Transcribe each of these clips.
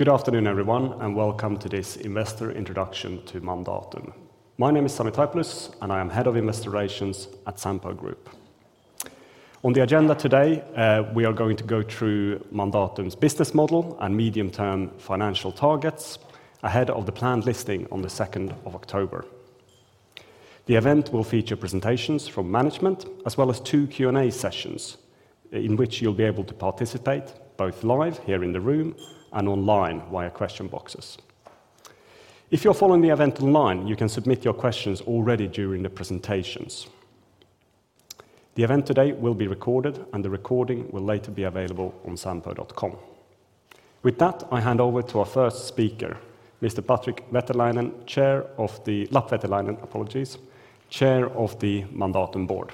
Good afternoon, everyone, and welcome to this investor introduction to Mandatum. My name is Sami Taipalus, and I am Head of Investor Relations at Sampo Group. On the agenda today, we are going to go through Mandatum's business model and medium-term financial targets ahead of the planned listing on the second of October. The event will feature presentations from management, as well as two Q&A sessions, in which you'll be able to participate both live here in the room and online via question boxes. If you're following the event online, you can submit your questions already during the presentations. The event today will be recorded, and the recording will later be available on sampo.com. With that, I hand over to our first speaker, Mr. Patrick Lapveteläinen, Chair of the-- Lapveteläinen, apologies, Chair of the Mandatum Board.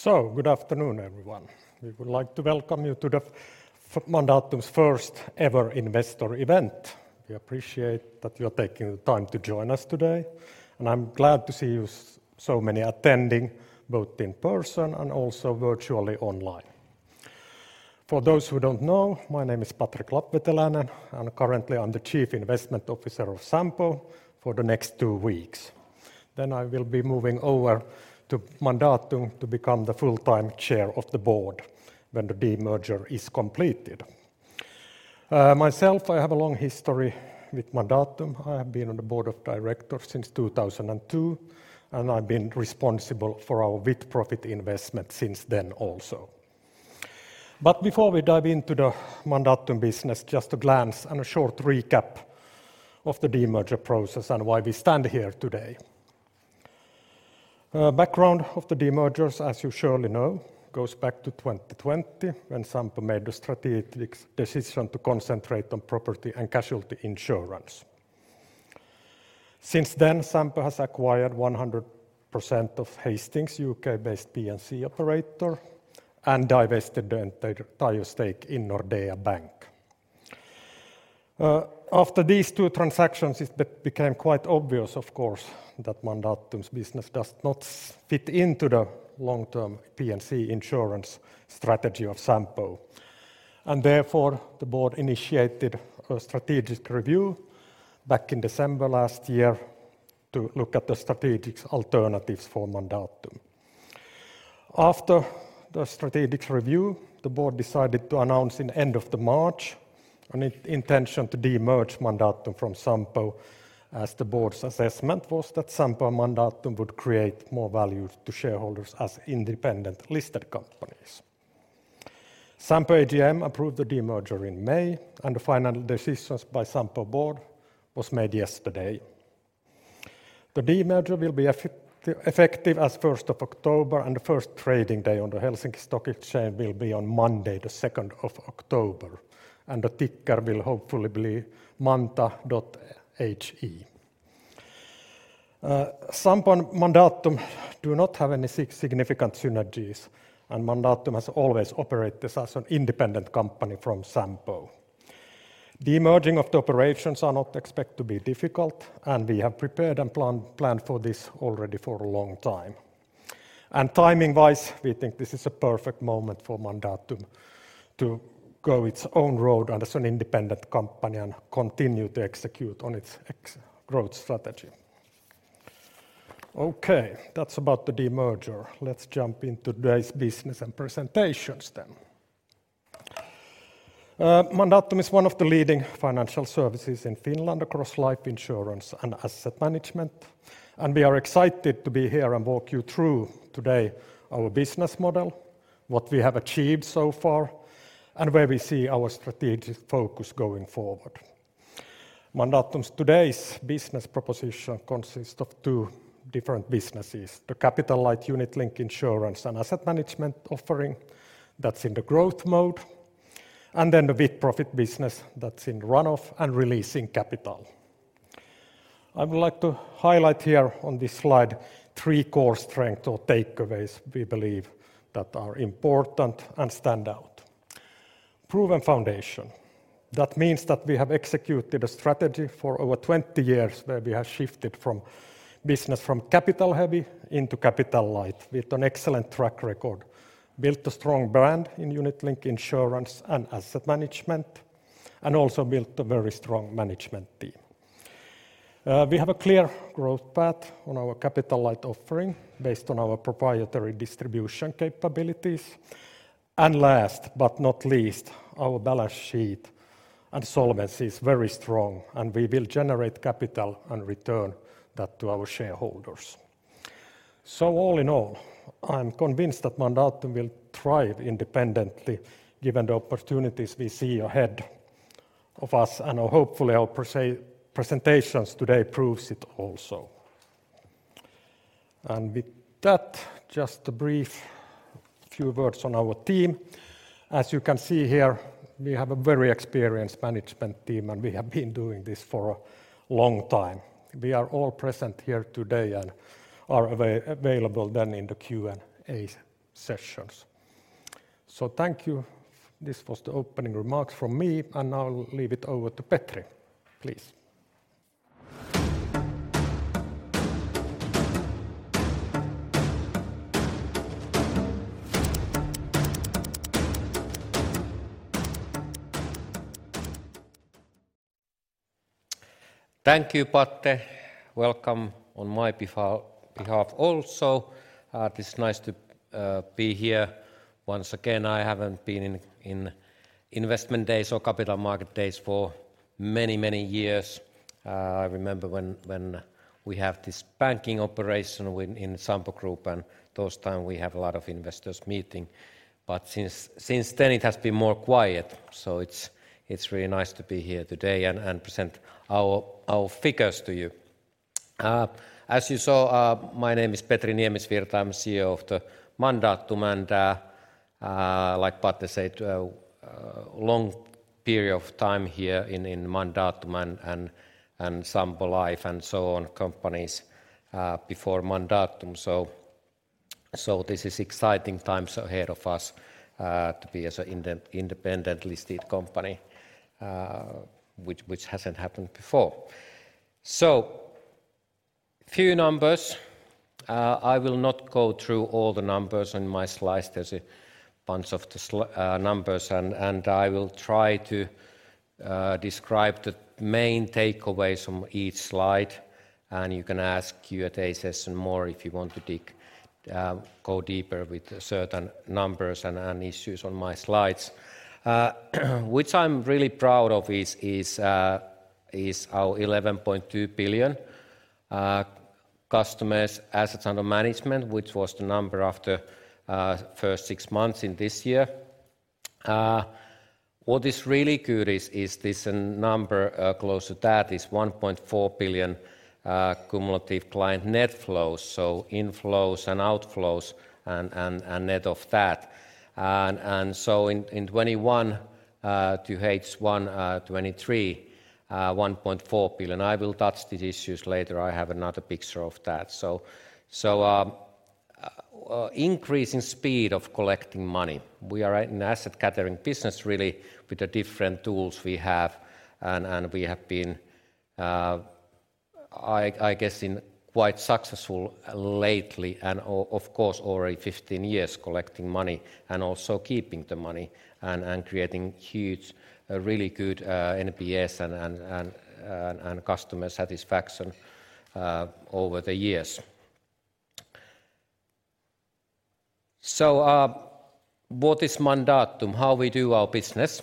So good afternoon, everyone. We would like to welcome you to the Mandatum's first ever investor event. We appreciate that you are taking the time to join us today, and I'm glad to see you so many attending, both in person and also virtually online. For those who don't know, my name is Patrick Lapveteläinen, and currently I'm the Chief Investment Officer of Sampo for the next two weeks. Then I will be moving over to Mandatum to become the full-time Chair of the Board when the demerger is completed. Myself, I have a long history with Mandatum. I have been on the Board of Directors since 2002, and I've been responsible for our with-profit investment since then also. But before we dive into the Mandatum business, just a glance and a short recap of the demerger process and why we stand here today. Background of the demergers, as you surely know, goes back to 2020, when Sampo made a strategic decision to concentrate on property and casualty insurance. Since then, Sampo has acquired 100% of Hastings, U.K.-based P&C operator, and divested the entire stake in Nordea Bank. After these two transactions, it became quite obvious, of course, that Mandatum's business does not fit into the long-term P&C insurance strategy of Sampo, and therefore, the board initiated a strategic review back in December last year to look at the strategic alternatives for Mandatum. After the strategic review, the board decided to announce in end of the March an intention to demerge Mandatum from Sampo, as the board's assessment was that Sampo and Mandatum would create more value to shareholders as independent-listed companies. Sampo AGM approved the demerger in May, and the final decisions by Sampo Board was made yesterday. The demerger will be effective as of the first of October, and the first trading day on the Helsinki Stock Exchange will be on Monday, the second of October, and the ticker will hopefully be Mandatum.HE. Sampo and Mandatum do not have any significant synergies, and Mandatum has always operated as an independent company from Sampo. Demerging of the operations are not expected to be difficult, and we have prepared and planned for this already for a long time. Timing-wise, we think this is a perfect moment for Mandatum to go its own road as an independent company and continue to execute on its growth strategy. Okay, that's about the demerger. Let's jump into today's business and presentations then. Mandatum is one of the leading financial services in Finland across life insurance and asset management, and we are excited to be here and walk you through today our business model, what we have achieved so far, and where we see our strategic focus going forward. Mandatum's today's business proposition consists of two different businesses: the capital-light unit-linked insurance and asset management offering that's in the growth mode, and then the with-profit business that's in run-off and releasing capital. I would like to highlight here on this slide three core strengths or takeaways we believe that are important and stand out. Proven foundation. That means that we have executed a strategy for over 20 years, where we have shifted from business from capital heavy into capital light with an excellent track record, built a strong brand in unit-linked insurance and asset management, and also built a very strong management team. We have a clear growth path on our capital light offering based on our proprietary distribution capabilities. And last, but not least, our balance sheet and solvency is very strong, and we will generate capital and return that to our shareholders. So all in all, I'm convinced that Mandatum will thrive independently, given the opportunities we see ahead of us, and hopefully, our presentations today proves it also. And with that, just a brief few words on our team. As you can see here, we have a very experienced management team, and we have been doing this for a long time. We are all present here today and are available then in the Q&A sessions. So thank you. This was the opening remarks from me, and I'll leave it over to Petri, please. ... Thank you, Patte. Welcome on my behalf also. It is nice to be here once again. I haven't been in investment days or capital market days for many, many years. I remember when we have this banking operation within Sampo Group, and those time we have a lot of investors meeting. But since then it has been more quiet, so it's really nice to be here today and present our figures to you. As you saw, my name is Petri Niemisvirta. I'm CEO of the Mandatum, and, like Patte said, long period of time here in Mandatum and Sampo Life, and so on, companies, before Mandatum. So this is exciting times ahead of us to be as an independently listed company, which hasn't happened before. Few numbers. I will not go through all the numbers on my slides. There's a bunch of the slide numbers, and I will try to describe the main takeaways from each slide, and you can ask more in the Q&A session if you want to dig deeper with certain numbers and issues on my slides. Which I'm really proud of is our 11.2 billion customer assets under management, which was the number after the first six months in this year. What is really good is this number close to that, 1.4 billion cumulative client net flows, so inflows and outflows, and net of that. And so in 2021 to H1 2023, 1.4 billion. I will touch these issues later. I have another picture of that. Increasing speed of collecting money. We are an asset-gathering business, really, with the different tools we have, and we have been, I guess in quite successful lately, and of course already 15 years collecting money and also keeping the money, and creating huge really good NPS and customer satisfaction over the years. What is Mandatum? How we do our business?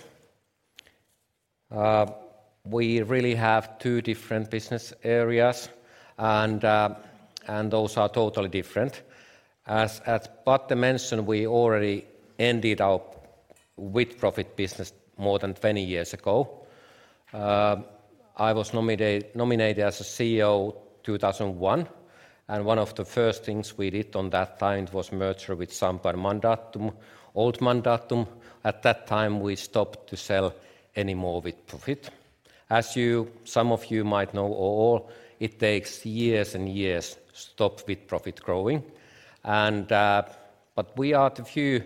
We really have two different business areas, and those are totally different. As Patte mentioned, we already ended our with-profit business more than 20 years ago. I was nominated as a CEO, 2001, and one of the first things we did on that time was merger with Sampo Mandatum, old Mandatum. At that time, we stopped to sell any more with-profit. As some of you might know or all, it takes years and years to stop with-profit growing, and, but we are the few,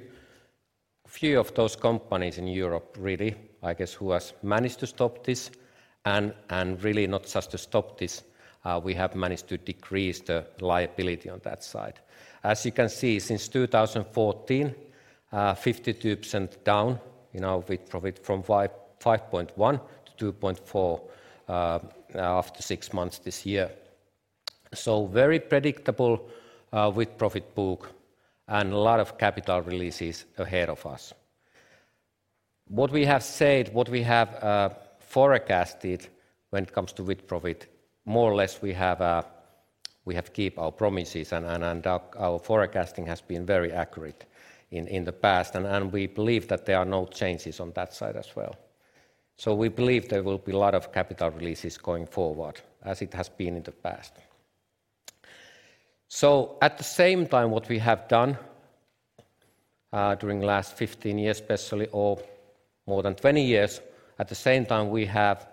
few of those companies in Europe, really, I guess, who has managed to stop this, and, and really not just to stop this, we have managed to decrease the liability on that side. As you can see, since 2014, 52% down in our with-profit from 5.1 billion to 2.4 billion, after six months this year. So very predictable, with-profit book, and a lot of capital releases ahead of us. What we have said, what we have forecasted when it comes to with-profit, more or less, we have keep our promises, and our forecasting has been very accurate in the past, and we believe that there are no changes on that side as well. So we believe there will be a lot of capital releases going forward, as it has been in the past. So at the same time, what we have done during the last 15 years especially, or more than 20 years, at the same time, we have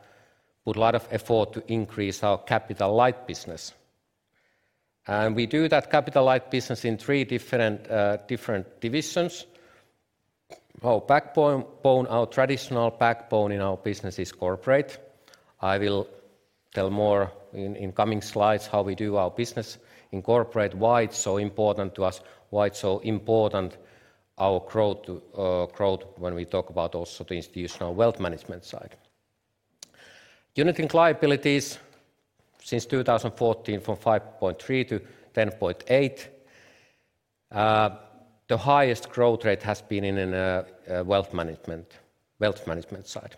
put a lot of effort to increase our capital-light business. And we do that capital-light business in three different divisions. Our backbone, our traditional backbone in our business is corporate. I will tell more in coming slides how we do our business in corporate, why it's so important to us, why it's so important our growth, growth, when we talk about also the institutional wealth management side. Unit-linked liabilities, since 2014, from 5.3 to 10.8. The highest growth rate has been in wealth management, wealth management side.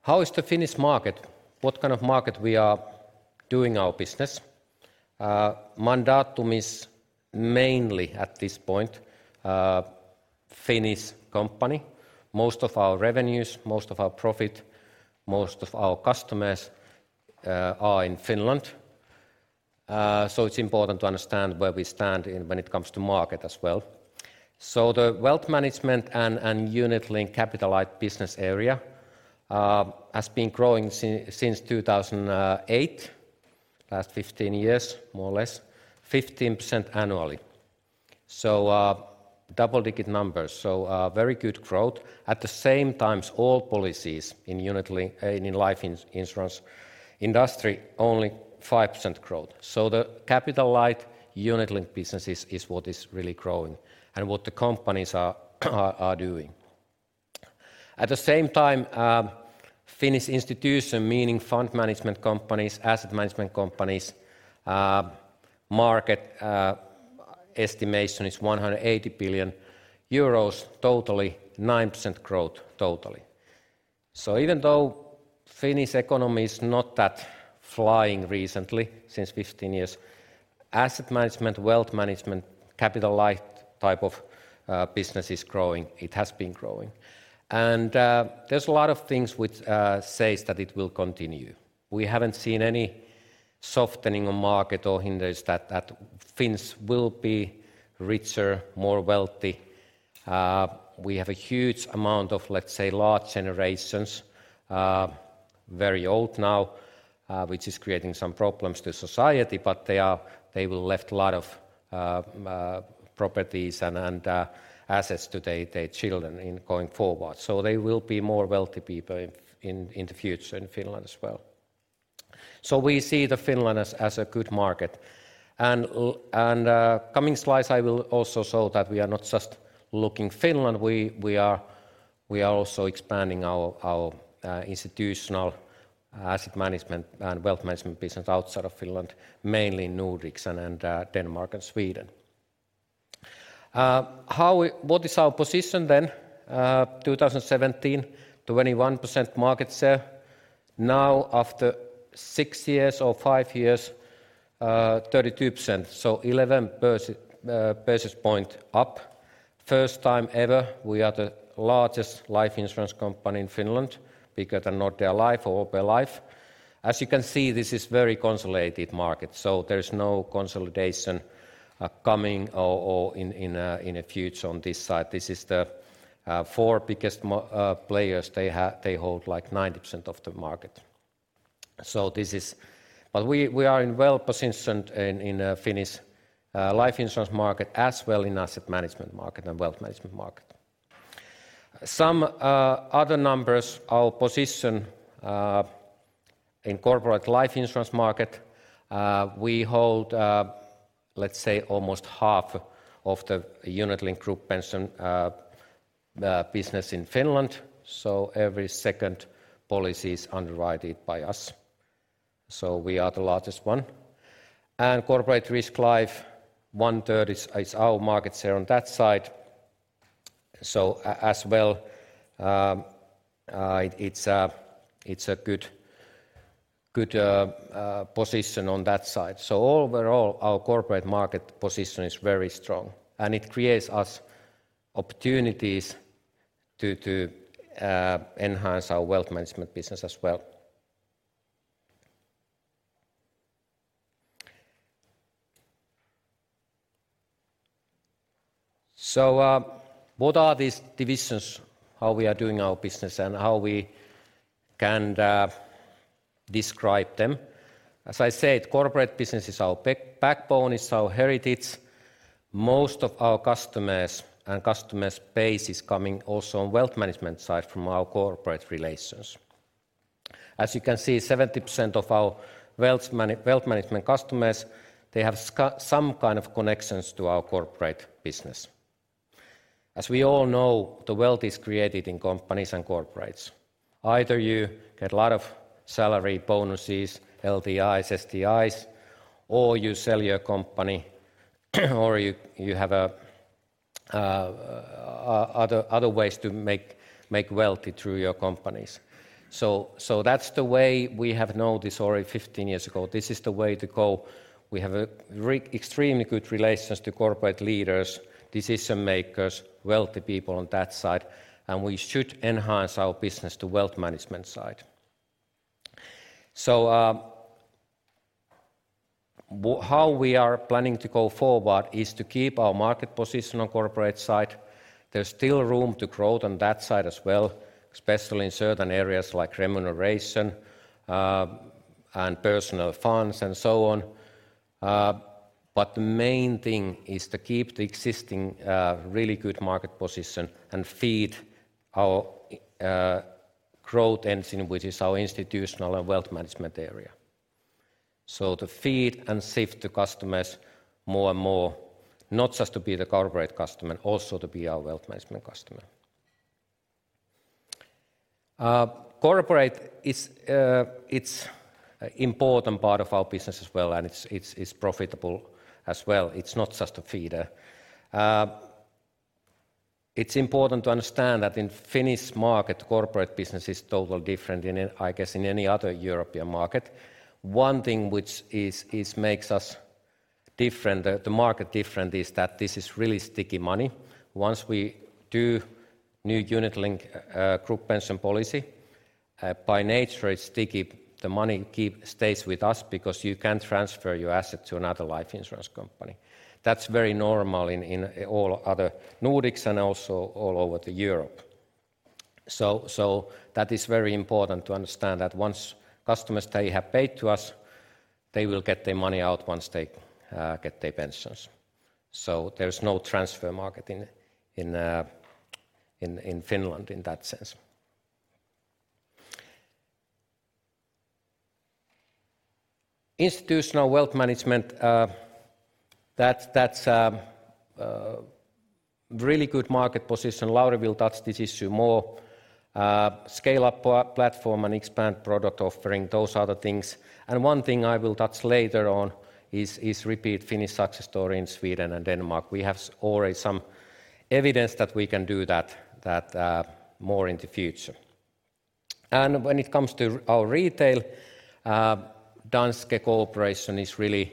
How is the Finnish market? What kind of market we are doing our business? Mandatum is mainly, at this point, Finnish company. Most of our revenues, most of our profit, most of our customers are in Finland. So it's important to understand where we stand in when it comes to market as well. So the wealth management and unit-linked capital light business area has been growing since 2008.... Last 15 years, more or less, 15% annually. So, double-digit numbers, so, very good growth. At the same time, all policies in unit-linked, in life insurance industry, only 5% growth. So the capital-light unit-linked business is what is really growing and what the companies are doing. At the same time, Finnish institution, meaning fund management companies, asset management companies, market, estimation is 180 billion euros, totally 9% growth totally. So even though Finnish economy is not that flying recently, since 15 years, asset management, wealth management, capital-light type of, business is growing. It has been growing. And, there's a lot of things which, says that it will continue. We haven't seen any softening on market or indicators that Finns will be richer, more wealthy. We have a huge amount of, let's say, large generations, very old now, which is creating some problems to society, but they will leave a lot of properties and assets to their children in going forward. So there will be more wealthy people in the future in Finland as well. So we see the Finland as a good market. And coming slides, I will also show that we are not just looking Finland, we are also expanding our institutional asset management and wealth management business outside of Finland, mainly Nordics and Denmark and Sweden. What is our position then? 2017, 21% market share. Now, after six years or five years, 32%, so 11 percentage points up. First time ever, we are the largest life insurance company in Finland, bigger than Nordea Life or OP Life. As you can see, this is very consolidated market, so there is no consolidation, coming or in the future on this side. This is the four biggest players. They hold, like, 90% of the market. So this is... But we are well positioned in Finnish life insurance market, as well in asset management market and wealth management market. Some other numbers, our position in corporate life insurance market, we hold, let's say, almost half of the unit-linked group pension business in Finland, so every second policy is underwritten by us. So we are the largest one. And corporate risk life, one-third is our market share on that side. So as well, it's a good position on that side. So overall, our corporate market position is very strong, and it creates us opportunities to enhance our wealth management business as well. So, what are these divisions, how we are doing our business, and how we can describe them? As I said, corporate business is our backbone, it's our heritage. Most of our customers and customer base is coming also on wealth management side from our corporate relations. As you can see, 70% of our wealth management customers, they have some kind of connections to our corporate business. As we all know, the wealth is created in companies and corporates. Either you get a lot of salary, bonuses, LTI, STIs, or you sell your company, or you have other ways to make wealthy through your companies. So that's the way we have known this already 15 years ago. This is the way to go. We have extremely good relations to corporate leaders, decision-makers, wealthy people on that side, and we should enhance our business to wealth management side. So how we are planning to go forward is to keep our market position on corporate side. There's still room to grow on that side as well, especially in certain areas like remuneration and personal funds, and so on. But the main thing is to keep the existing really good market position and feed our growth engine, which is our institutional and wealth management area. So to feed and shift the customers more and more, not just to be the corporate customer, also to be our wealth management customer. Corporate is, it's an important part of our business as well, and it's profitable as well. It's not just a feeder. It's important to understand that in the Finnish market, corporate business is totally different in, I guess, any other European market. One thing which makes us different, the market different, is that this is really sticky money. Once we do new unit-linked group pension policy, by nature, it's sticky. The money stays with us because you can't transfer your asset to another life insurance company. That's very normal in all other Nordics and also all over Europe. So that is very important to understand that once customers, they have paid to us, they will get their money out once they get their pensions. So there's no transfer market in Finland in that sense. Institutional wealth management, that's really good market position. Lauri will touch this issue more. Scale up platform and expand product offering, those are the things. And one thing I will touch later on is repeat Finnish success story in Sweden and Denmark. We have already some evidence that we can do that, more in the future. When it comes to our retail, Danske cooperation is really,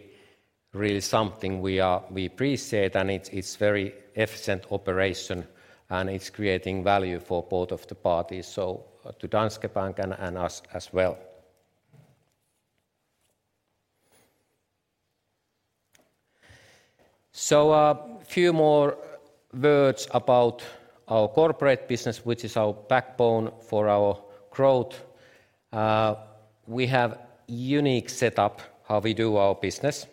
really something we appreciate, and it's very efficient operation, and it's creating value for both of the parties, so to Danske Bank and us as well. So, few more words about our corporate business, which is our backbone for our growth. We have unique setup how we do our business.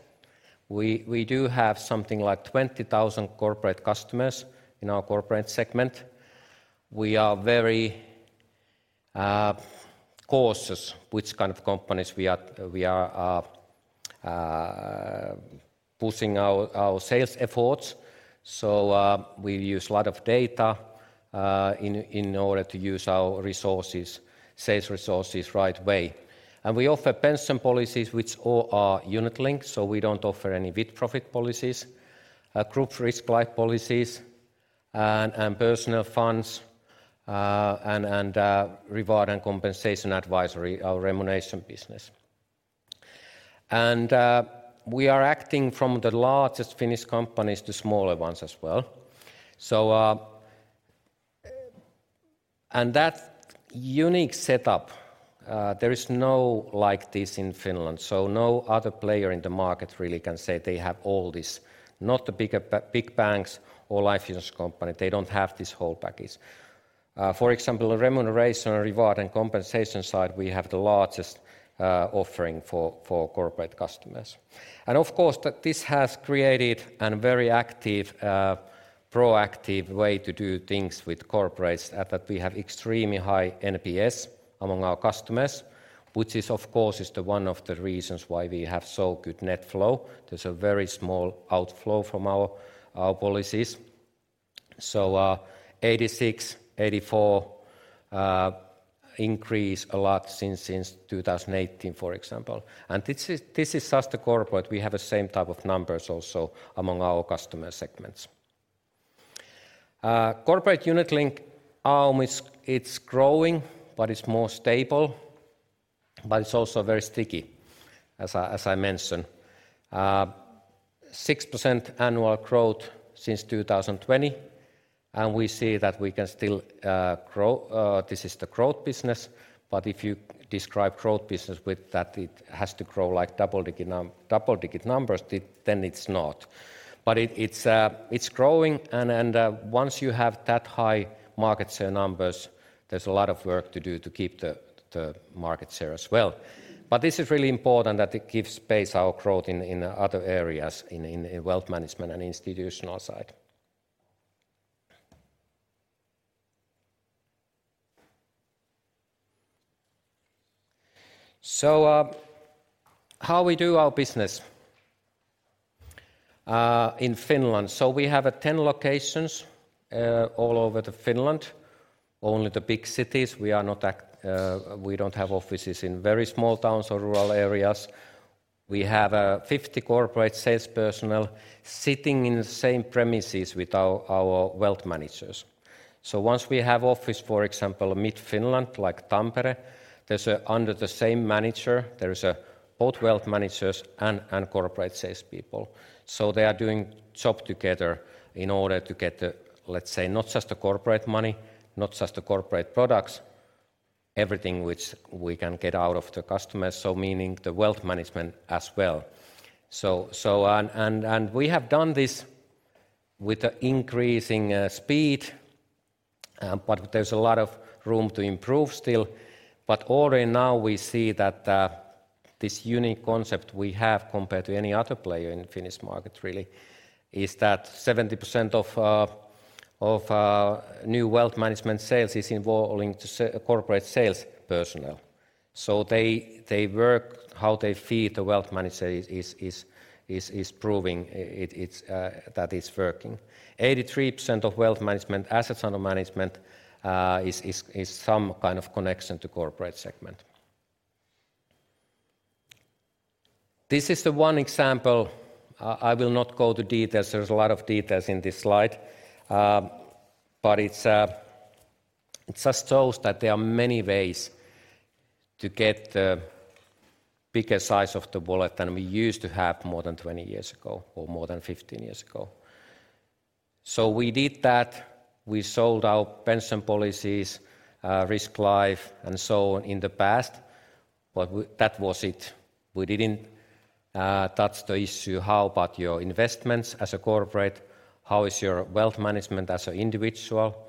We do have something like 20,000 corporate customers in our corporate segment. We are very cautious which kind of companies we are pushing our sales efforts. So, we use a lot of data in order to use our resources, sales resources, right way. And we offer pension policies which all are unit-linked, so we don't offer any with-profit policies, group risk life policies, and personal funds, and reward and compensation advisory, our remuneration business. And we are acting from the largest Finnish companies to smaller ones as well. So and that unique setup, there is no like this in Finland, so no other player in the market really can say they have all this. Not the bigger big banks or life insurance company, they don't have this whole package. For example, the remuneration, reward, and compensation side, we have the largest offering for corporate customers. Of course, this has created a very active, proactive way to do things with corporates, that we have extremely high NPS among our customers, which is, of course, one of the reasons why we have so good net flow. There's a very small outflow from our policies. So, 86%, 84%, increase a lot since 2018, for example. And this is just the corporate. We have the same type of numbers also among our customer segments. Corporate unit-linked AUM is growing, but it's more stable, but it's also very sticky, as I mentioned. 6% annual growth since 2020, and we see that we can still grow. This is the growth business, but if you describe growth business with that, it has to grow like double-digit numbers, then it's not. But it's growing, and once you have that high market share numbers, there's a lot of work to do to keep the market share as well. But this is really important that it gives space our growth in other areas, in wealth management and institutional side. So, how we do our business in Finland? So we have 10 locations all over the Finland, only the big cities. We don't have offices in very small towns or rural areas. We have 50 corporate sales personnel sitting in the same premises with our wealth managers. So once we have office, for example, mid-Finland, like Tampere, there's under the same manager there is both wealth managers and corporate sales people. So they are doing job together in order to get the, let's say, not just the corporate money, not just the corporate products, everything which we can get out of the customers, so meaning the wealth management as well. So, and, and we have done this with the increasing speed, but there's a lot of room to improve still. But already now we see that this unique concept we have, compared to any other player in the Finnish market, really, is that 70% of new wealth management sales is involving the corporate sales personnel. So they work how they feed the wealth manager is proving it that it's working. 83% of wealth management assets under management is some kind of connection to corporate segment. This is one example. I will not go to details. There's a lot of details in this slide. But it just shows that there are many ways to get the bigger size of the wallet than we used to have more than 20 years ago or more than 15 years ago. So we did that. We sold our pension policies, risk life, and so on in the past, but that was it. We didn't... that's the issue. How about your investments as a corporate? How is your wealth management as an individual,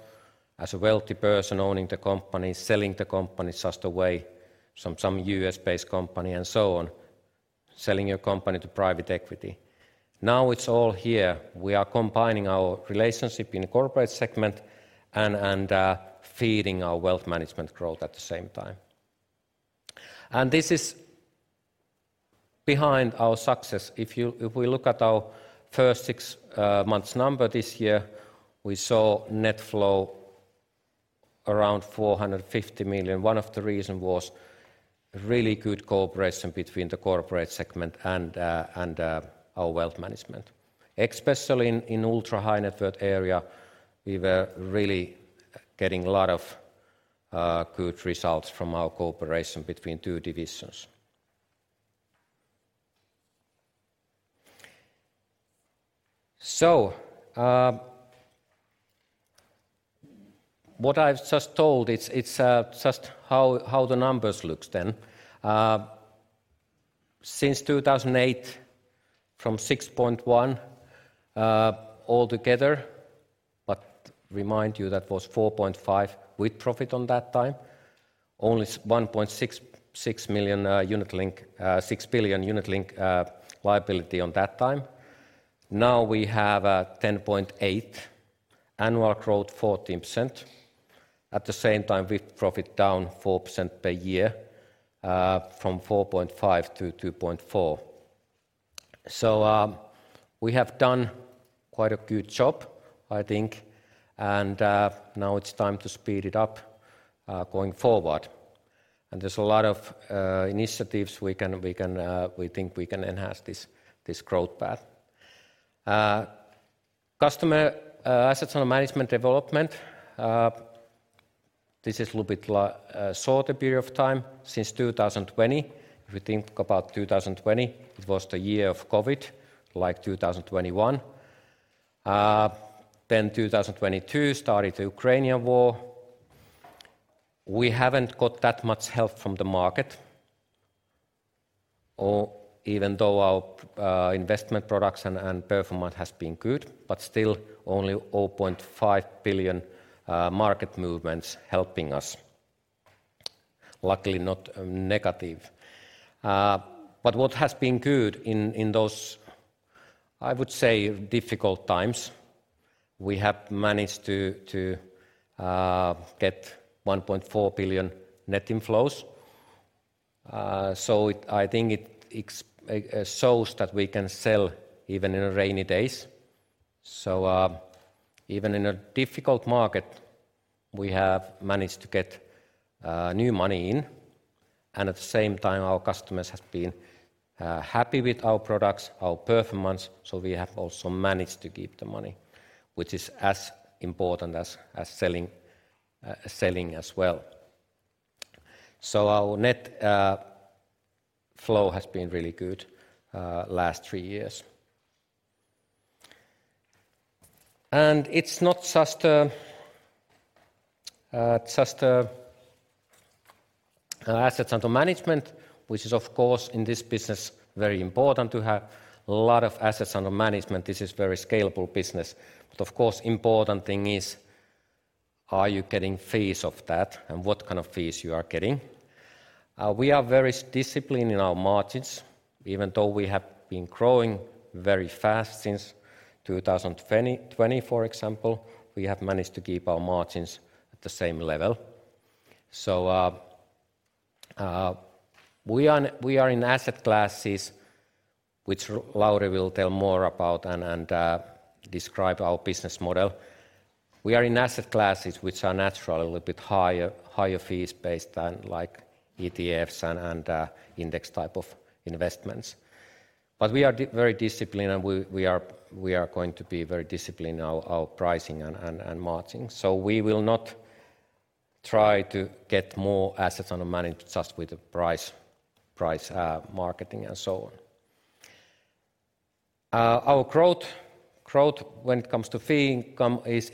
as a wealthy person owning the company, selling the company just away from some US-based company, and so on, selling your company to private equity? Now, it's all here. We are combining our relationship in the corporate segment and feeding our wealth management growth at the same time. This is behind our success. If we look at our first six months number this year, we saw net flow around 450 million. One of the reason was really good cooperation between the corporate segment and our wealth management. Especially in ultra-high-net-worth area, we were really getting a lot of good results from our cooperation between two divisions. What I've just told, it's just how the numbers looks then. Since 2008, from 6.1 billion altogether, but remind you, that was 4.5 billion with profit on that time. Only 1.66 million unit-linked, six billion unit-linked liability on that time. Now, we have 10.8 billion, annual growth 14%. At the same time, with profit down 4% per year, from 4.5 billion to 2.4 billion. So, we have done quite a good job, I think, and now it's time to speed it up going forward. And there's a lot of initiatives we can, we can, we think we can enhance this, this growth path. Customer assets under management development, this is a little bit shorter period of time, since 2020. If we think about 2020, it was the year of COVID, like 2021. Then 2022 started the Ukrainian war. We haven't got that much help from the market, or even though our investment products and performance has been good, but still only 0.5 billion market movements helping us. Luckily, not negative. But what has been good in those, I would say, difficult times, we have managed to get 1.4 billion net inflows. So it, I think it shows that we can sell even in rainy days. So, even in a difficult market, we have managed to get new money in, and at the same time, our customers have been happy with our products, our performance, so we have also managed to keep the money, which is as important as, as selling, selling as well. So our net flow has been really good last three years. And it's not just, just, assets under management, which is, of course, in this business, very important to have a lot of assets under management. This is very scalable business, but of course, important thing is, are you getting fees of that, and what kind of fees you are getting? We are very disciplined in our margins. Even though we have been growing very fast since 2020, for example, we have managed to keep our margins at the same level. So, we are in asset classes, which Lauri will tell more about and describe our business model. We are in asset classes which are naturally a little bit higher fees-based than, like, ETFs and index type of investments. But we are very disciplined, and we are going to be very disciplined in our pricing and margins. So we will not try to get more assets under management just with the price marketing and so on. Our growth, when it comes to fee income, is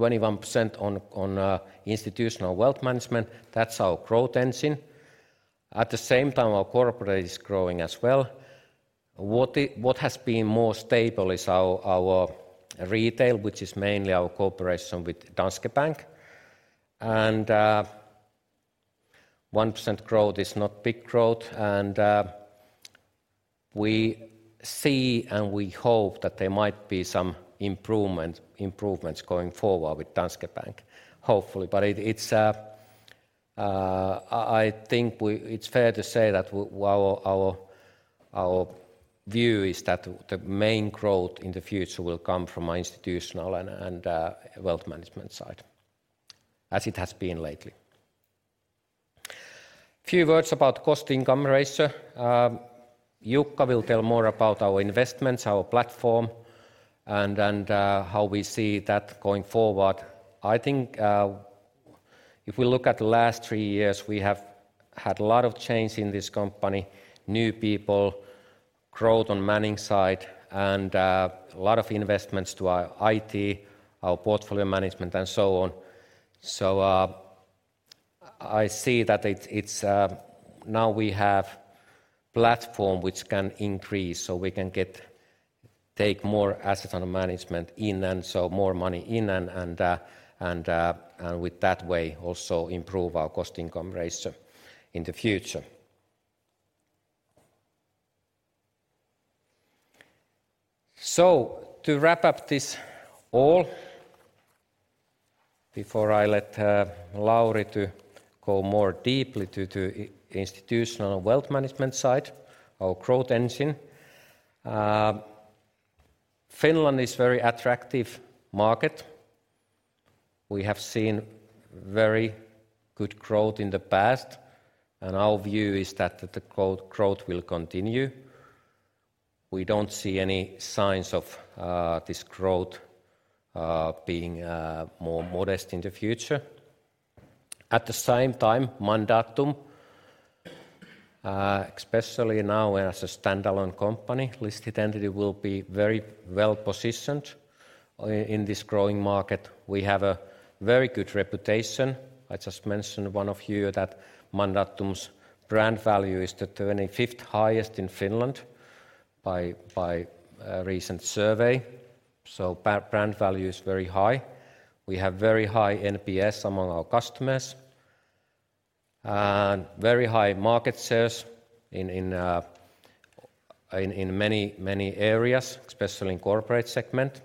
21% on institutional wealth management. That's our growth engine. At the same time, our corporate is growing as well. What has been more stable is our retail, which is mainly our cooperation with Danske Bank. And 1% growth is not big growth, and we see and we hope that there might be some improvement, improvements going forward with Danske Bank, hopefully. But it's fair to say that our view is that the main growth in the future will come from our institutional and wealth management side, as it has been lately. A few words about cost-income ratio. Jukka will tell more about our investments, our platform, and how we see that going forward. I think if we look at the last three years, we have had a lot of change in this company, new people-... Growth on Mandatum side and a lot of investments to our IT, our portfolio management, and so on. So, I see that it's now we have platform which can increase, so we can take more assets under management in, and so more money in and with that way also improve our cost-income ratio in the future. So to wrap up this all, before I let Lauri to go more deeply to the institutional wealth management side, our growth engine. Finland is very attractive market. We have seen very good growth in the past, and our view is that the growth will continue. We don't see any signs of this growth being more modest in the future. At the same time, Mandatum, especially now as a standalone company, listed entity will be very well-positioned in this growing market. We have a very good reputation. I just mentioned one of you that Mandatum's brand value is the 25th highest in Finland by a recent survey, so brand value is very high. We have very high NPS among our customers, and very high market shares in many areas, especially in corporate segment.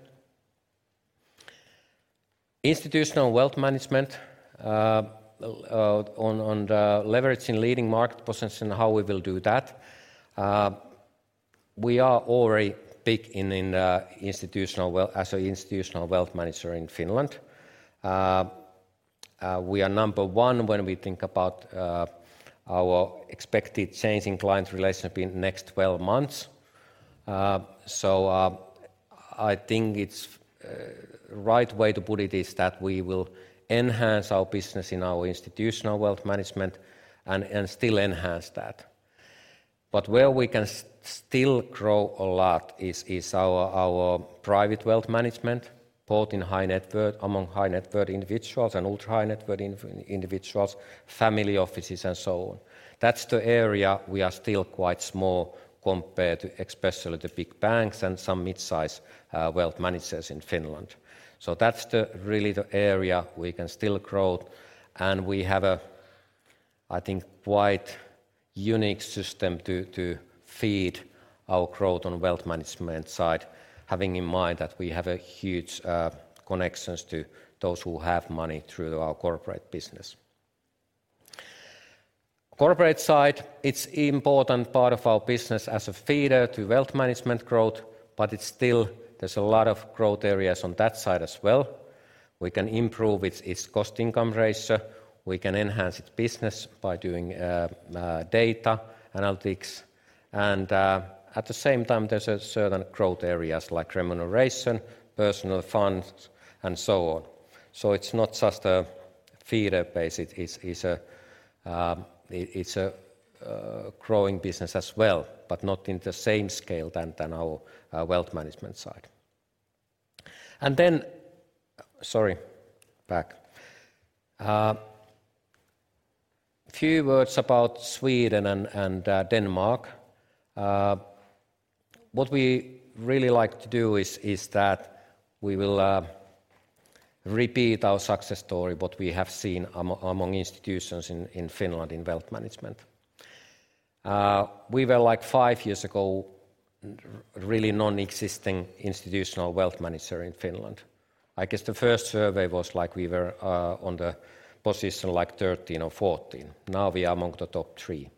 Institutional wealth management, on the leveraging leading market position, how we will do that? We are already big in institutional wealth as an institutional wealth manager in Finland. We are number one when we think about our expected change in client relationship in next 12 months. So, I think it's right way to put it is that we will enhance our business in our institutional wealth management and still enhance that. But where we can still grow a lot is our private wealth management, both among high net worth individuals and ultra-high net worth individuals, family offices, and so on. That's the area we are still quite small compared to especially the big banks and some mid-size wealth managers in Finland. So that's really the area we can still grow, and we have a, I think, quite unique system to feed our growth on wealth management side, having in mind that we have a huge connections to those who have money through our corporate business. Corporate side, it's important part of our business as a feeder to wealth management growth, but it's still, there's a lot of growth areas on that side as well. We can improve its cost-income ratio, we can enhance its business by doing data analytics, and at the same time, there's a certain growth areas like remuneration, personal funds, and so on. So it's not just a feeder base, it's a growing business as well, but not in the same scale than our wealth management side. And then... Sorry, back. Few words about Sweden and Denmark. What we really like to do is that we will repeat our success story, what we have seen among institutions in Finland in wealth management. We were, like five years ago, really non-existing institutional wealth manager in Finland. I guess the first survey was like we were on the position, like 13 or 14. Now, we are among the top three.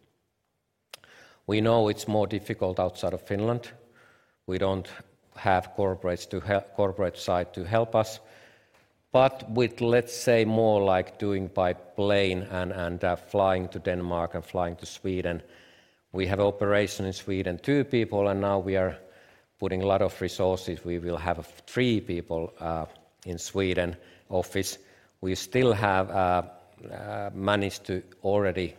We know it's more difficult outside of Finland. We don't have corporates to corporate side to help us, but with, let's say, more like doing by plane and flying to Denmark and flying to Sweden, we have operation in Sweden, 2 people, and now we are putting a lot of resources. We will have 3 people in Sweden office. We still have managed to already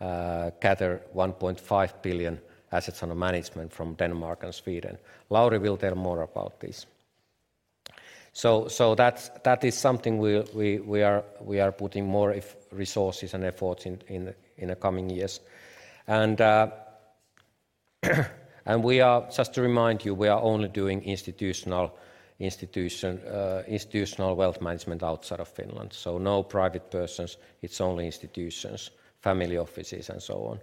gather 1.5 billion assets under management from Denmark and Sweden. Lauri will tell more about this. So that's something we are putting more resources and efforts in the coming years. And we are, just to remind you, only doing institutional wealth management outside of Finland. So no private persons, it's only institutions, family offices, and so on.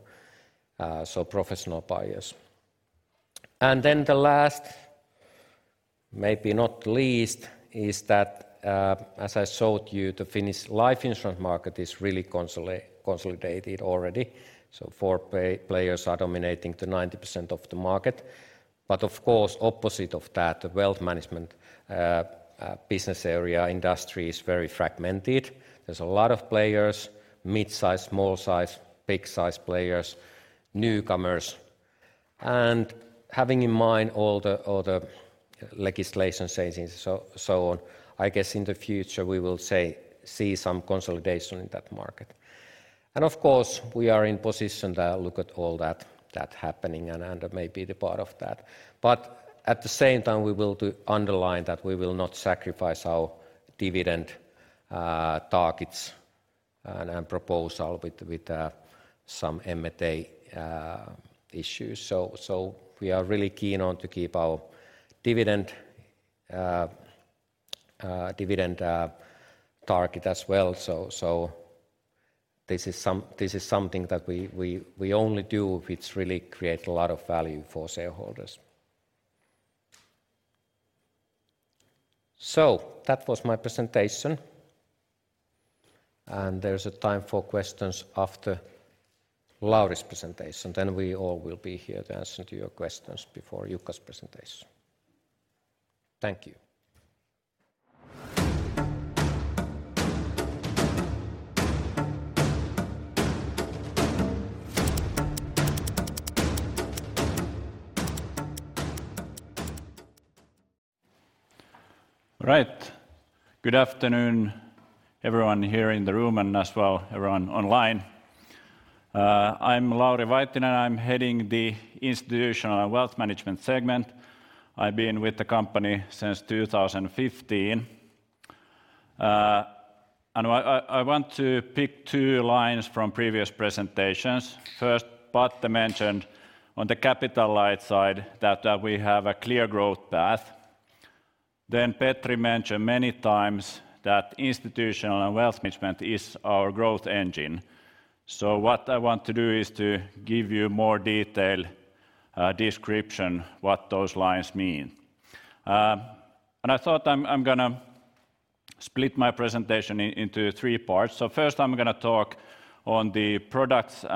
So professional buyers. And then the last, maybe not least, is that as I showed you, the Finnish life insurance market is really consolidated already, so four players are dominating the 90% of the market. But of course, opposite of that, the wealth management business area industry is very fragmented. There's a lot of players, mid-size, small-size, big-size players, newcomers. Having in mind all the legislation changes, so on, I guess in the future, we will see some consolidation in that market. And of course, we are in position to look at all that happening, and may be the part of that. But at the same time, we will to underline that we will not sacrifice our dividend targets and proposal with some M&A issues. So we are really keen on to keep our dividend target as well. So this is something that we only do if it's really create a lot of value for shareholders. So that was my presentation, and there's a time for questions after Lauri's presentation. Then we all will be here to answer to your questions before Jukka's presentation. Thank you. All right. Good afternoon, everyone here in the room, and as well, everyone online. I'm Lauri Vaittinen, and I'm heading the Institutional and Wealth Management segment. I've been with the company since 2015. And I want to pick two lines from previous presentations. First, Patte mentioned on the capital light side that we have a clear growth path. Then Petri mentioned many times that institutional and wealth management is our growth engine. So what I want to do is to give you more detail description what those lines mean. And I thought I'm gonna split my presentation into three parts. So first, I'm gonna talk on the products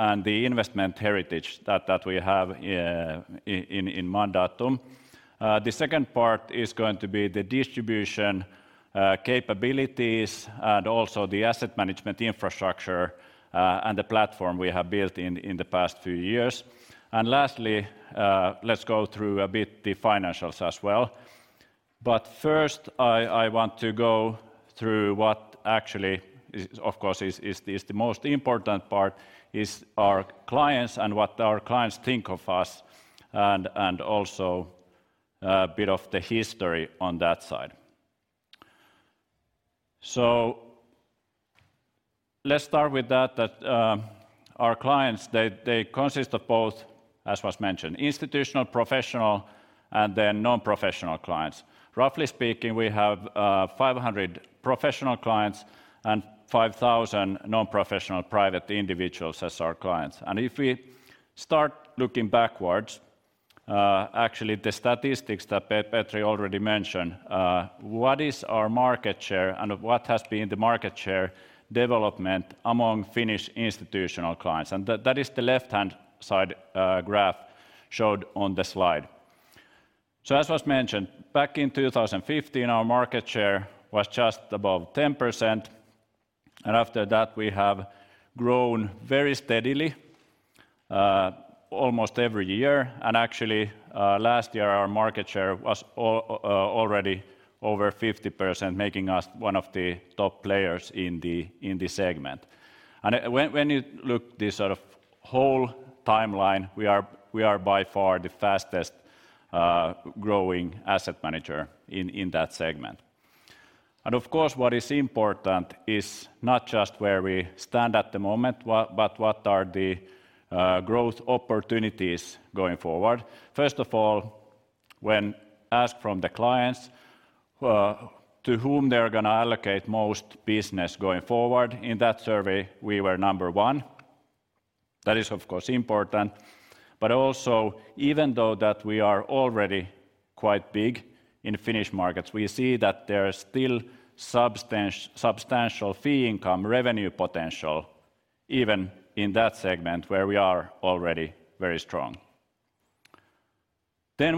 and the investment heritage that we have in Mandatum. The second part is going to be the distribution capabilities, and also the asset management infrastructure, and the platform we have built in the past few years. Lastly, let's go through a bit the financials as well. But first, I want to go through what actually is, of course, the most important part, our clients and what our clients think of us, and also a bit of the history on that side. So let's start with that, our clients. They consist of both, as was mentioned, institutional, professional, and then non-professional clients. Roughly speaking, we have 500 professional clients and 5,000 non-professional private individuals as our clients. If we start looking backwards, actually, the statistics that Petri already mentioned, what is our market share, and what has been the market share development among Finnish institutional clients? That is the left-hand side graph showed on the slide. So as was mentioned, back in 2015, our market share was just above 10%, and after that, we have grown very steadily, almost every year. And actually, last year, our market share was already over 50%, making us one of the top players in the segment. And when you look this sort of whole timeline, we are by far the fastest growing asset manager in that segment. And of course, what is important is not just where we stand at the moment, what... But what are the growth opportunities going forward? First of all, when asked from the clients to whom they're gonna allocate most business going forward, in that survey, we were number one. That is, of course, important. But also, even though that we are already quite big in Finnish markets, we see that there is still substantial fee income, revenue potential, even in that segment where we are already very strong. Then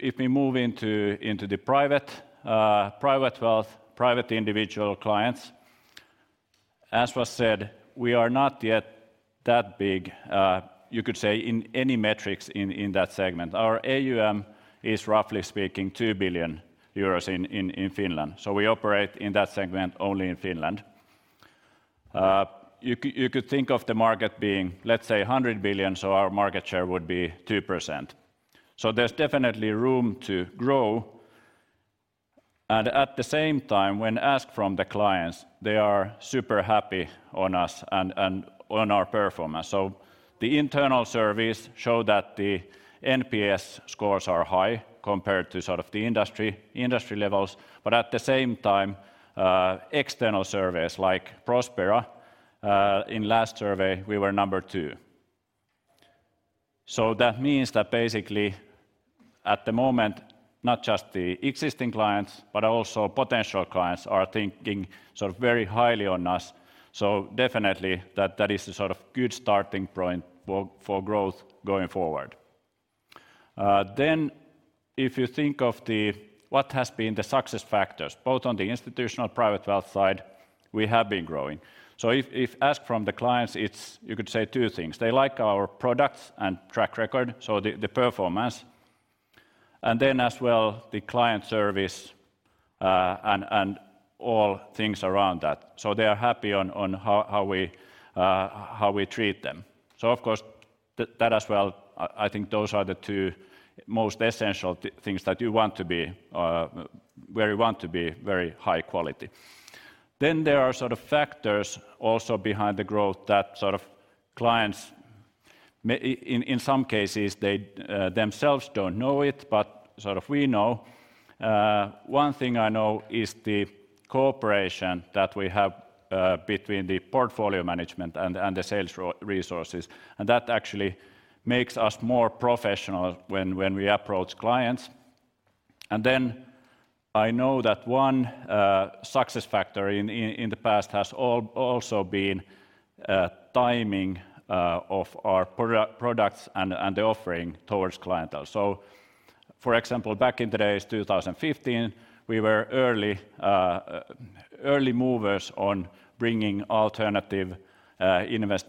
if we move into the private private wealth, private individual clients, as was said, we are not yet that big, you could say, in any metrics in that segment. Our AUM is, roughly speaking, 2 billion euros in Finland, so we operate in that segment only in Finland. You could think of the market being, let's say, 100 billion, so our market share would be 2%. So there's definitely room to grow, and at the same time, when asked from the clients, they are super happy on us and on our performance. So the internal surveys show that the NPS scores are high compared to sort of the industry levels, but at the same time, external surveys, like Prospera, in last survey, we were number two. So that means that basically, at the moment, not just the existing clients, but also potential clients are thinking sort of very highly on us. So definitely, that is a sort of good starting point for growth going forward. Then if you think of the... What has been the success factors, both on the institutional private wealth side, we have been growing. So if asked from the clients, it's, you could say two things: They like our products and track record, so the performance... And then as well, the client service and all things around that. So they are happy on how we treat them. So of course, that as well, I think those are the two most essential things that you want to be where you want to be very high quality. Then there are sort of factors also behind the growth that sort of clients may, in some cases, they themselves don't know it, but sort of we know. One thing I know is the cooperation that we have between the portfolio management and the sales resources, and that actually makes us more professional when we approach clients. Then I know that one success factor in the past has also been timing of our products and the offering towards clientele. So for example, back in the days, 2015, we were early movers on bringing alternative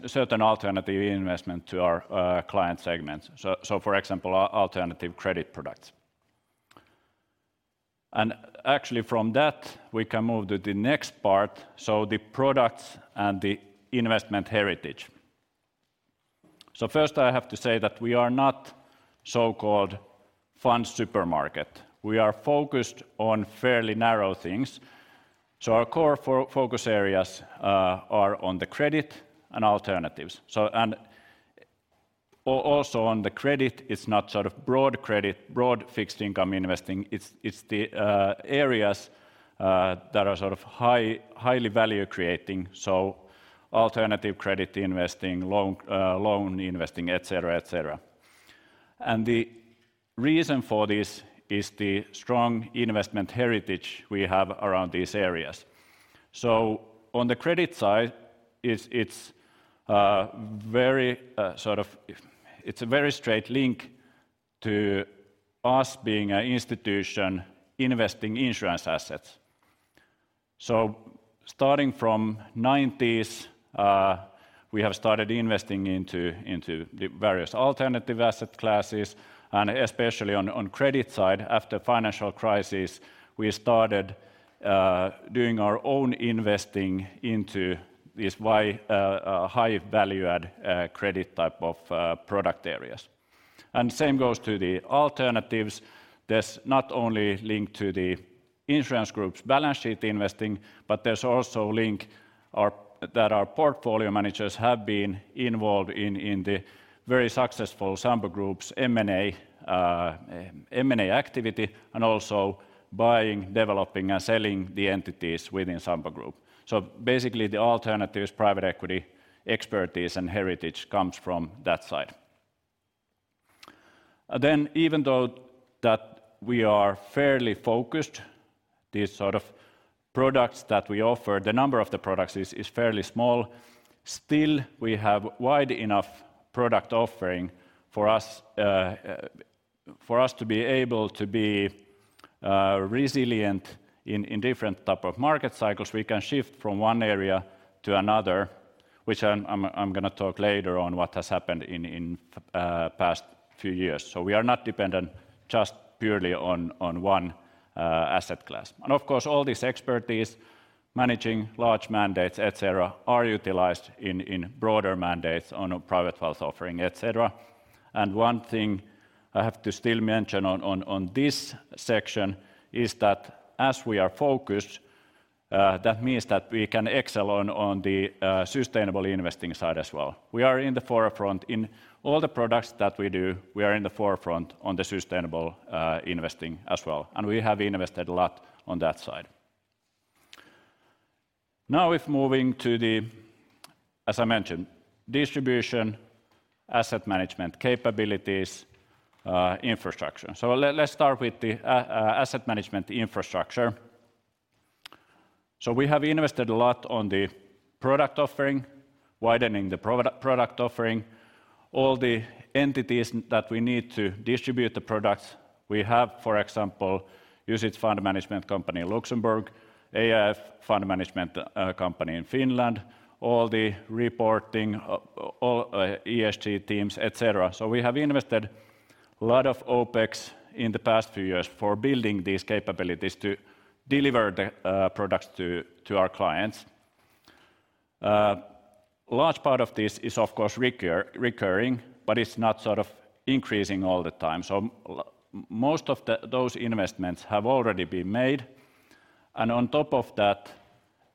certain alternative investment to our client segments. So for example, our alternative credit products. Actually from that, we can move to the next part, so the products and the investment heritage. So first, I have to say that we are not so-called fund supermarket. We are focused on fairly narrow things, so our core focus areas are on the credit and alternatives. So, and also on the credit, it's not sort of broad credit, broad fixed income investing, it's the areas that are sort of highly value creating, so alternative credit investing, loan investing, et cetera, et cetera. And the reason for this is the strong investment heritage we have around these areas. So on the credit side, it's very sort of. It's a very straight link to us being an institution investing insurance assets. So starting from the 1990s, we have started investing into the various alternative asset classes, and especially on the credit side, after the financial crisis, we started doing our own investing into these high-yield high value-add credit type of product areas. And same goes to the alternatives. There's not only link to the insurance group's balance sheet investing, but there's also link our that our portfolio managers have been involved in the very successful Sampo Group's M&A, M&A activity, and also buying, developing, and selling the entities within Sampo Group. So basically, the alternatives, private equity, expertise, and heritage comes from that side. Even though that we are fairly focused, these sort of products that we offer, the number of the products is fairly small, still, we have wide enough product offering for us to be able to be resilient in different type of market cycles. We can shift from one area to another, which I'm gonna talk later on what has happened in past few years. So we are not dependent just purely on one asset class. And of course, all this expertise, managing large mandates, et cetera, are utilized in broader mandates on a private wealth offering, et cetera. And one thing I have to still mention on this section is that as we are focused, that means that we can excel on the sustainable investing side as well. We are in the forefront in all the products that we do. We are in the forefront on the sustainable investing as well, and we have invested a lot on that side. Now, if moving to the, as I mentioned, distribution, asset management capabilities, infrastructure. So let's start with the asset management infrastructure. So we have invested a lot on the product offering, widening the product offering, all the entities that we need to distribute the products. We have, for example, UCITS fund management company in Luxembourg, AIF fund management company in Finland, all the reporting, ESG teams, et cetera. So we have invested a lot of OpEx in the past few years for building these capabilities to deliver the products to our clients. A large part of this is of course recurring, but it's not sort of increasing all the time. So most of the, those investments have already been made, and on top of that,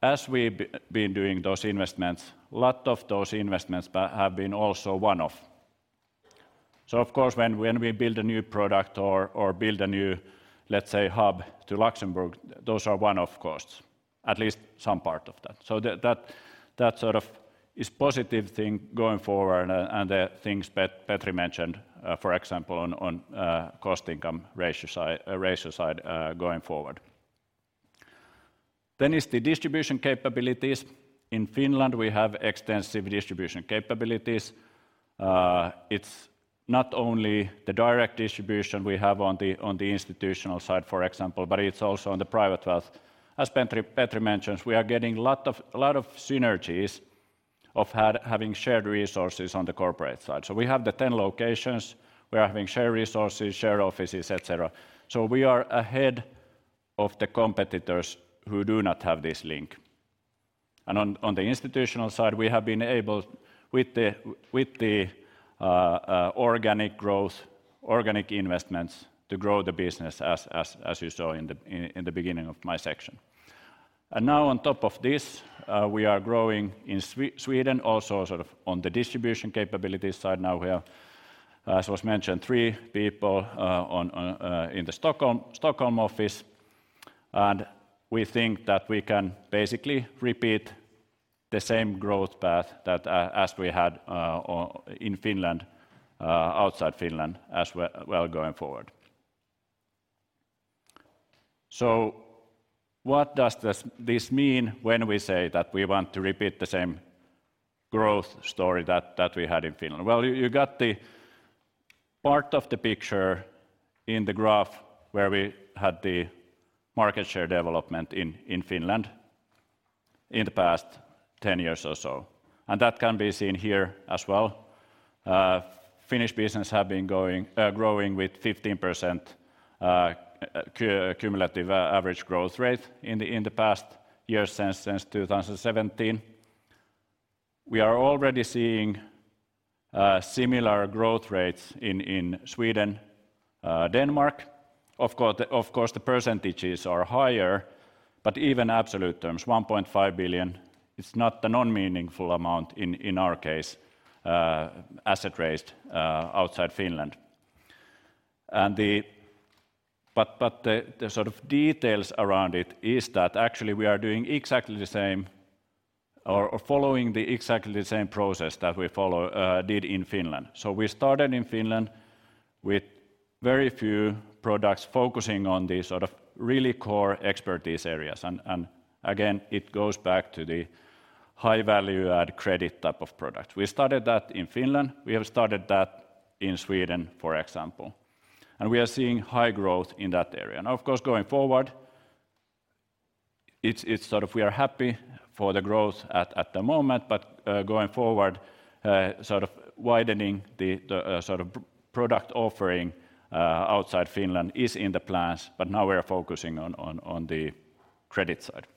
as we've been doing those investments, a lot of those investments have been also one-off. So of course, when, when we build a new product or, or build a new, let's say, hub to Luxembourg, those are one-off costs, at least some part of that. So that, that, that sort of is positive thing going forward, and the things Petri mentioned, for example, on, on, cost income ratio side, going forward. Then is the distribution capabilities. In Finland, we have extensive distribution capabilities. It's not only the direct distribution we have on the institutional side, for example, but it's also on the private wealth. As Petri mentions, we are getting a lot of synergies of having shared resources on the corporate side. So we have the 10 locations, we are having shared resources, shared offices, et cetera. So we are ahead of the competitors who do not have this link. And on the institutional side, we have been able, with the organic growth, organic investments, to grow the business as you saw in the beginning of my section. And now on top of this, we are growing in Sweden also sort of on the distribution capability side. Now we have, as was mentioned, three people in the Stockholm office, and we think that we can basically repeat the same growth path that as we had in Finland outside Finland as well, well going forward. So what does this mean when we say that we want to repeat the same growth story that we had in Finland? Well, you got the part of the picture in the graph where we had the market share development in Finland in the past 10 years or so, and that can be seen here as well. Finnish business have been growing with 15% cumulative average growth rate in the past years since 2017. We are already seeing similar growth rates in Sweden, Denmark. Of course, of course, the percentages are higher, but even absolute terms, 1.5 billion is not the non-meaningful amount in, in our case, asset raised outside Finland. But the sort of details around it is that actually we are doing exactly the same or following the exactly the same process that we follow did in Finland. So we started in Finland with very few products, focusing on the sort of really core expertise areas. And again, it goes back to the high-value-add credit type of product. We started that in Finland. We have started that in Sweden, for example, and we are seeing high growth in that area. Now, of course, going forward, it's sort of we are happy for the growth at the moment, but going forward, sort of widening the product offering outside Finland is in the plans, but now we are focusing on the credit side.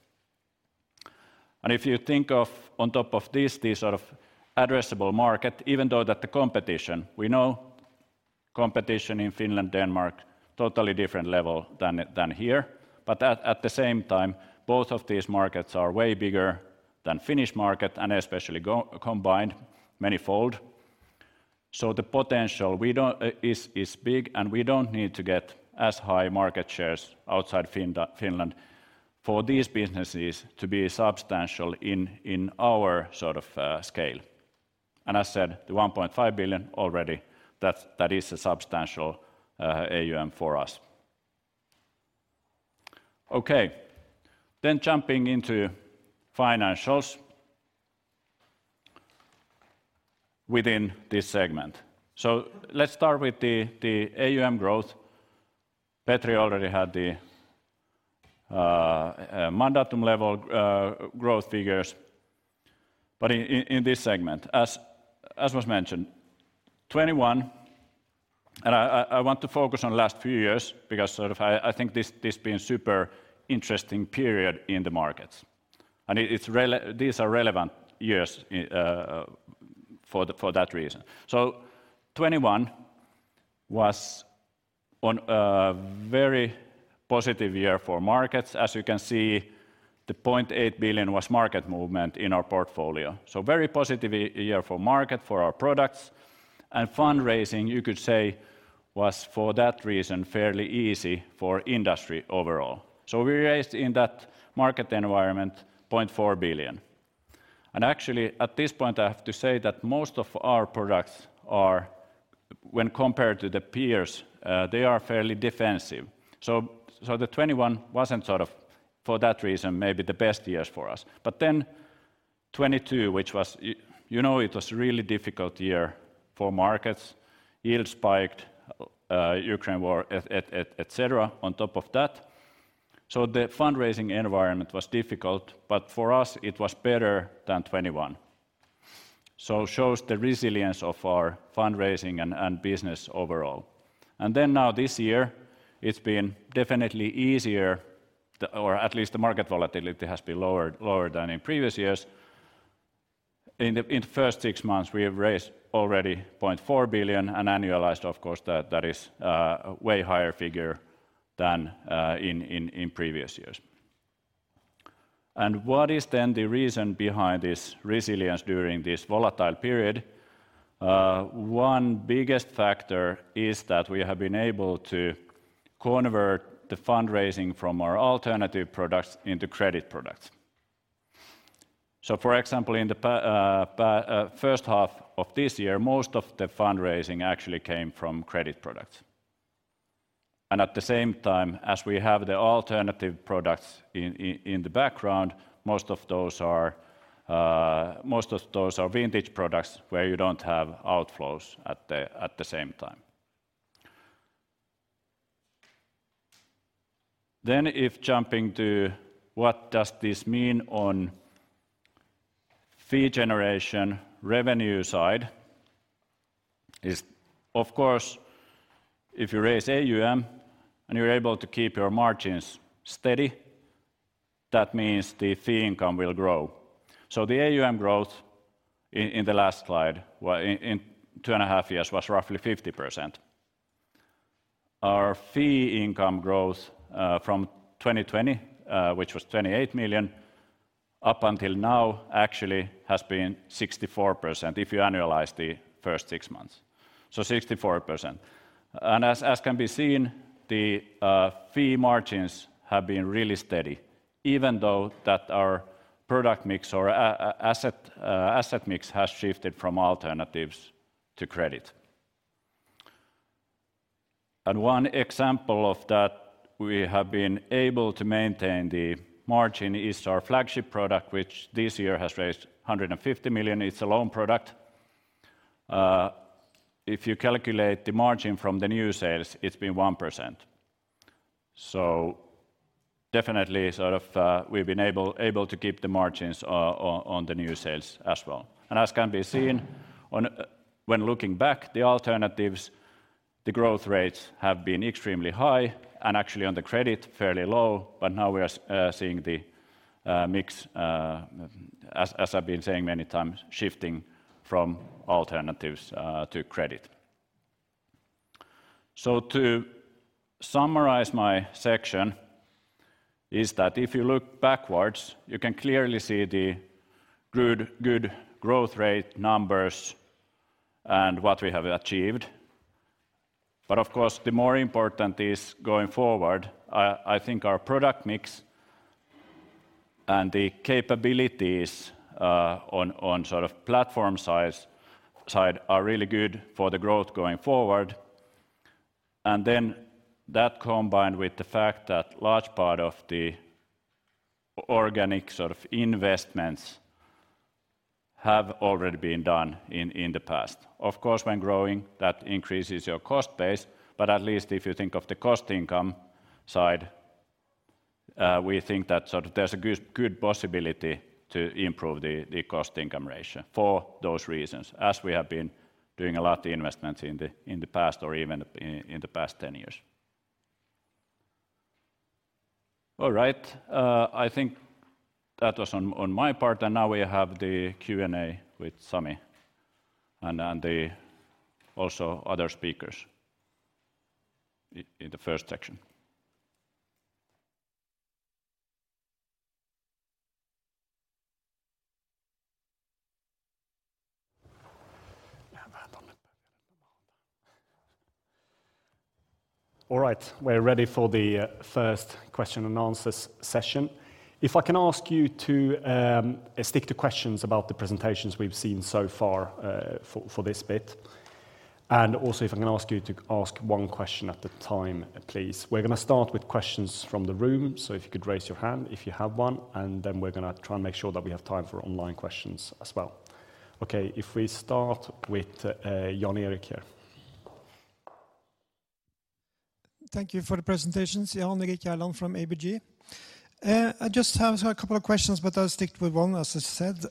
And if you think of on top of this, this sort of addressable market, even though the competition, we know competition in Finland, Denmark, totally different level than here. But at the same time, both of these markets are way bigger than Finnish market and especially combined manyfold. So the potential is big, and we don't need to get as high market shares outside Finland for these businesses to be substantial in our sort of scale. I said the 1.5 billion already, that is a substantial AUM for us. Okay, then jumping into financials within this segment. So let's start with the AUM growth. Petri already had the Mandatum level growth figures, but in this segment, as was mentioned, 2021, and I want to focus on last few years because sort of I think this being super interesting period in the markets. And it, it's relevant—these are relevant years for that reason. So 2021 was a very positive year for markets. As you can see, the 0.8 billion was market movement in our portfolio. So very positive year for markets, for our products, and fundraising, you could say, was for that reason, fairly easy for industry overall. So we raised in that market environment 0.4 billion. And actually, at this point, I have to say that most of our products are, when compared to the peers, they are fairly defensive. So the 2021 wasn't sort of, for that reason, maybe the best year for us. But then 2022, which was, you know, it was really difficult year for markets. Yields spiked, Ukraine war, et cetera, on top of that. So the fundraising environment was difficult, but for us it was better than 2021. So shows the resilience of our fundraising and business overall. And then now this year, it's been definitely easier, or at least the market volatility has been lower than in previous years. In the first six months, we have raised already 0.4 billion, and annualized, of course, that is way higher figure than in previous years. And what is then the reason behind this resilience during this volatile period? One biggest factor is that we have been able to convert the fundraising from our alternative products into credit products. So, for example, in the first half of this year, most of the fundraising actually came from credit products. And at the same time, as we have the alternative products in the background, most of those are most of those are vintage products, where you don't have outflows at the same time.... Then if jumping to what does this mean on fee generation revenue side is, of course, if you raise AUM and you're able to keep your margins steady, that means the fee income will grow. So the AUM growth in the last slide, well, in two and a half years, was roughly 50%. Our fee income growth from 2020, which was 28 million, up until now actually has been 64%, if you annualize the first six months. So 64%. And as can be seen, the fee margins have been really steady, even though that our product mix or asset mix has shifted from alternatives to credit. And one example of that, we have been able to maintain the margin is our flagship product, which this year has raised 150 million. It's a loan product. If you calculate the margin from the new sales, it's been 1%. So definitely, sort of, we've been able to keep the margins on the new sales as well. And as can be seen when looking back, the alternatives, the growth rates have been extremely high, and actually on the credit, fairly low. But now we are seeing the mix, as I've been saying many times, shifting from alternatives to credit. So to summarize my section, if you look backwards, you can clearly see the good growth rate numbers and what we have achieved. But of course, the more important is going forward. I think our product mix and the capabilities on sort of platform size-side are really good for the growth going forward. And then that, combined with the fact that large part of the organic sort of investments have already been done in the past. Of course, when growing, that increases your cost base, but at least if you think of the cost income side, we think that sort of there's a good possibility to improve the cost-income ratio for those reasons, as we have been doing a lot of investments in the past or even in the past 10 years. All right, I think that was on my part, and now we have the Q&A with Sami and also the other speakers in the first section. All right, we're ready for the first question and answers session. If I can ask you to stick to questions about the presentations we've seen so far, for this bit. And also, if I can ask you to ask one question at a time, please. We're gonna start with questions from the room, so if you could raise your hand if you have one, and then we're gonna try and make sure that we have time for online questions as well. Okay, if we start with Jan-Erik here. Thank you for the presentations. Jan Erik Gjerland from ABG. I just have a couple of questions, but I'll stick with one, as I said.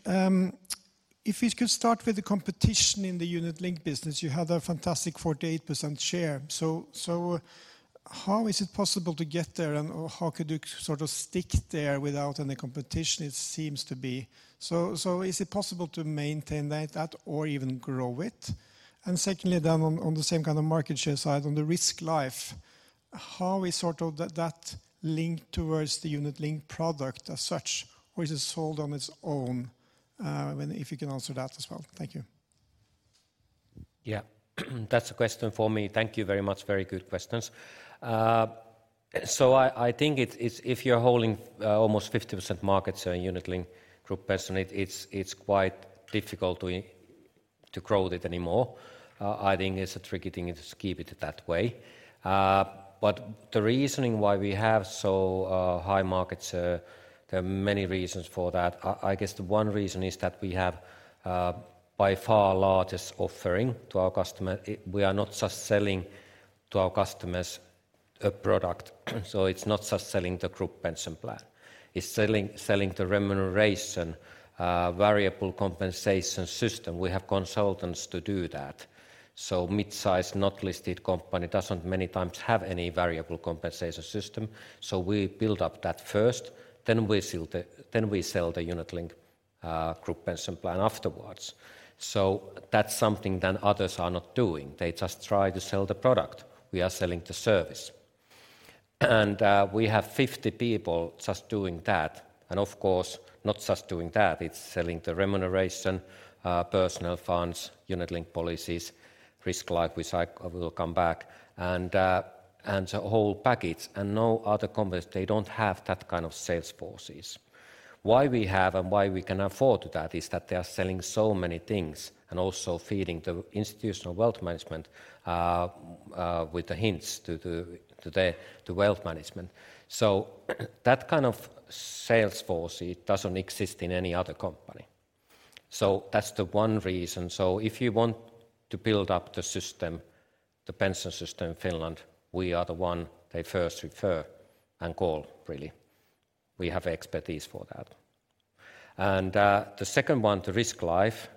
If we could start with the competition in the unit-linked business, you have a fantastic 48% share. So, how is it possible to get there, and, or how could you sort of stick there without any competition? It seems to be... So, is it possible to maintain that or even grow it? And secondly, then on the same kind of market share side, on the risk life, how is sort of that linked towards the unit-linked product as such, or is it sold on its own? And if you can answer that as well. Thank you. Yeah. That's a question for me. Thank you very much. Very good questions. So I think it's if you're holding almost 50% market share in unit-linked group pension, it's quite difficult to grow it anymore. I think it's a tricky thing to just keep it that way. But the reasoning why we have so high market share, there are many reasons for that. I guess the one reason is that we have by far largest offering to our customer. We are not just selling to our customers a product, so it's not just selling the group pension plan. It's selling the remuneration variable compensation system. We have consultants to do that. So mid-size, not listed company, doesn't many times have any variable compensation system. So we build up that first, then we sell the unit-linked, group pension plan afterwards. So that's something that others are not doing. They just try to sell the product. We are selling the service. And, we have 50 people just doing that, and of course, not just doing that, it's selling the remuneration, personal funds, unit-linked policies, risk life, which I will come back, and, and the whole package, and no other companies, they don't have that kind of sales forces. Why we have and why we can afford that, is that they are selling so many things, and also feeding the institutional wealth management, with the hints to the wealth management. So, that kind of sales force, it doesn't exist in any other company. So that's the one reason. So if you want to build up the system, the pension system in Finland, we are the one they first refer and call really. We have expertise for that. And, the second one, the risk life,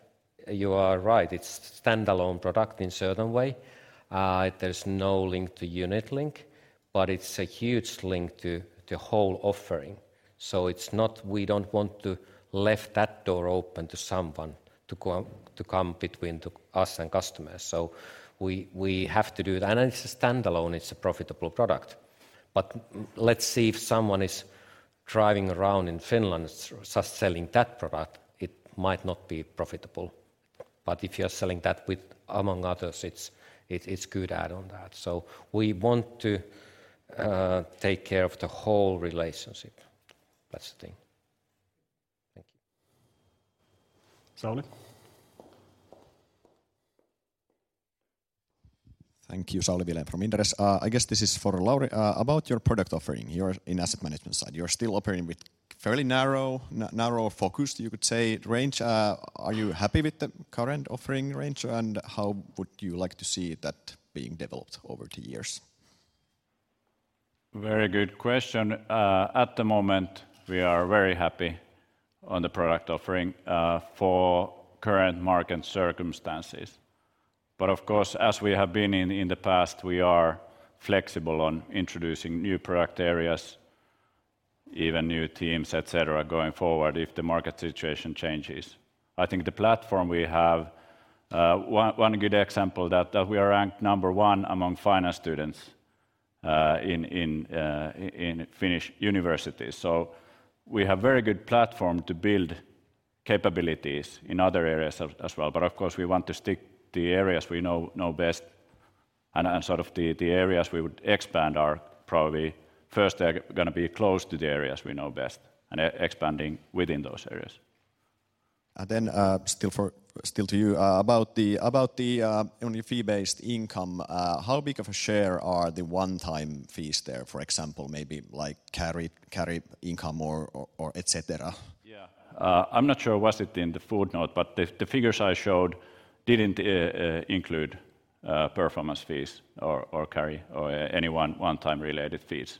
you are right, it's standalone product in certain way. There's no link to unit-linked, but it's a huge link to the whole offering. So it's not. We don't want to leave that door open to someone to go, to come between us and customers. So we, we have to do that, and it's a standalone, it's a profitable product. But let's see if someone is driving around in Finland just selling that product, it might not be profitable. But if you're selling that with, among others, it's, it, it's good add on that. So we want to, take care of the whole relationship. That's the thing. Thank you. Sauli? Thank you, Sauli Vilen from Inderes. I guess this is for Lauri. About your product offering. You're in asset management side. You're still operating with fairly narrow focus, you could say, range. Are you happy with the current offering range, and how would you like to see that being developed over the years? Very good question. At the moment, we are very happy on the product offering for current market circumstances. But of course, as we have been in the past, we are flexible on introducing new product areas, even new teams, et cetera, going forward if the market situation changes. I think the platform we have, one good example that we are ranked number one among finance students in Finnish universities. So we have very good platform to build capabilities in other areas as well. But of course, we want to stick the areas we know best, and sort of the areas we would expand are probably first gonna be close to the areas we know best and expanding within those areas. And then, still to you, about the fee-based income, how big of a share are the one-time fees there, for example, maybe like carry income or et cetera? Yeah. I'm not sure was it in the full note, but the figures I showed didn't include performance fees or carry or any one-time-related fees.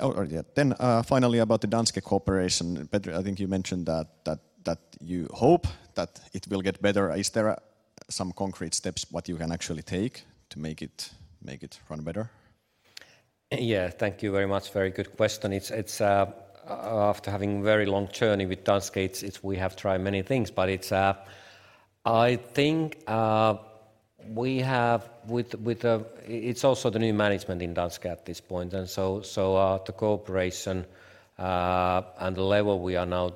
Oh, yeah. Then, finally, about the Danske cooperation. Petri, I think you mentioned that you hope that it will get better. Is there some concrete steps what you can actually take to make it run better? Yeah, thank you very much. Very good question. It's after having very long journey with Danske. We have tried many things, but I think it's also the new management in Danske at this point. And so, the cooperation and the level we are now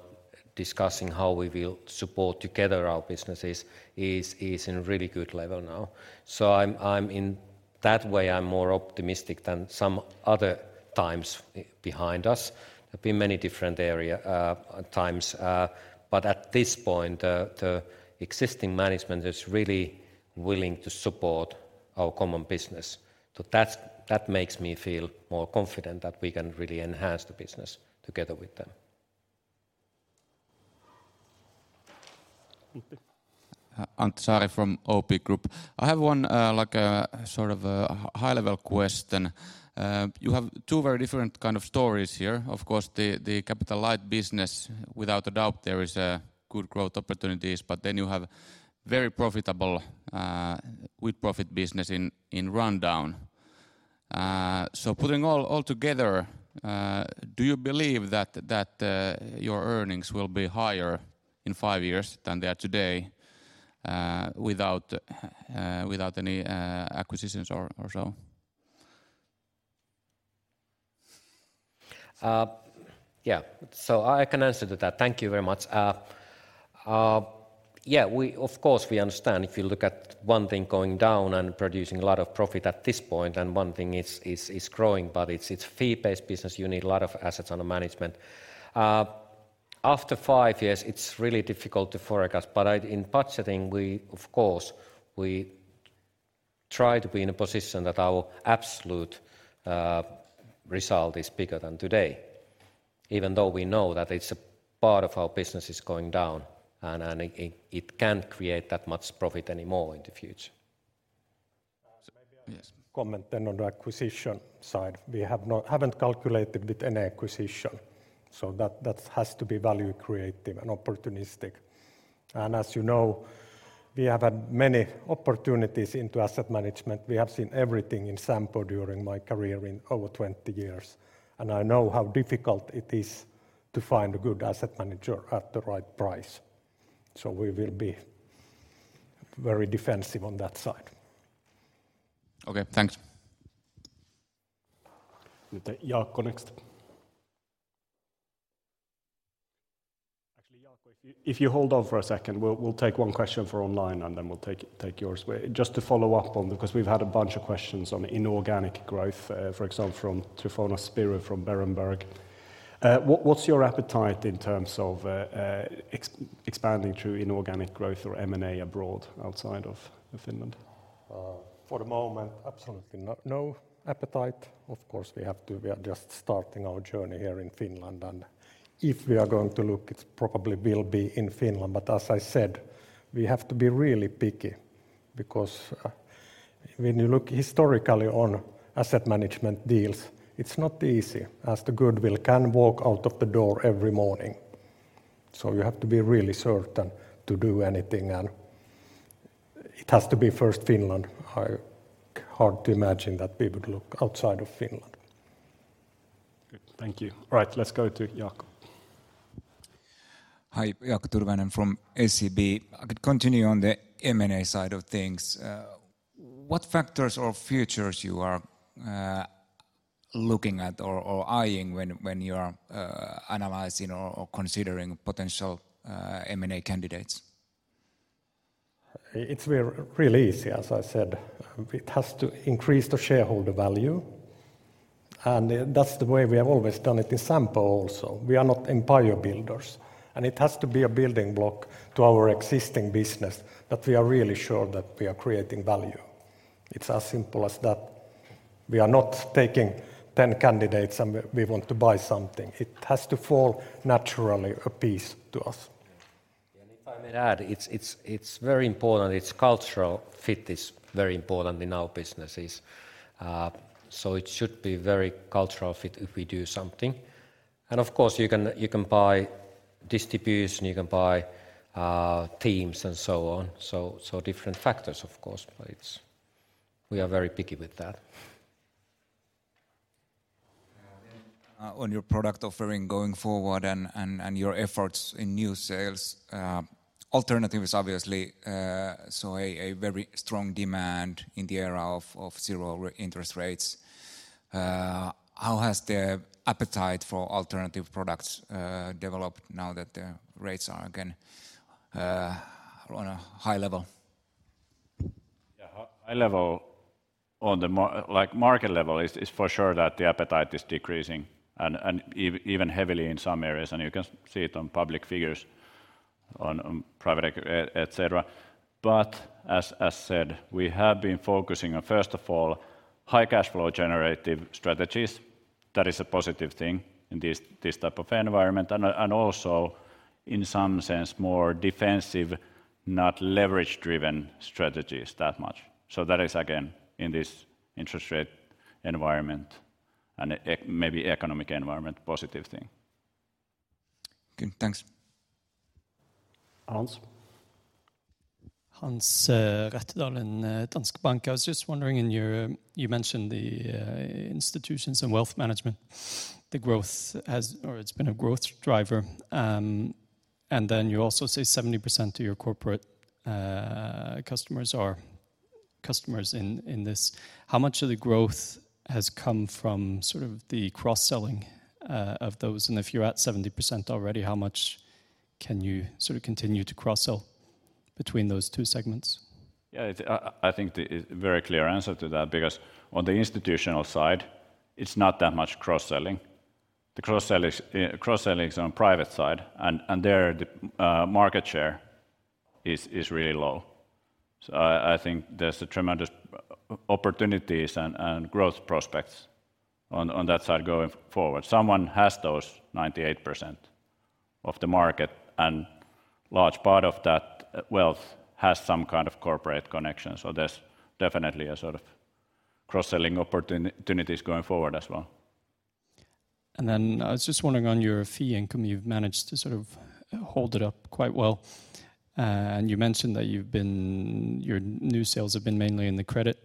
discussing how we will support together our businesses is in really good level now. So in that way, I'm more optimistic than some other times behind us. There've been many different eras, times, but at this point, the existing management is really willing to support our common business. So that makes me feel more confident that we can really enhance the business together with them. Mm-hmm. Antti Saari from OP Group. I have one, like a sort of a high-level question. You have two very different kind of stories here. Of course, the, the capital-light business, without a doubt, there is good growth opportunities, but then you have very profitable, with-profit business in, in rundown. So putting all, all together, do you believe that, that your earnings will be higher in five years than they are today, without, without any, acquisitions or so? Yeah. So I can answer to that. Thank you very much. Yeah, we of course understand if you look at one thing going down and producing a lot of profit at this point, and one thing is growing, but it's fee-based business, you need a lot of assets under management. After five years, it's really difficult to forecast, but in budgeting, we of course try to be in a position that our absolute result is bigger than today, even though we know that a part of our business is going down, and it can't create that much profit anymore in the future. Uh, maybe- Yes... I comment then on the acquisition side. We haven't calculated with any acquisition, so that has to be value creative and opportunistic. And as you know, we have had many opportunities into asset management. We have seen everything in Sampo during my career in over 20 years, and I know how difficult it is to find a good asset manager at the right price. So we will be very defensive on that side. Okay, thanks. Jaakko, next. Actually, Jaakko, if you hold on for a second, we'll take one question for online, and then we'll take yours. Just to follow up on, because we've had a bunch of questions on inorganic growth, for example, from Tryfonas Spyrou from Berenberg. What's your appetite in terms of expanding through inorganic growth or M&A abroad, outside of Finland?... for the moment, absolutely not, no appetite. Of course, we are just starting our journey here in Finland, and if we are going to look, it probably will be in Finland. But as I said, we have to be really picky, because, when you look historically on asset management deals, it's not easy, as the goodwill can walk out of the door every morning. So you have to be really certain to do anything, and it has to be first Finland. Hard to imagine that we would look outside of Finland. Good. Thank you. Right, let's go to Jaakko. Hi, Jaakko Tyrväinen from SEB. I could continue on the M&A side of things. What factors or features you are looking at or eyeing when you are analyzing or considering potential M&A candidates? It's really easy. As I said, it has to increase the shareholder value, and that's the way we have always done it in Sampo also. We are not empire builders, and it has to be a building block to our existing business, that we are really sure that we are creating value. It's as simple as that. We are not taking 10 candidates and we want to buy something. It has to fall naturally a piece to us. And if I may add, it's very important. Its cultural fit is very important in our businesses. So it should be very cultural fit if we do something. And of course, you can buy distribution, you can buy teams, and so on. So different factors, of course, but it's... We are very picky with that. On your product offering going forward and your efforts in new sales, alternatives obviously saw a very strong demand in the era of zero real interest rates. How has the appetite for alternative products developed now that the rates are again on a high level? Yeah, high level on the, like, market level is, is for sure that the appetite is decreasing and, and even heavily in some areas, and you can see it on public figures, on, on private equity, et cetera. But as, as said, we have been focusing on, first of all, high cash flow generative strategies. That is a positive thing in this, this type of environment, and, and also in some sense, more defensive, not leverage-driven strategies that much. So that is, again, in this interest rate environment and maybe economic environment, positive thing. Okay, thanks. Hans? Hans Rettedal in Danske Bank. I was just wondering, you mentioned the institutions and wealth management, the growth has... or it's been a growth driver. And then you also say 70% of your corporate customers are customers in this. How much of the growth has come from sort of the cross-selling of those? And if you're at 70% already, how much can you sort of continue to cross-sell between those two segments? Yeah, it, I think the very clear answer to that, because on the institutional side, it's not that much cross-selling. The cross-sell is, cross-selling is on private side, and there, the market share is really low. So I think there's a tremendous opportunities and growth prospects on that side going forward. Someone has those 98% of the market, and large part of that wealth has some kind of corporate connection. So there's definitely a sort of cross-selling opportunities going forward as well. And then I was just wondering, on your fee income, you've managed to sort of hold it up quite well. And you mentioned that you've been—your new sales have been mainly in the credit.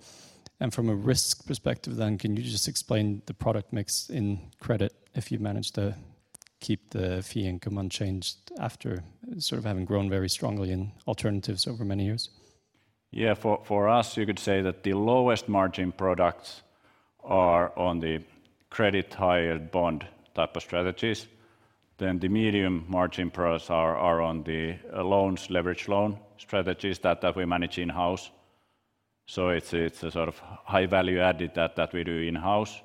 And from a risk perspective then, can you just explain the product mix in credit if you've managed to keep the fee income unchanged after sort of having grown very strongly in alternatives over many years? Yeah, for us, you could say that the lowest margin products are on the credit high-yield bond type of strategies. Then the medium-margin products are on the loans, leveraged loan strategies that we manage in-house. So it's a sort of high value added that we do in-house,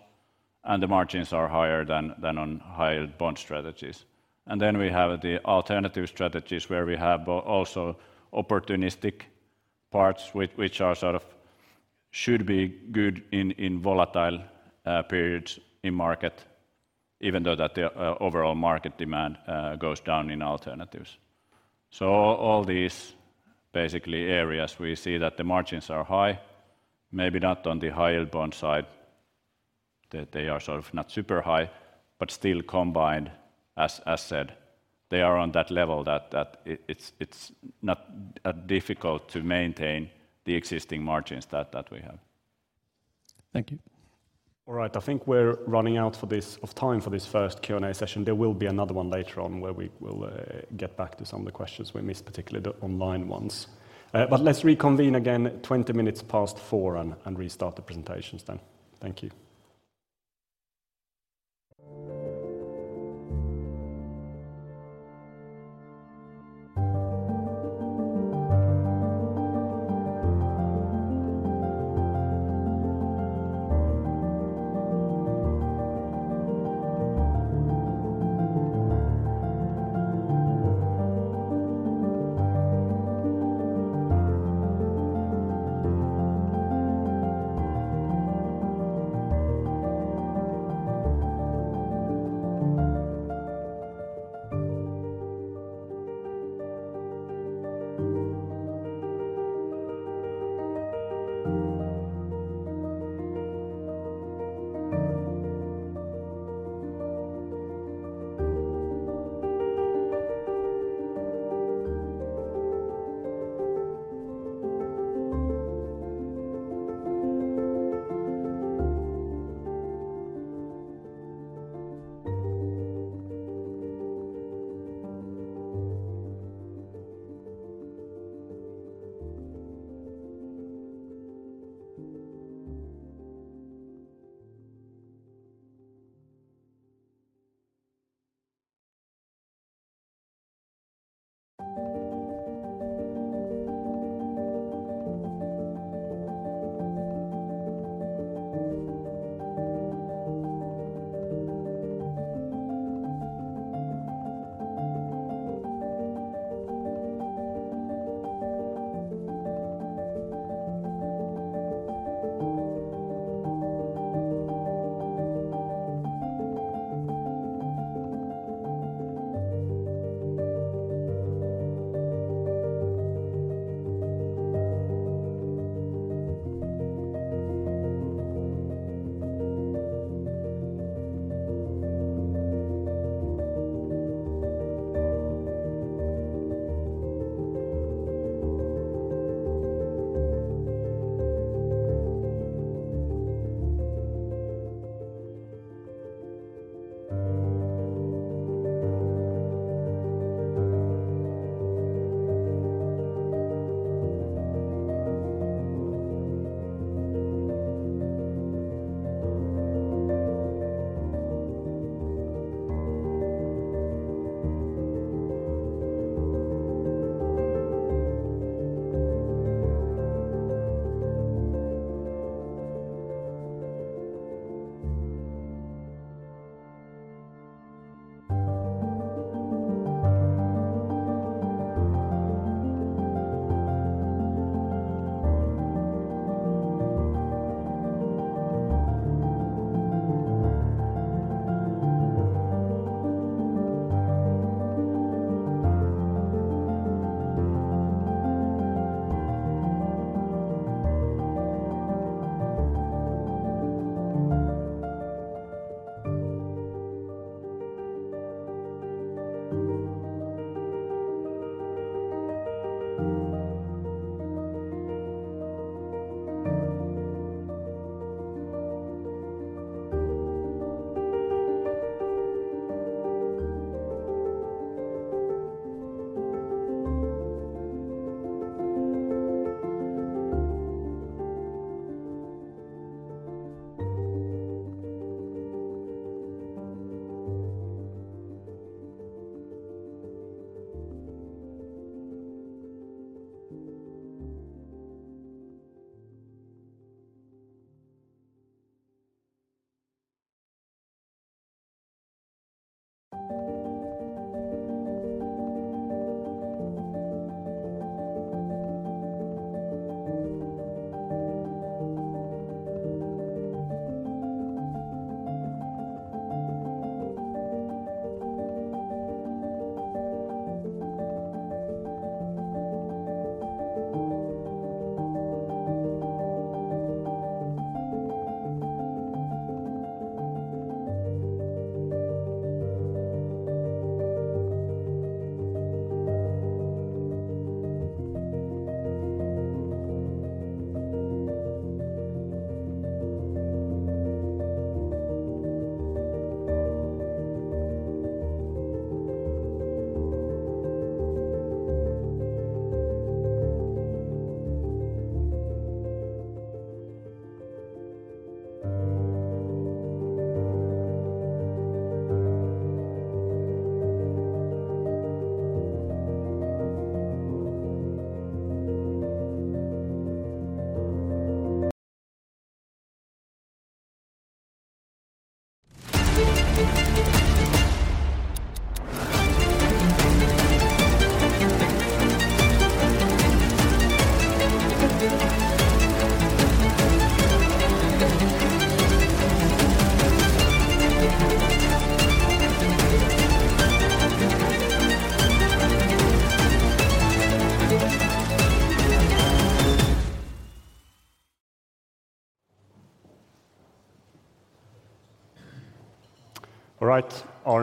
and the margins are higher than on high-yield bond strategies. And then we have the alternative strategies, where we have also opportunistic parts which should be good in volatile periods in market, even though the overall market demand goes down in alternatives. So all these basically areas, we see that the margins are high, maybe not on the high-yield bond side. They are sort of not super high, but still combined, as said, they are on that level that it’s not difficult to maintain the existing margins that we have. Thank you. All right. I think we're running out of time for this first Q&A session. There will be another one later on, where we will get back to some of the questions we missed, particularly the online ones. But let's reconvene again 4:20 P.M. and restart the presentations then. Thank you.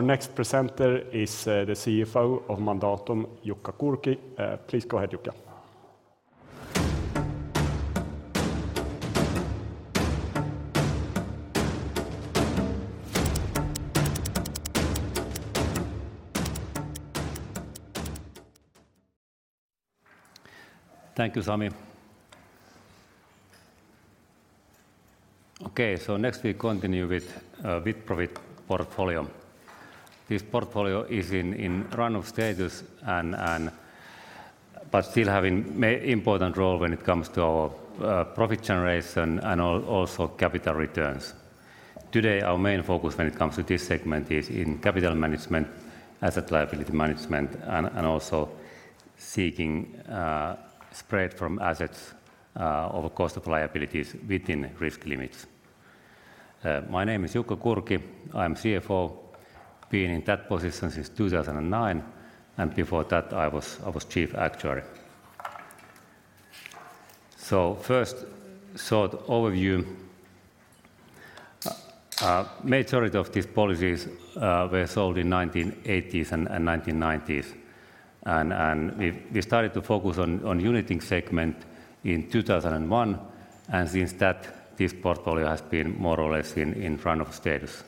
All right. Our next presenter is the CFO of Mandatum, Jukka Kurki. Please go ahead, Jukka. Thank you, Sami. Okay, so next we continue with with-profit portfolio. This portfolio is in run-off status and but still having an important role when it comes to our profit generation and also capital returns. Today, our main focus when it comes to this segment is in capital management, asset liability management, and also seeking spread from assets over cost of liabilities within risk limits. My name is Jukka Kurki. I'm CFO, been in that position since 2009, and before that I was chief actuary. So first short overview. Majority of these policies were sold in 1980s and 1990s, and we started to focus on unit-linked segment in 2001, and since that, this portfolio has been more or less in run-off status.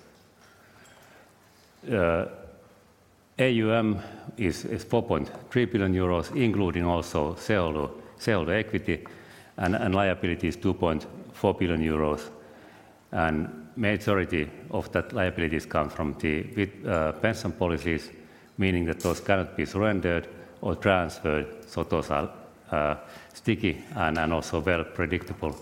AUM is 4.3 billion euros, including also sale to equity, and liability is 2.4 billion euros, and majority of that liabilities come from with-profit pension policies, meaning that those cannot be surrendered or transferred, so those are sticky and also well predictable.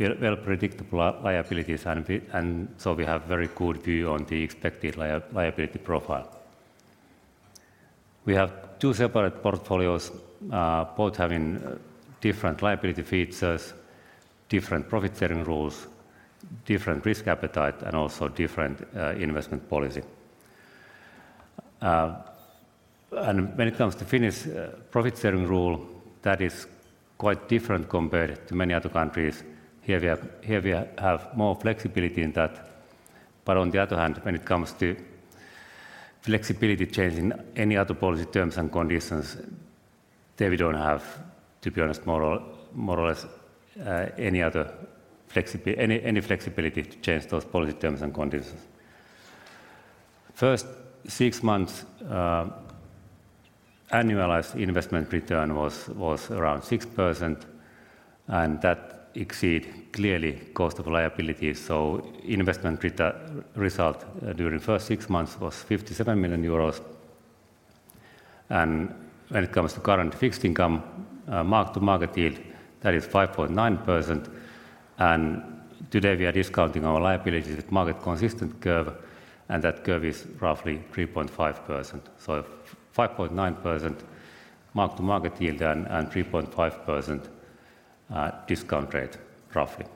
Well-predictable liabilities, and so we have very good view on the expected liability profile. We have two separate portfolios, both having different liability features, different profit-sharing rules, different risk appetite, and also different investment policy. And when it comes to Finnish profit-sharing rule, that is quite different compared to many other countries. Here we have more flexibility in that, but on the other hand, when it comes to flexibility change in any other policy terms and conditions, there we don't have, to be honest, more or less any other flexibility to change those policy terms and conditions. First six months, annualized investment return was around 6%, and that exceed clearly cost of liabilities, so investment result during the first six months was 57 million euros. And when it comes to current fixed income, mark-to-market yield, that is 5.9%, and today we are discounting our liabilities with market-consistent curve, and that curve is roughly 3.5%. So 5.9% mark-to-market yield and 3.5%, discount rate, roughly.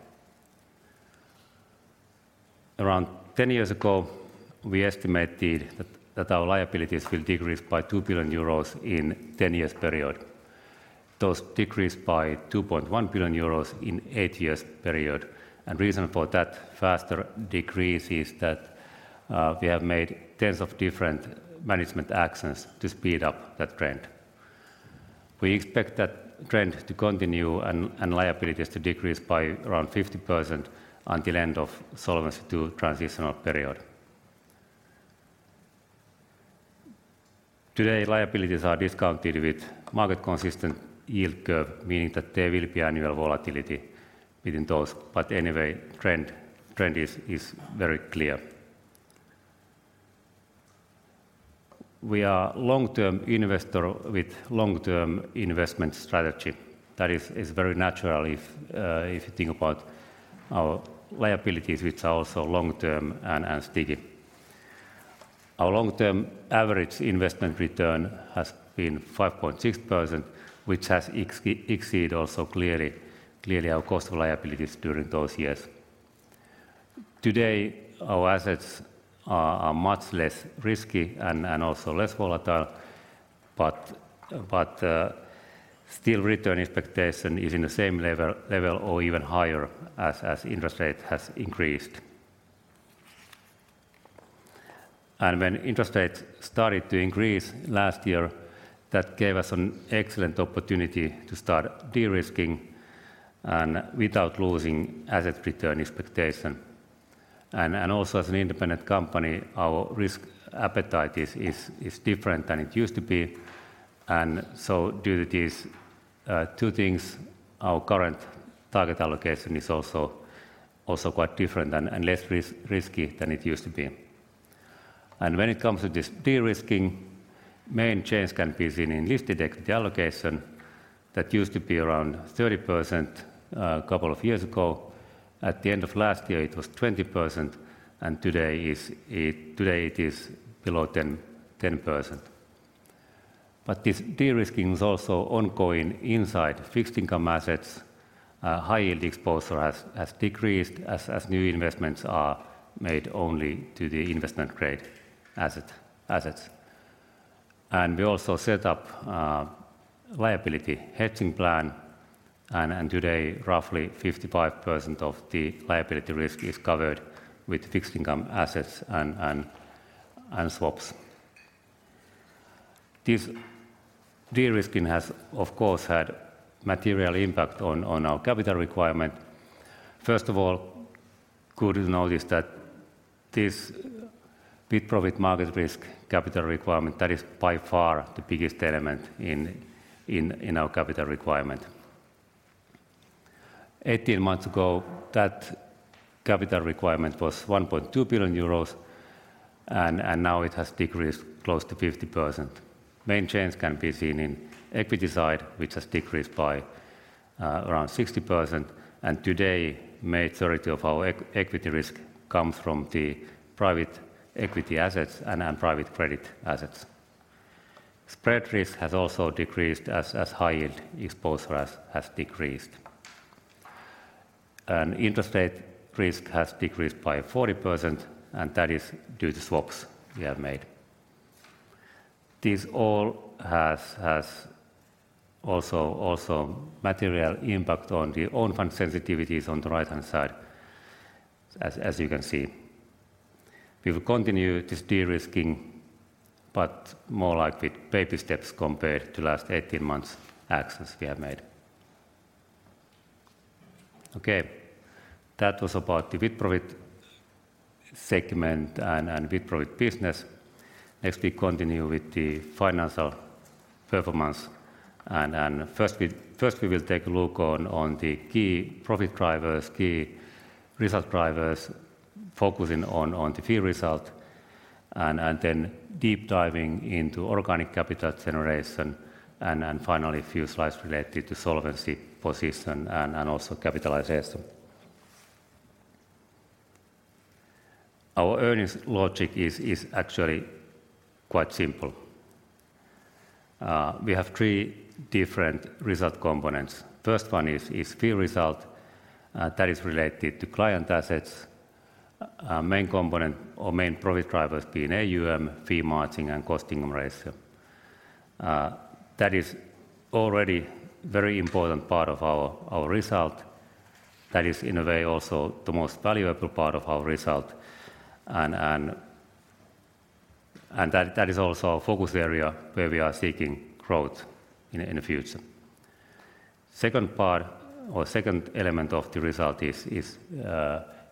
Around 10 years ago, we estimated that our liabilities will decrease by 2 billion euros in 10-year period. Those decreased by 2.1 billion euros in eight-year period, and reason for that faster decrease is that we have made tens of different management actions to speed up that trend. We expect that trend to continue and liabilities to decrease by around 50% until end of Solvency II transitional period. Today, liabilities are discounted with market-consistent yield curve, meaning that there will be annual volatility between those, but anyway, trend is very clear. We are long-term investor with long-term investment strategy. That is very natural if you think about our liabilities, which are also long-term and sticky. Our long-term average investment return has been 5.6%, which has exceeded also clearly our cost of liabilities during those years. Today, our assets are much less risky and also less volatile, but still return expectation is in the same level or even higher as interest rate has increased. And when interest rate started to increase last year, that gave us an excellent opportunity to start de-risking and without losing asset return expectation. And also as an independent company, our risk appetite is different than it used to be. And so due to these two things, our current target allocation is also quite different and less risky than it used to be. And when it comes to this de-risking, main change can be seen in listed equity allocation. That used to be around 30%, a couple of years ago. At the end of last year, it was 20%, and today it is below 10%. But this de-risking is also ongoing inside fixed-income assets. High-yield exposure has decreased as new investments are made only to the investment-grade assets. And we also set up liability hedging plan, and today, roughly 55% of the liability risk is covered with fixed-income assets and swaps. This de-risking has, of course, had material impact on our capital requirement. First of all, good to notice that this pre-profit market risk capital requirement, that is by far the biggest element in our capital requirement. 18 months ago, that capital requirement was 1.2 billion euros, and now it has decreased close to 50%. Main change can be seen in equity side, which has decreased by around 60%, and today, majority of our equity risk comes from the private equity assets and private credit assets. Spread risk has also decreased as high-yield exposure has decreased. And interest rate risk has decreased by 40%, and that is due to swaps we have made. This all has also material impact on the own fund sensitivities on the right-hand side, as you can see. We will continue this de-risking, but more like with baby steps compared to last 18 months actions we have made. Okay, that was about the profit segment and profit business. Next, we continue with the financial performance, and first we will take a look on the key profit drivers, key result drivers, focusing on the fee result, and then deep diving into organic capital generation, and finally, a few slides related to solvency position and also capitalization. Our earnings logic is actually quite simple. We have three different result components. First one is fee result, that is related to client assets. Main component or main profit drivers being AUM, fee margin, and costing ratio. That is already very important part of our result. That is, in a way, also the most valuable part of our result, and that is also a focus area where we are seeking growth in the future. Second part or second element of the result is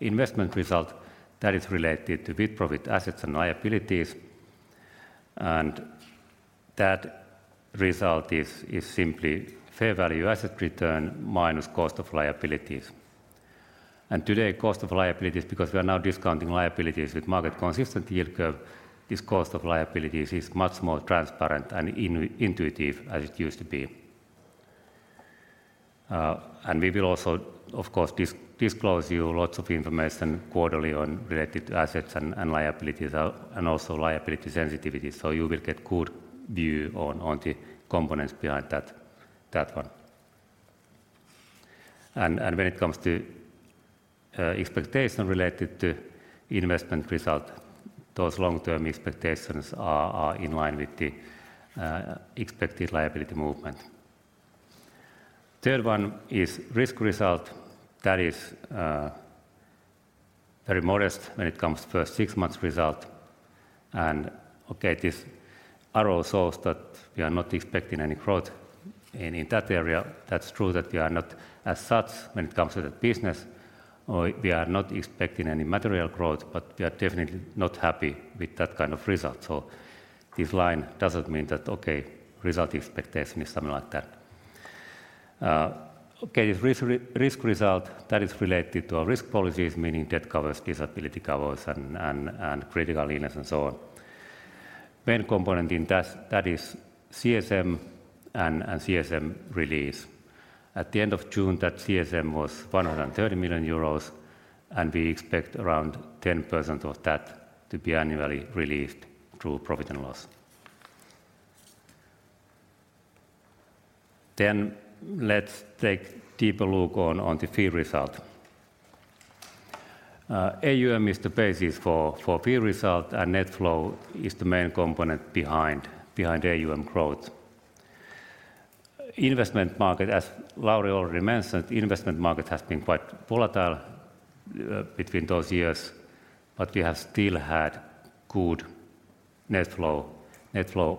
investment result that is related to with-profit assets and liabilities, and that result is simply fair value asset return minus cost of liabilities. And today, cost of liabilities, because we are now discounting liabilities with market-consistent yield curve, this cost of liabilities is much more transparent and intuitive as it used to be. And we will also, of course, disclose to you lots of information quarterly on related assets and liabilities, and also liability sensitivity, so you will get good view on the components behind that one. And when it comes to expectation related to investment result, those long-term expectations are in line with the expected liability movement. Third one is risk result. That is very modest when it comes to first six months result, and okay, this arrow shows that we are not expecting any growth in that area. That's true that we are not as such when it comes to the business, or we are not expecting any material growth, but we are definitely not happy with that kind of result. So this line doesn't mean that, okay, result expectation is something like that. Okay, this risk result, that is related to our risk policies, meaning death covers, disability covers, and critical illness, and so on. Main component in that is CSM and CSM release. At the end of June, that CSM was 130 million euros, and we expect around 10% of that to be annually released through profit and loss. Then let's take deeper look on the fee result. AUM is the basis for fee result, and net flow is the main component behind AUM growth. Investment market, as Lauri already mentioned, investment market has been quite volatile between those years, but we have still had good net flow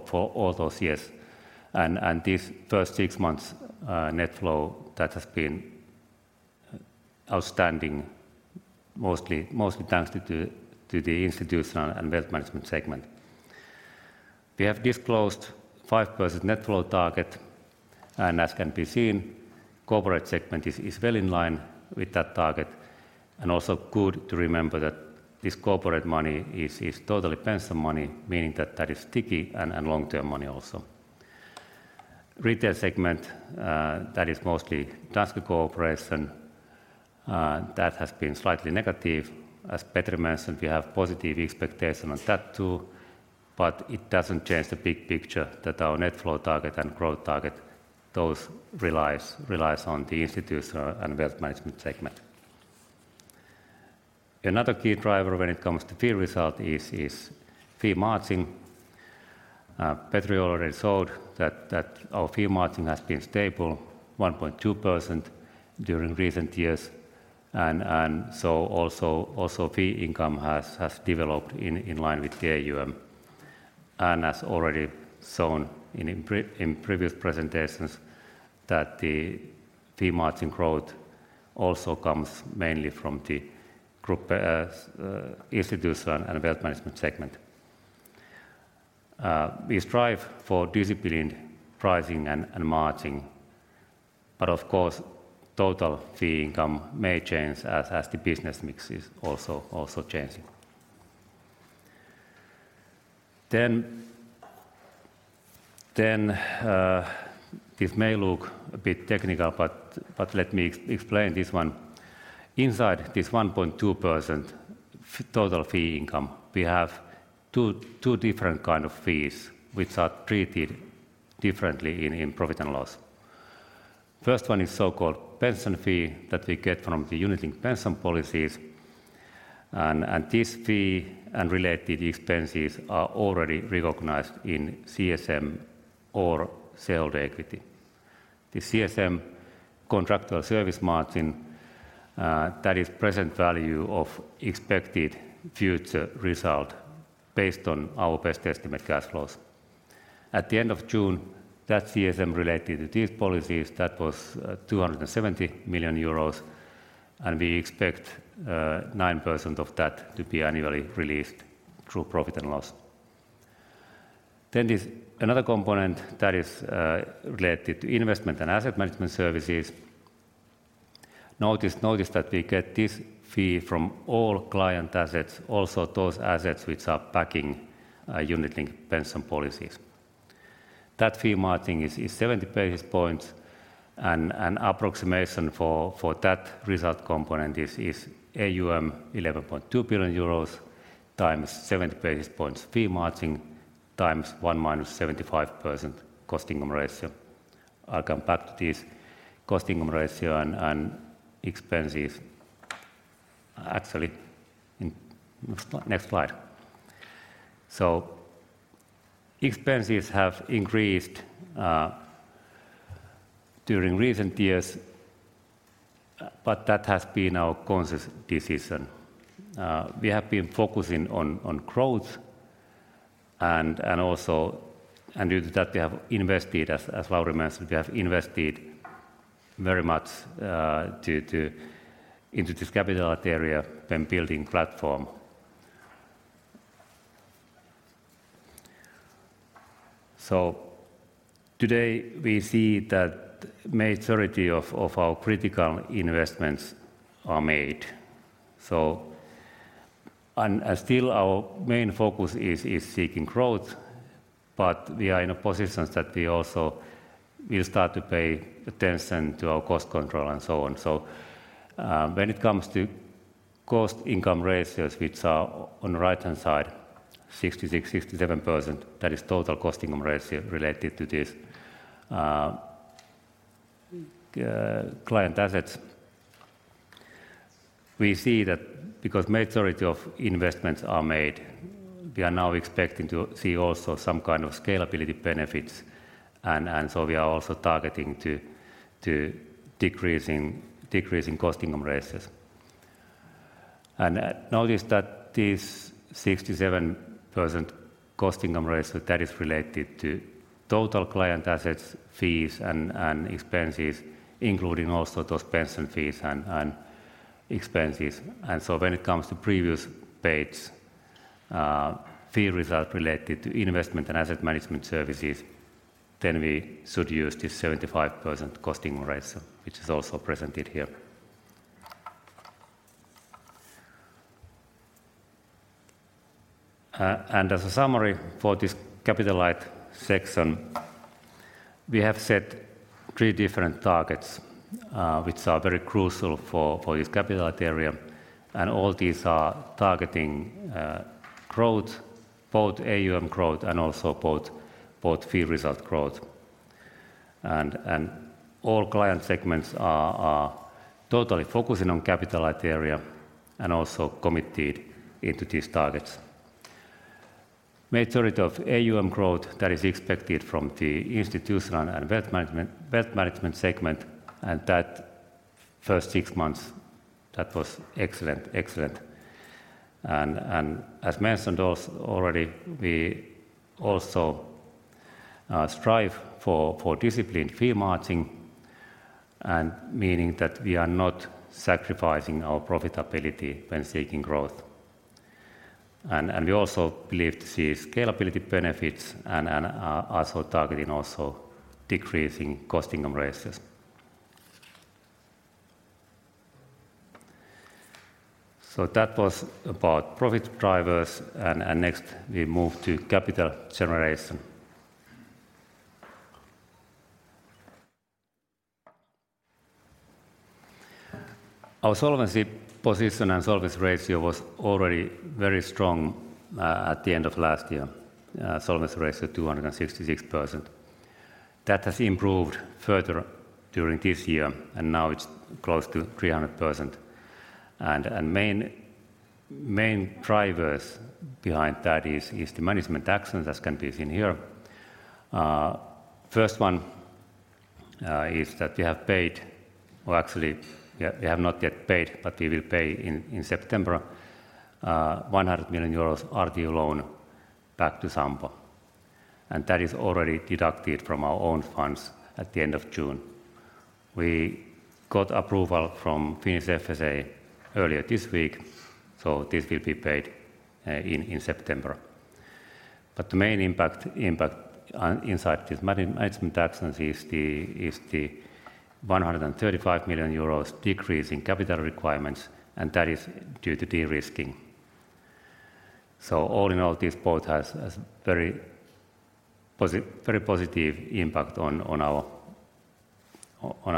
for all those years. And this first six months, net flow that has been outstanding, mostly thanks to the institutional and wealth management segment. We have disclosed 5% net flow target, and as can be seen, corporate segment is well in line with that target, and also good to remember that this corporate money is totally pension money, meaning that that is sticky and long-term money also. Retail segment, that is mostly Danske cooperation, that has been slightly negative. As Petri mentioned, we have positive expectation on that, too, but it doesn't change the big picture that our net flow target and growth target, those relies on the institutional and wealth management segment. Another key driver when it comes to fee result is fee margin. Petri already showed that our fee margin has been stable, 1.2%, during recent years, and so also fee income has developed in line with the AUM. And as already shown in previous presentations, that the fee margin growth also comes mainly from the group institutional and wealth management segment. We strive for disciplined pricing and margin, but of course, total fee income may change as the business mix is also changing. This may look a bit technical, but let me explain this one. Inside this 1.2% total fee income, we have two different kind of fees, which are treated differently in profit and loss. First one is so-called pension fee that we get from the unit-linked pension policies, and this fee and related expenses are already recognized in CSM or shareholder equity. The CSM, contractual service margin, that is present value of expected future result based on our best estimate cash flows. At the end of June, that CSM related to these policies, that was 270 million euros, and we expect 9% of that to be annually released through profit and loss. Then this another component that is related to investment and asset management services. Notice, notice that we get this fee from all client assets, also those assets which are backing unit-linked pension policies. That fee margin is 70 basis points, and approximation for that result component is AUM 11.2 billion euros times 70 basis points fee margin times 1 minus 75% cost income ratio. I'll come back to this cost income ratio and expenses actually in next slide. So expenses have increased during recent years, but that has been our conscious decision. We have been focusing on growth and also and due to that, we have invested, as Lauri mentioned, we have invested very much into this capital area when building platform. So today, we see that majority of our critical investments are made. So... and still our main focus is seeking growth, but we are in a position that we also will start to pay attention to our cost control and so on. So, when it comes to cost income ratios, which are on the right-hand side, 66%-67%, that is total cost income ratio related to this client assets. We see that because majority of investments are made, we are now expecting to see also some kind of scalability benefits, and so we are also targeting to decreasing cost income ratios. And, notice that this 67% cost income ratio, that is related to total client assets, fees, and expenses, including also those pension fees and expenses. When it comes to the previous page, fee result related to investment and asset management services, then we should use this 75% cost income ratio, which is also presented here. As a summary for this capital light section, we have set three different targets, which are very crucial for this capital light area, and all these are targeting growth, both AUM growth and also both fee result growth. All client segments are totally focusing on capital light area and also committed into these targets. Majority of AUM growth, that is expected from the institutional and wealth management, wealth management segment, and that first six months, that was excellent, excellent. As mentioned also already, we also strive for disciplined fee margin, and meaning that we are not sacrificing our profitability when seeking growth. We also believe to see scalability benefits and also targeting decreasing cost income ratios. So that was about profit drivers, and next, we move to capital generation. Our solvency position and solvency ratio was already very strong at the end of last year. Solvency ratio 266%. That has improved further during this year, and now it's close to 300%. Main drivers behind that is the management actions, as can be seen here. First one is that we have paid, or actually, we have not yet paid, but we will pay in September, 100 million euros RT1 loan back to Sampo, and that is already deducted from our own funds at the end of June. We got approval from Finnish FSA earlier this week, so this will be paid in September. But the main impact of these management actions is the 135 million euros decrease in capital requirements, and that is due to de-risking. So all in all, this both has a very positive impact on our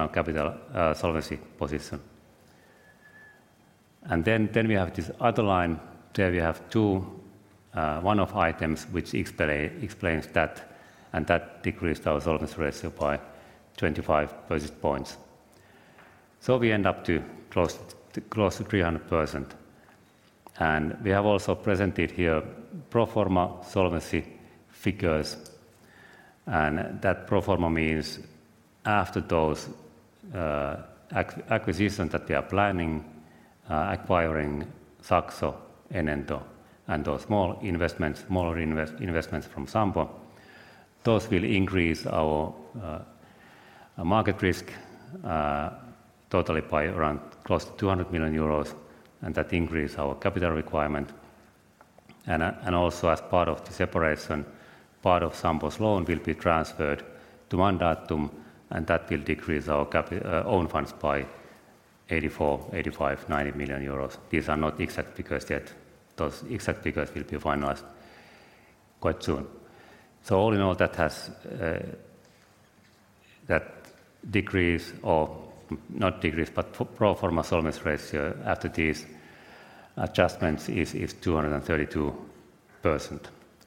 capital solvency position. Then we have this other line. There we have two one-off items, which explain that, and that decreased our solvency ratio by 25 percentage points. So we end up close to 300%. We have also presented here pro forma solvency figures, and that pro forma means after those acquisitions that we are planning, acquiring Saxo and Enento, and those small investments, smaller investments from Sampo. Those will increase our market risk totally by around close to 200 million euros, and that will increase our capital requirement. And also as part of the separation, part of Sampo's loan will be transferred to Mandatum, and that will decrease our own funds by 84, 85, 90 million euros. These are not exact figures yet. Those exact figures will be finalized quite soon. So all in all, that has that decrease or not decrease, but pro forma solvency ratio after these adjustments is 232%,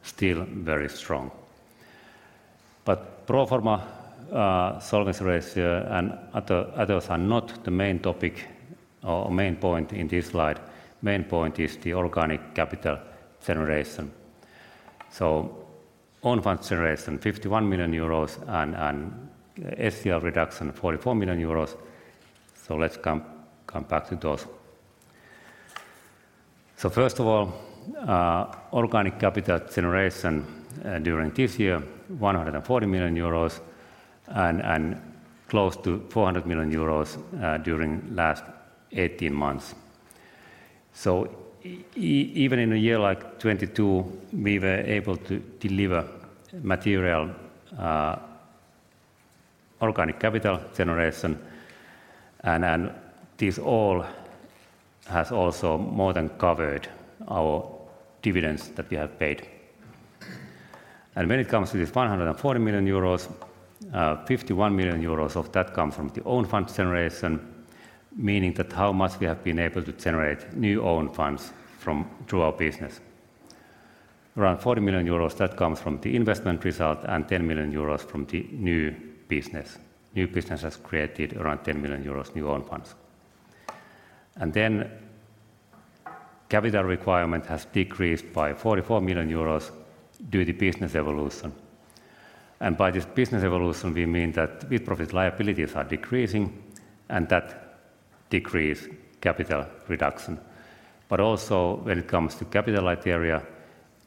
still very strong. But pro forma, solvency ratio and others are not the main topic or main point in this slide. Main point is the organic capital generation. So own funds generation, 51 million euros and SCR reduction, 44 million euros. So let's come back to those. So first of all, organic capital generation, during this year, 140 million euros and close to 400 million euros, during last 18 months. So even in a year like 2022, we were able to deliver material, organic capital generation, and this all has also more than covered our dividends that we have paid. When it comes to this 140 million euros, 51 million euros of that comes from the own funds generation, meaning that how much we have been able to generate new own funds from through our business. Around 40 million euros, that comes from the investment result and 10 million euros from the new business. New business has created around 10 million euros new own funds. Capital requirement has decreased by 44 million euros due to business evolution. By this business evolution, we mean that profit liabilities are decreasing, and that decrease capital reduction. But also, when it comes to capital criteria,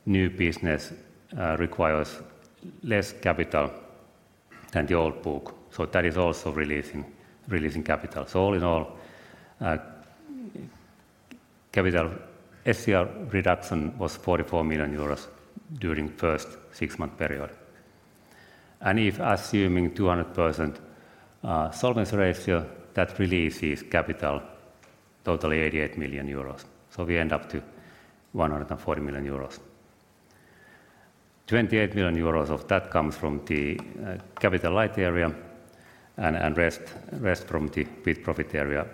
new business requires less capital than the old book, so that is also releasing capital. So all in all, capital SCR reduction was 44 million euros during first six-month period. If assuming 200% solvency ratio, that releases capital totally 88 million euros, so we end up to 140 million euros. 28 million euros of that comes from the capital light area and rest from the profit area.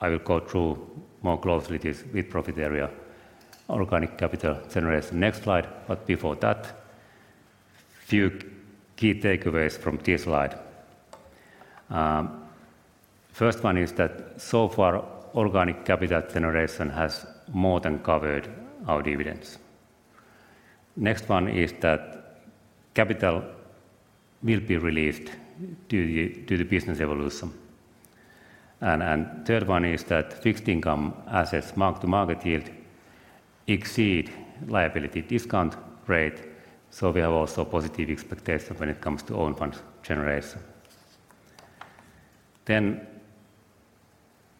I will go through more closely this with profit area, organic capital generation, next slide. But before that, few key takeaways from this slide. First one is that so far, organic capital generation has more than covered our dividends. Next one is that capital will be released due to the business evolution. And third one is that fixed income assets mark-to-market yield exceed liability discount rate, so we have also positive expectation when it comes to own funds generation. Then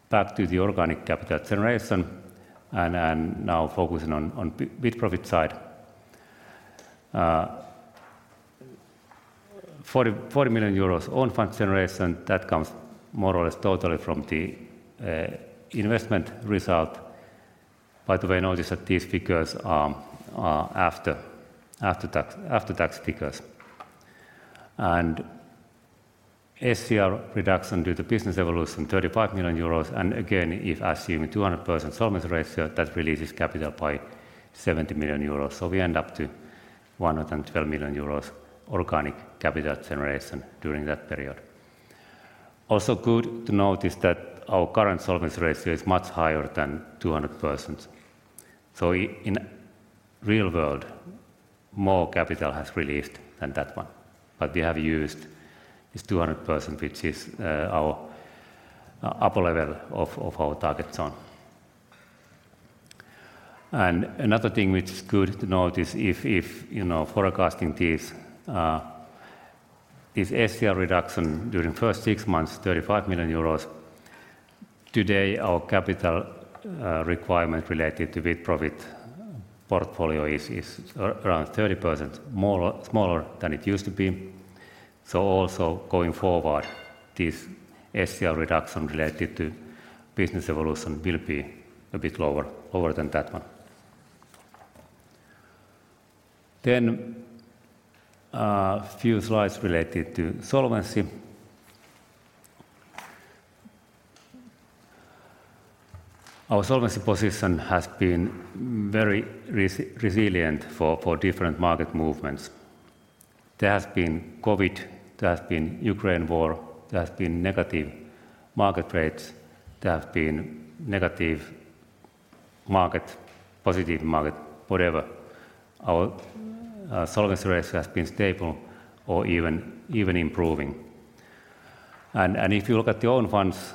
back to the organic capital generation and now focusing on with profit side. 40 million euros own fund generation, that comes more or less totally from the investment result. By the way, notice that these figures are after tax, after-tax figures. SCR reduction due to business evolution, 35 million euros, and again, if assuming 200% solvency ratio, that releases capital by 70 million euros, so we end up to 112 million euros organic capital generation during that period. Also good to notice that our current solvency ratio is much higher than 200%. So in real world, more capital has released than that one, but we have used this 200%, which is our upper level of our target zone. And another thing which is good to note is if, you know, forecasting this, this SCR reduction during first six months, 35 million euros. Today, our capital requirement related to with-profit portfolio is around 30% more or smaller than it used to be. So also, going forward, this SCR reduction related to business evolution will be a bit lower than that one. Then, few slides related to solvency. Our solvency position has been very resilient for different market movements. There has been COVID, there has been Ukraine war, there has been negative market rates, there have been negative market, positive market, whatever. Our solvency ratio has been stable or even improving. And if you look at the own funds,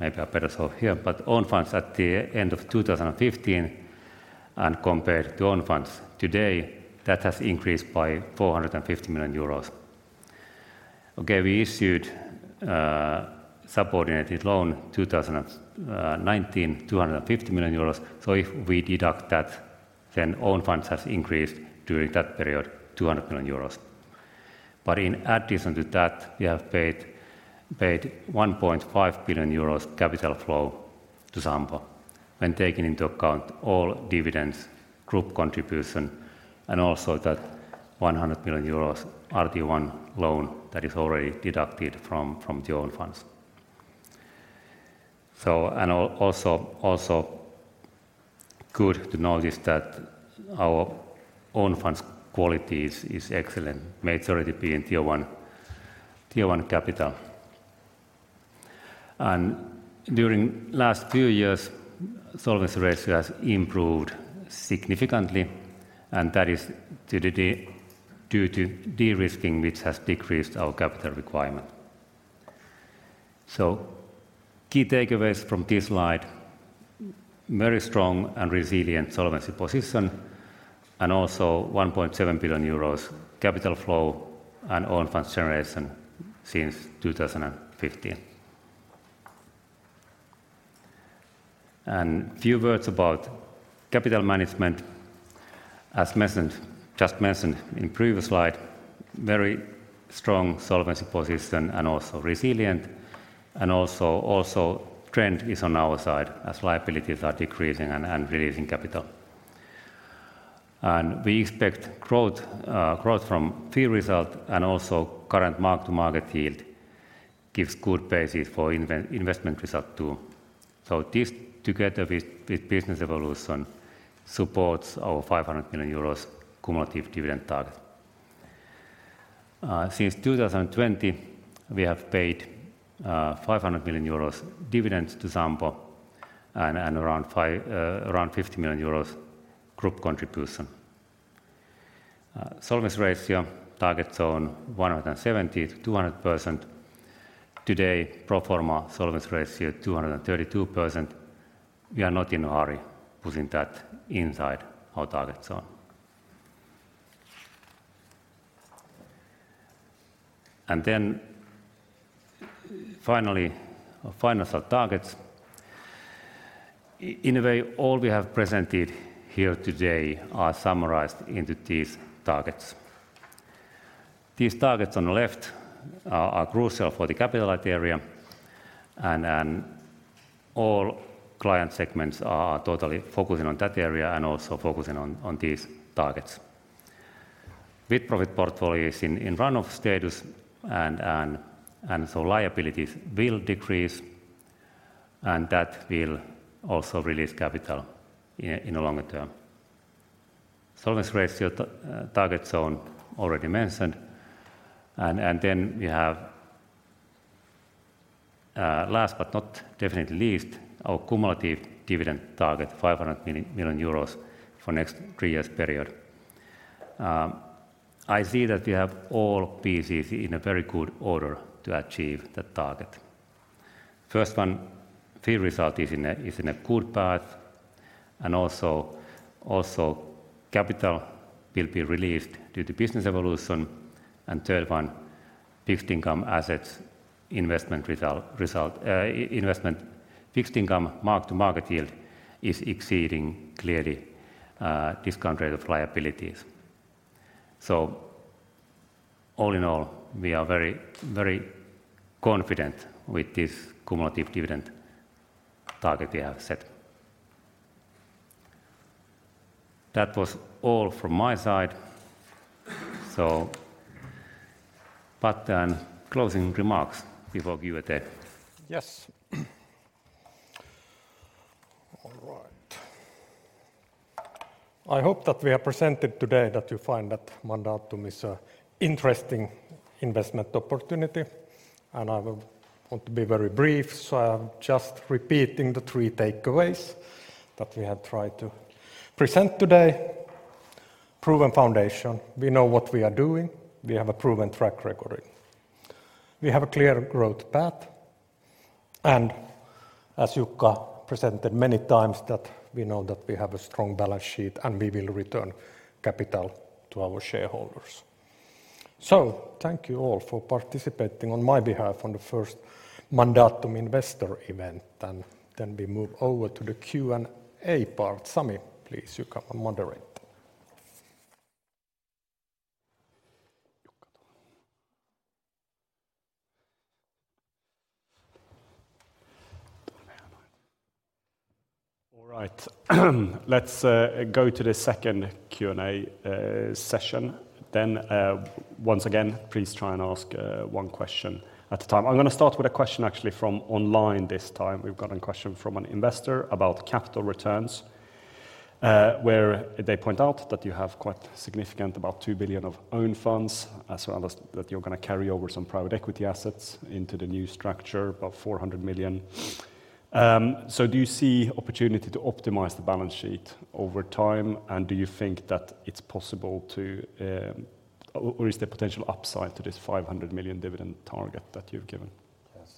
maybe a better so here, but own funds at the end of 2015 and compared to own funds today, that has increased by 450 million euros. Okay, we issued a subordinated loan in 2019, 250 million euros. So if we deduct that, then own funds has increased during that period, 200 million euros. But in addition to that, we have paid 1.5 billion euros capital flow to Sampo, when taking into account all dividends, group contribution, and also that 100 million euros RT1 loan that is already deducted from the own funds. So also good to notice that our own funds quality is excellent, majority being tier one capital. And during last few years, solvency ratio has improved significantly, and that is due to de-risking, which has decreased our capital requirement. Key takeaways from this slide, very strong and resilient solvency position, and also 1.7 billion euros capital flow and own funds generation since 2015. Few words about capital management. As mentioned, just mentioned in previous slide, very strong solvency position and also resilient, and also trend is on our side as liabilities are decreasing and releasing capital. And we expect growth from fee result, and also current mark-to-market yield gives good basis for investment result too. This, together with business evolution, supports our 500 million euros cumulative dividend target. Since 2020, we have paid 500 million euros dividends to Sampo and around 50 million euros group contribution. Solvency ratio target zone 170%-200%. Today, pro forma solvency ratio, 232%. We are not in a hurry putting that inside our target zone. And then, finally, our financial targets. In a way, all we have presented here today are summarized into these targets. These targets on the left are crucial for the capital light area, and all client segments are totally focusing on that area and also focusing on these targets. With-profit portfolio is in run-off status, and so liabilities will decrease, and that will also release capital in the longer term. Solvency ratio target zone already mentioned. And then we have, last but not definitely least, our cumulative dividend target, 500 million euros for next three years period. I see that we have all pieces in a very good order to achieve that target. First one, fee result is in a good path, and also capital will be released due to business evolution. And third one, fixed income assets investment result, investment fixed income mark-to-market yield is exceeding clearly, discount rate of liabilities. So all in all, we are very, very confident with this cumulative dividend target we have set. That was all from my side. So but, closing remarks before we give it there. Yes. All right. I hope that we have presented today that you find that Mandatum is a interesting investment opportunity, and I will want to be very brief. So I am just repeating the three takeaways that we have tried to present today... proven foundation. We know what we are doing. We have a proven track record. We have a clear growth path, and as Jukka presented many times, that we know that we have a strong balance sheet, and we will return capital to our shareholders. So thank you all for participating on my behalf on the first Mandatum Investor event, and then we move over to the Q&A part. Sami, please, you come and moderate. All right. Let's go to the second Q&A session. Then, once again, please try and ask one question at a time. I'm gonna start with a question actually from online this time. We've got a question from an investor about capital returns, where they point out that you have quite significant, about 2 billion of own funds, as well as that you're gonna carry over some private equity assets into the new structure, about 400 million. So do you see opportunity to optimize the balance sheet over time? And do you think that it's possible to, or, or is there potential upside to this 500 million dividend target that you've given?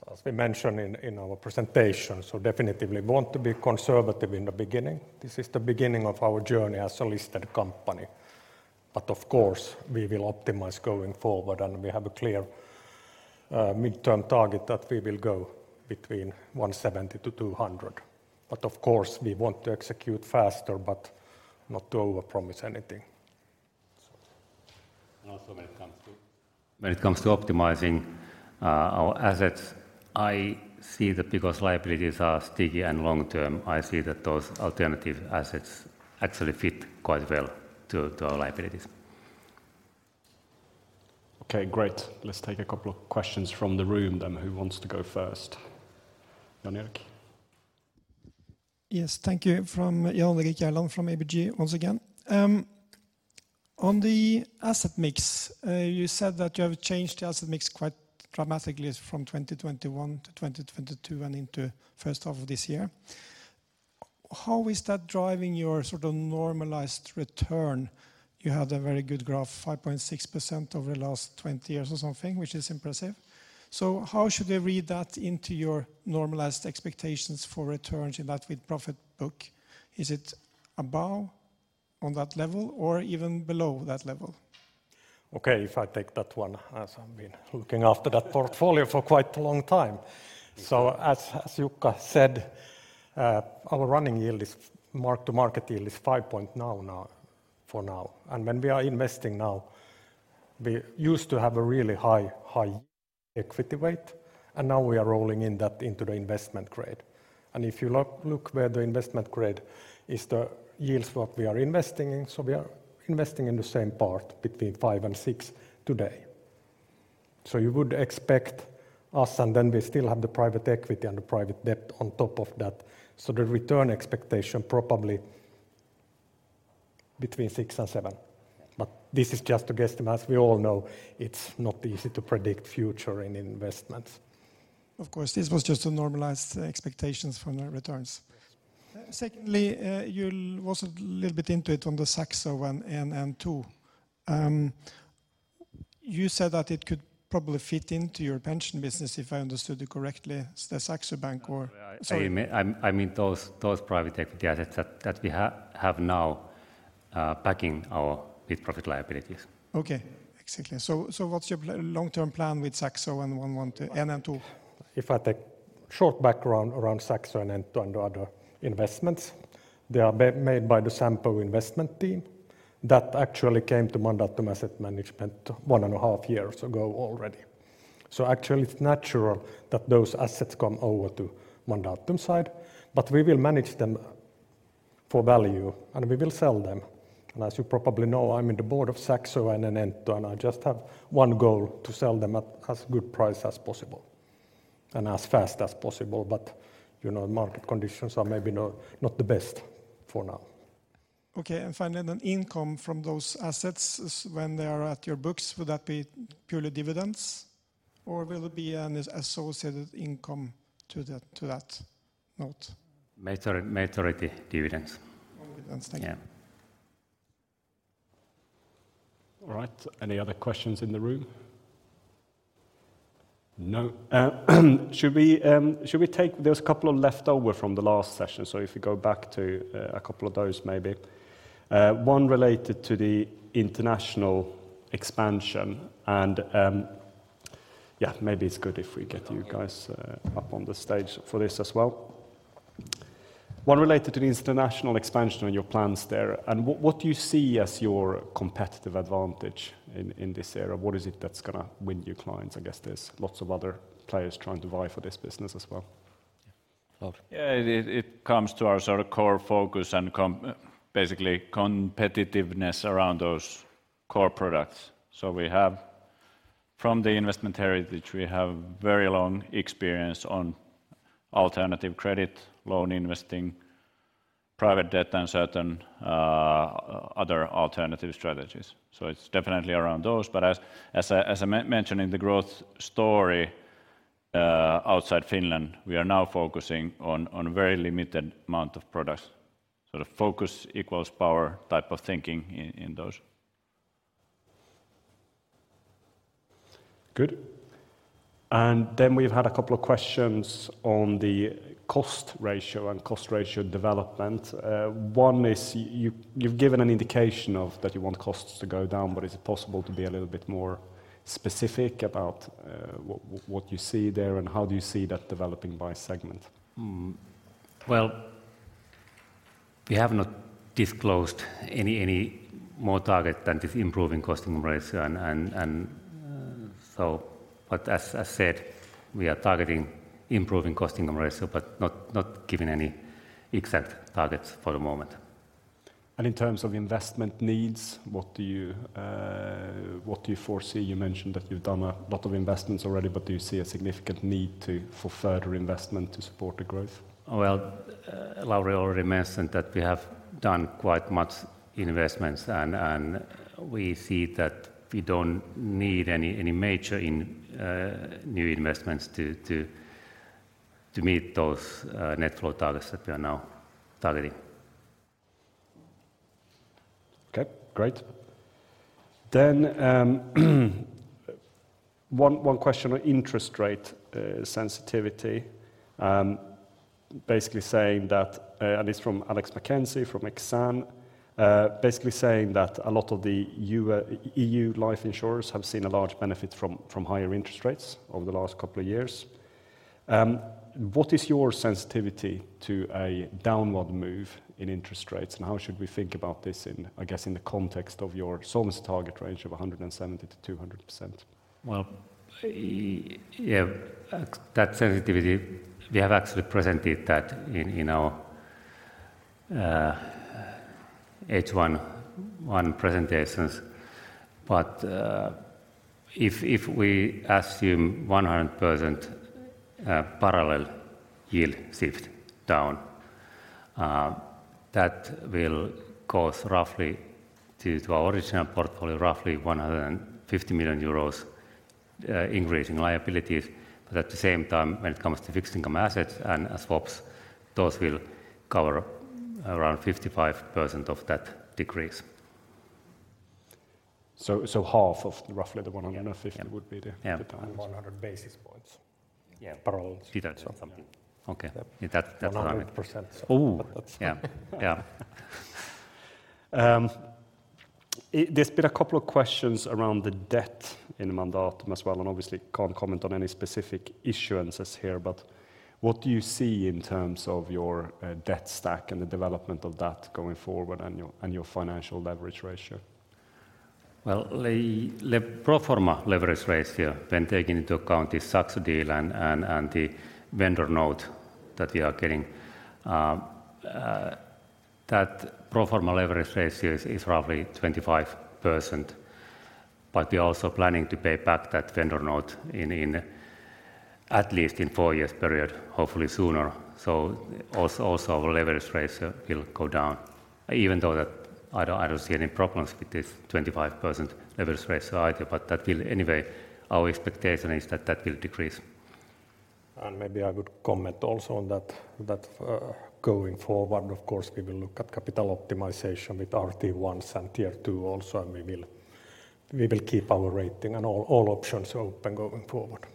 Yes. As we mentioned in our presentation, so definitely we want to be conservative in the beginning. This is the beginning of our journey as a listed company, but of course, we will optimize going forward, and we have a clear midterm target that we will go between 170-200. But of course, we want to execute faster, but not to overpromise anything, so. Also when it comes to, when it comes to optimizing our assets, I see that because liabilities are sticky and long-term, I see that those alternative assets actually fit quite well to our liabilities. Okay, great. Let's take a couple of questions from the room then. Who wants to go first? Jan Erik? Yes, thank you. From Jan Erik Jarlon from ABG once again. On the asset mix, you said that you have changed the asset mix quite dramatically from 2021 to 2022 and into first half of this year. How is that driving your sort of normalized return? You had a very good graph, 5.6% over the last 20 years or something, which is impressive. So how should we read that into your normalized expectations for returns in that with profit book? Is it above on that level or even below that level? Okay, if I take that one, as I've been looking after that portfolio for quite a long time. So as Jukka said, our running yield is mark-to-market yield is 5% now for now. And when we are investing now, we used to have a really high equity weight, and now we are rolling in that into the investment grade. And if you look where the investment grade is the yields what we are investing in, so we are investing in the same part between 5%-6% today. So you would expect us, and then we still have the private equity and the private debt on top of that, so the return expectation probably between 6%-7%. But this is just a guesstimate. As we all know, it's not easy to predict future in investments. Of course, this was just to normalize the expectations from the returns. Yes. Secondly, you're also a little bit into it on the Saxo and NN2. You said that it could probably fit into your pension business, if I understood you correctly, the Saxo Bank or- Sorry, I mean those private equity assets that we have now backing our big profit liabilities. Okay, exactly. So, what's your long-term plan with Saxo and Enento? If I take short background around Saxo and NN2 and the other investments, they are made by the Sampo investment team. That actually came to Mandatum Asset Management one and a half years ago already. So actually, it's natural that those assets come over to Mandatum side, but we will manage them for value, and we will sell them. And as you probably know, I'm in the board of Saxo and NN2, and I just have one goal, to sell them at as good price as possible and as fast as possible. But, you know, market conditions are maybe not, not the best for now. Okay, and finally, then income from those assets, when they are at your books, would that be purely dividends, or will it be an associated income to that, to that note? Majority dividends. Majority. Thank you. Yeah. All right. Any other questions in the room? No. Should we, should we take... There's a couple of leftover from the last session, so if you go back to, a couple of those, maybe. One related to the international expansion and... Yeah, maybe it's good if we get you guys, up on the stage for this as well. One related to the international expansion and your plans there, and what, what do you see as your competitive advantage in, in this area? What is it that's gonna win you clients? I guess there's lots of other players trying to vie for this business as well. Yeah, it comes to our sort of core focus and basically, competitiveness around those core products. So we have, from the investment heritage, we have very long experience on alternative credit, loan investing, private debt, and certain other alternative strategies. So it's definitely around those. But as I mentioned in the growth story-... outside Finland, we are now focusing on very limited amount of products. So the focus equals power type of thinking in those. Good. And then we've had a couple of questions on the cost ratio and cost ratio development. One is, you've given an indication that you want costs to go down, but is it possible to be a little bit more specific about what you see there, and how do you see that developing by segment? Well, we have not disclosed any more target than this improving cost income ratio. But as I said, we are targeting improving cost income ratio, but not giving any exact targets for the moment. In terms of investment needs, what do you, what do you foresee? You mentioned that you've done a lot of investments already, but do you see a significant need for further investment to support the growth? Well, Lauri already mentioned that we have done quite much investments, and we see that we don't need any major new investments to meet those net flow targets that we are now targeting. Okay, great. Then, one question on interest rate sensitivity. Basically saying that, and it's from Alex McKenzie, from Exane. Basically saying that a lot of the EU life insurers have seen a large benefit from higher interest rates over the last couple of years. What is your sensitivity to a downward move in interest rates, and how should we think about this in, I guess, in the context of your Solvency target range of 170%-200%? Well, yeah, that sensitivity, we have actually presented that in our H1-1 presentations. But if we assume 100% parallel yield shift down, that will cause roughly to our original portfolio roughly 150 million euros increase in liabilities. But at the same time, when it comes to fixed income assets and swaps, those will cover around 55% of that decrease. Half of roughly 150- Yeah. would be the target. Yeah. 100 basis points. Yeah, parallels. Something. Okay. That, that's what I mean. 100%. Oh, yeah. Yeah. There's been a couple of questions around the debt in Mandatum as well, and obviously, can't comment on any specific issuances here. But what do you see in terms of your debt stack and the development of that going forward, and your financial leverage ratio? Well, pro forma leverage ratio, when taking into account the Saxo deal and the vendor note that we are getting, that pro forma leverage ratio is roughly 25%. But we are also planning to pay back that vendor note in at least four years period, hopefully sooner. So, our leverage ratio will go down, even though I don't see any problems with this 25% leverage ratio either, but anyway, our expectation is that that will decrease. Maybe I would comment also on that going forward, of course, we will look at capital optimization with RT1 and Tier 2 also, and we will keep our rating and all options open going forward.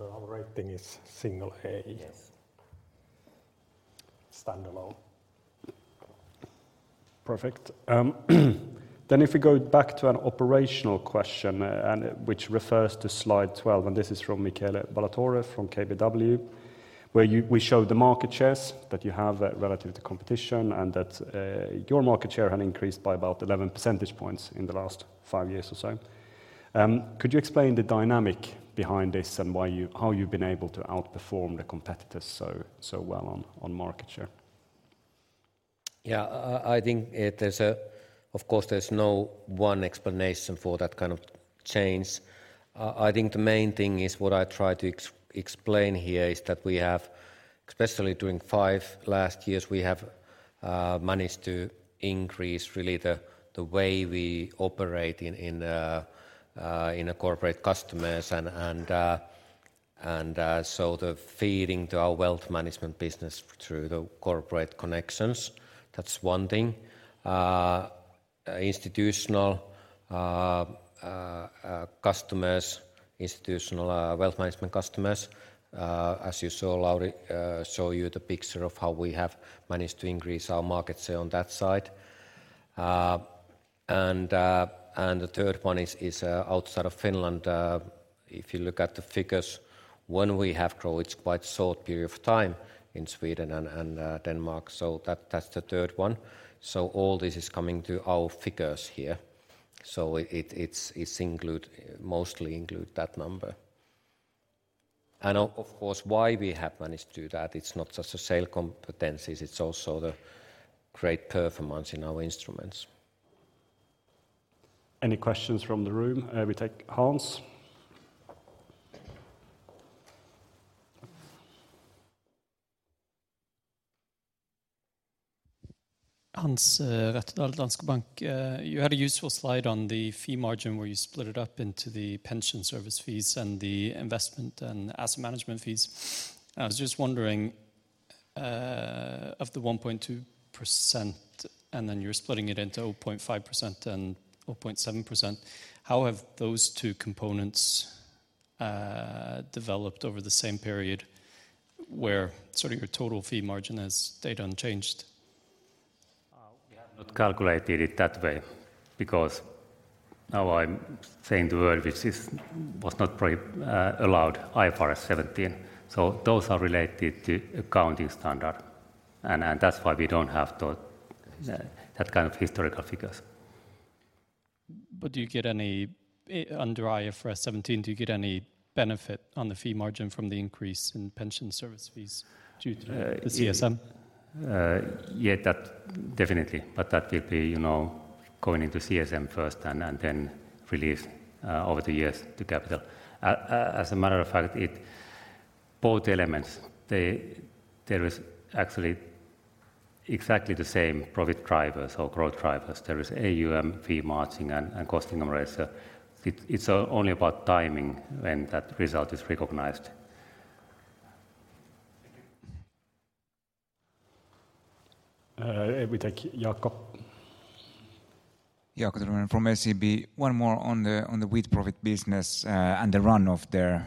Our rating is single A. Yes. Standalone. Perfect. Then if we go back to an operational question, and which refers to slide 12, and this is from Michele Ballatore, from KBW, where we show the market shares that you have relative to competition, and that your market share had increased by about 11 percentage points in the last five years or so. Could you explain the dynamic behind this and why how you've been able to outperform the competitors so, so well on, on market share? Yeah, I think there's a... Of course, there's no one explanation for that kind of change. I think the main thing is, what I try to explain here, is that we have, especially during five last years, we have managed to increase really the way we operate in corporate customers and so the feeding to our wealth management business through the corporate connections. That's one thing. Institutional customers, institutional wealth management customers, as you saw, Lauri show you the picture of how we have managed to increase our market share on that side. And the third one is outside of Finland. If you look at the figures, when we have grown, it's quite a short period of time in Sweden and Denmark. So that's the third one. So all this is coming to our figures here. So it's mostly include that number. And of course, why we have managed to do that, it's not just the sale competencies, it's also the great performance in our instruments. Any questions from the room? We take Hans.... Hans Rettedal, Danske Bank. You had a useful slide on the fee margin, where you split it up into the pension service fees and the investment and asset management fees. I was just wondering, of the 1.2%, and then you're splitting it into 0.5% and 0.7%, how have those two components developed over the same period, where sort of your total fee margin has stayed unchanged? We have not calculated it that way, because now I'm saying the word which is, was not pre-allowed, IFRS 17. So those are related to accounting standard, and, and that's why we don't have those, that kind of historical figures. But do you get any, under IFRS 17, do you get any benefit on the fee margin from the increase in pension service fees due to the CSM? Yeah, that definitely, but that will be, you know, going into CSM first and then release over the years to capital. As a matter of fact, both elements, they, there is actually exactly the same profit drivers or growth drivers. There is AUM, fee margin, and costing ratio. It's only about timing when that result is recognized. We thank you, Jaakko. Jaakko from SEB. One more on the with-profit business and the run-off there,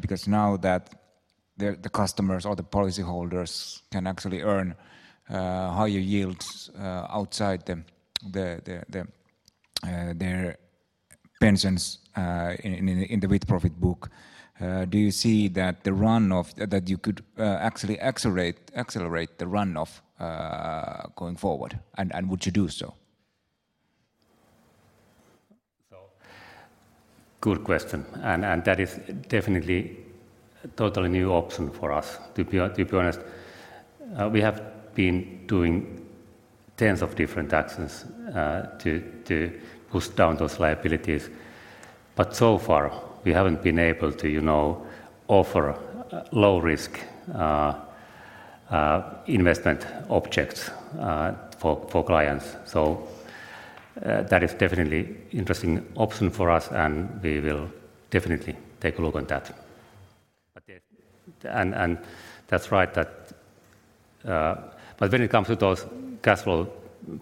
because now that the customers or the policyholders can actually earn higher yields outside the their pensions in the with-profit book. Do you see that the run-off—that you could actually accelerate the run-off going forward, and would you do so? So, good question, and that is definitely a totally new option for us, to be honest. We have been doing tens of different actions to push down those liabilities, but so far, we haven't been able to, you know, offer low-risk investment objects for clients. So, that is definitely interesting option for us, and we will definitely take a look on that. And that's right that, but when it comes to those cash flow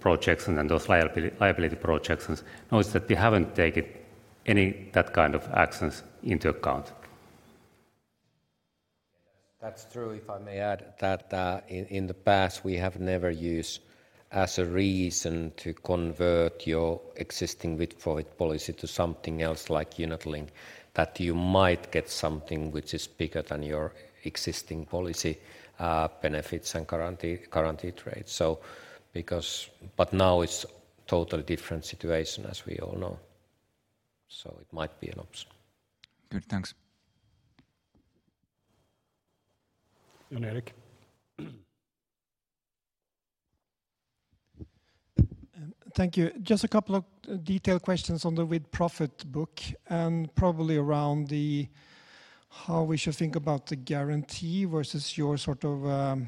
projections and those liability projections, notice that we haven't taken any that kind of actions into account. That's true. If I may add that, in the past, we have never used as a reason to convert your existing with-profit policy to something else like unit-linked, that you might get something which is bigger than your existing policy, benefits and guarantee, guaranteed rates. So because... But now it's totally different situation, as we all know, so it might be an option. Good. Thanks. Jan Erik. Thank you. Just a couple of detailed questions on the with-profit book, and probably around the how we should think about the guarantee versus your sort of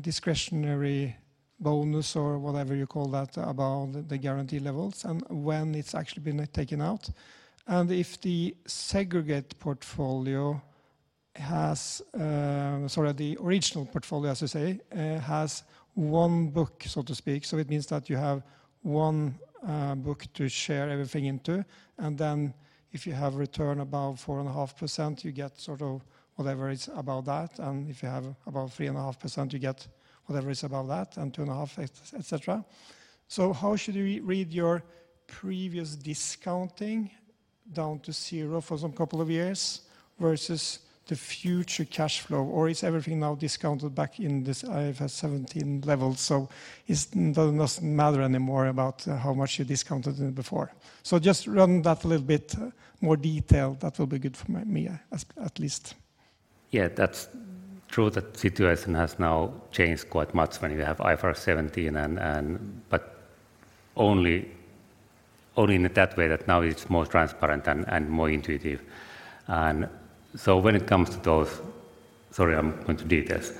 discretionary bonus or whatever you call that, about the guarantee levels and when it's actually been taken out. And if the segregated portfolio has the original portfolio, as you say, has one book, so to speak. So it means that you have one book to share everything into, and then if you have return above 4.5%, you get sort of whatever is above that, and if you have above 3.5%, you get whatever is above that, and 2.5%, etc. So how should we read your previous discounting down to zero for some couple of years versus the future cash flow? Or is everything now discounted back in this IFRS 17 level, so it doesn't matter anymore about how much you discounted it before? So just run that a little bit more detail. That will be good for me, at least. Yeah, that's true. That situation has now changed quite much when you have IFRS 17 and... but only, only in that way that now it's more transparent and more intuitive. And so when it comes to those—sorry, I'm going into details.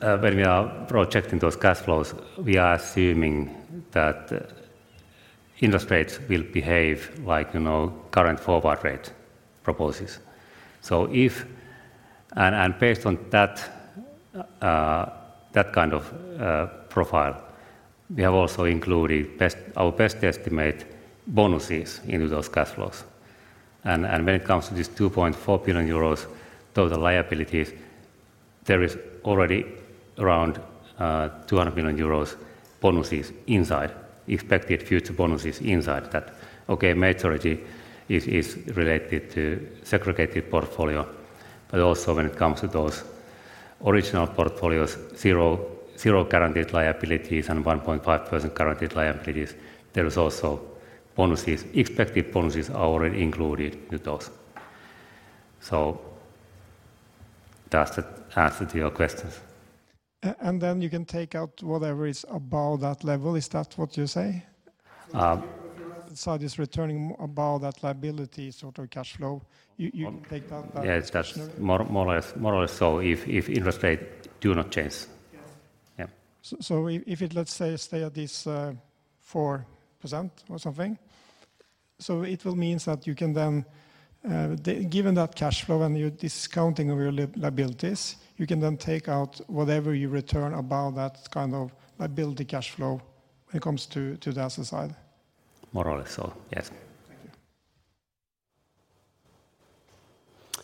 When we are projecting those cash flows, we are assuming that interest rates will behave like, you know, current forward rate proposes. So if, and based on that, that kind of profile, we have also included our best estimate bonuses into those cash flows. And when it comes to these 2.4 billion euros total liabilities, there is already around two hundred million euros bonuses inside, expected future bonuses inside that. Okay, majority is related to segregated portfolio, but also when it comes to those original portfolios, 0.0 guaranteed liabilities and 1.5% guaranteed liabilities, there is also bonuses. Expected bonuses are already included in those. So does that answer to your questions? And then you can take out whatever is above that level, is that what you say?... So this returning about that liability sort of cash flow, you, you can take down that- Yeah, it's that. That's more or less so if interest rates do not change. Yes. Yeah. So, if it, let's say, stay at this 4% or something, so it will means that you can then, given that cash flow and you're discounting your liabilities, you can then take out whatever you return about that kind of liability cash flow when it comes to the asset side? More or less so, yes.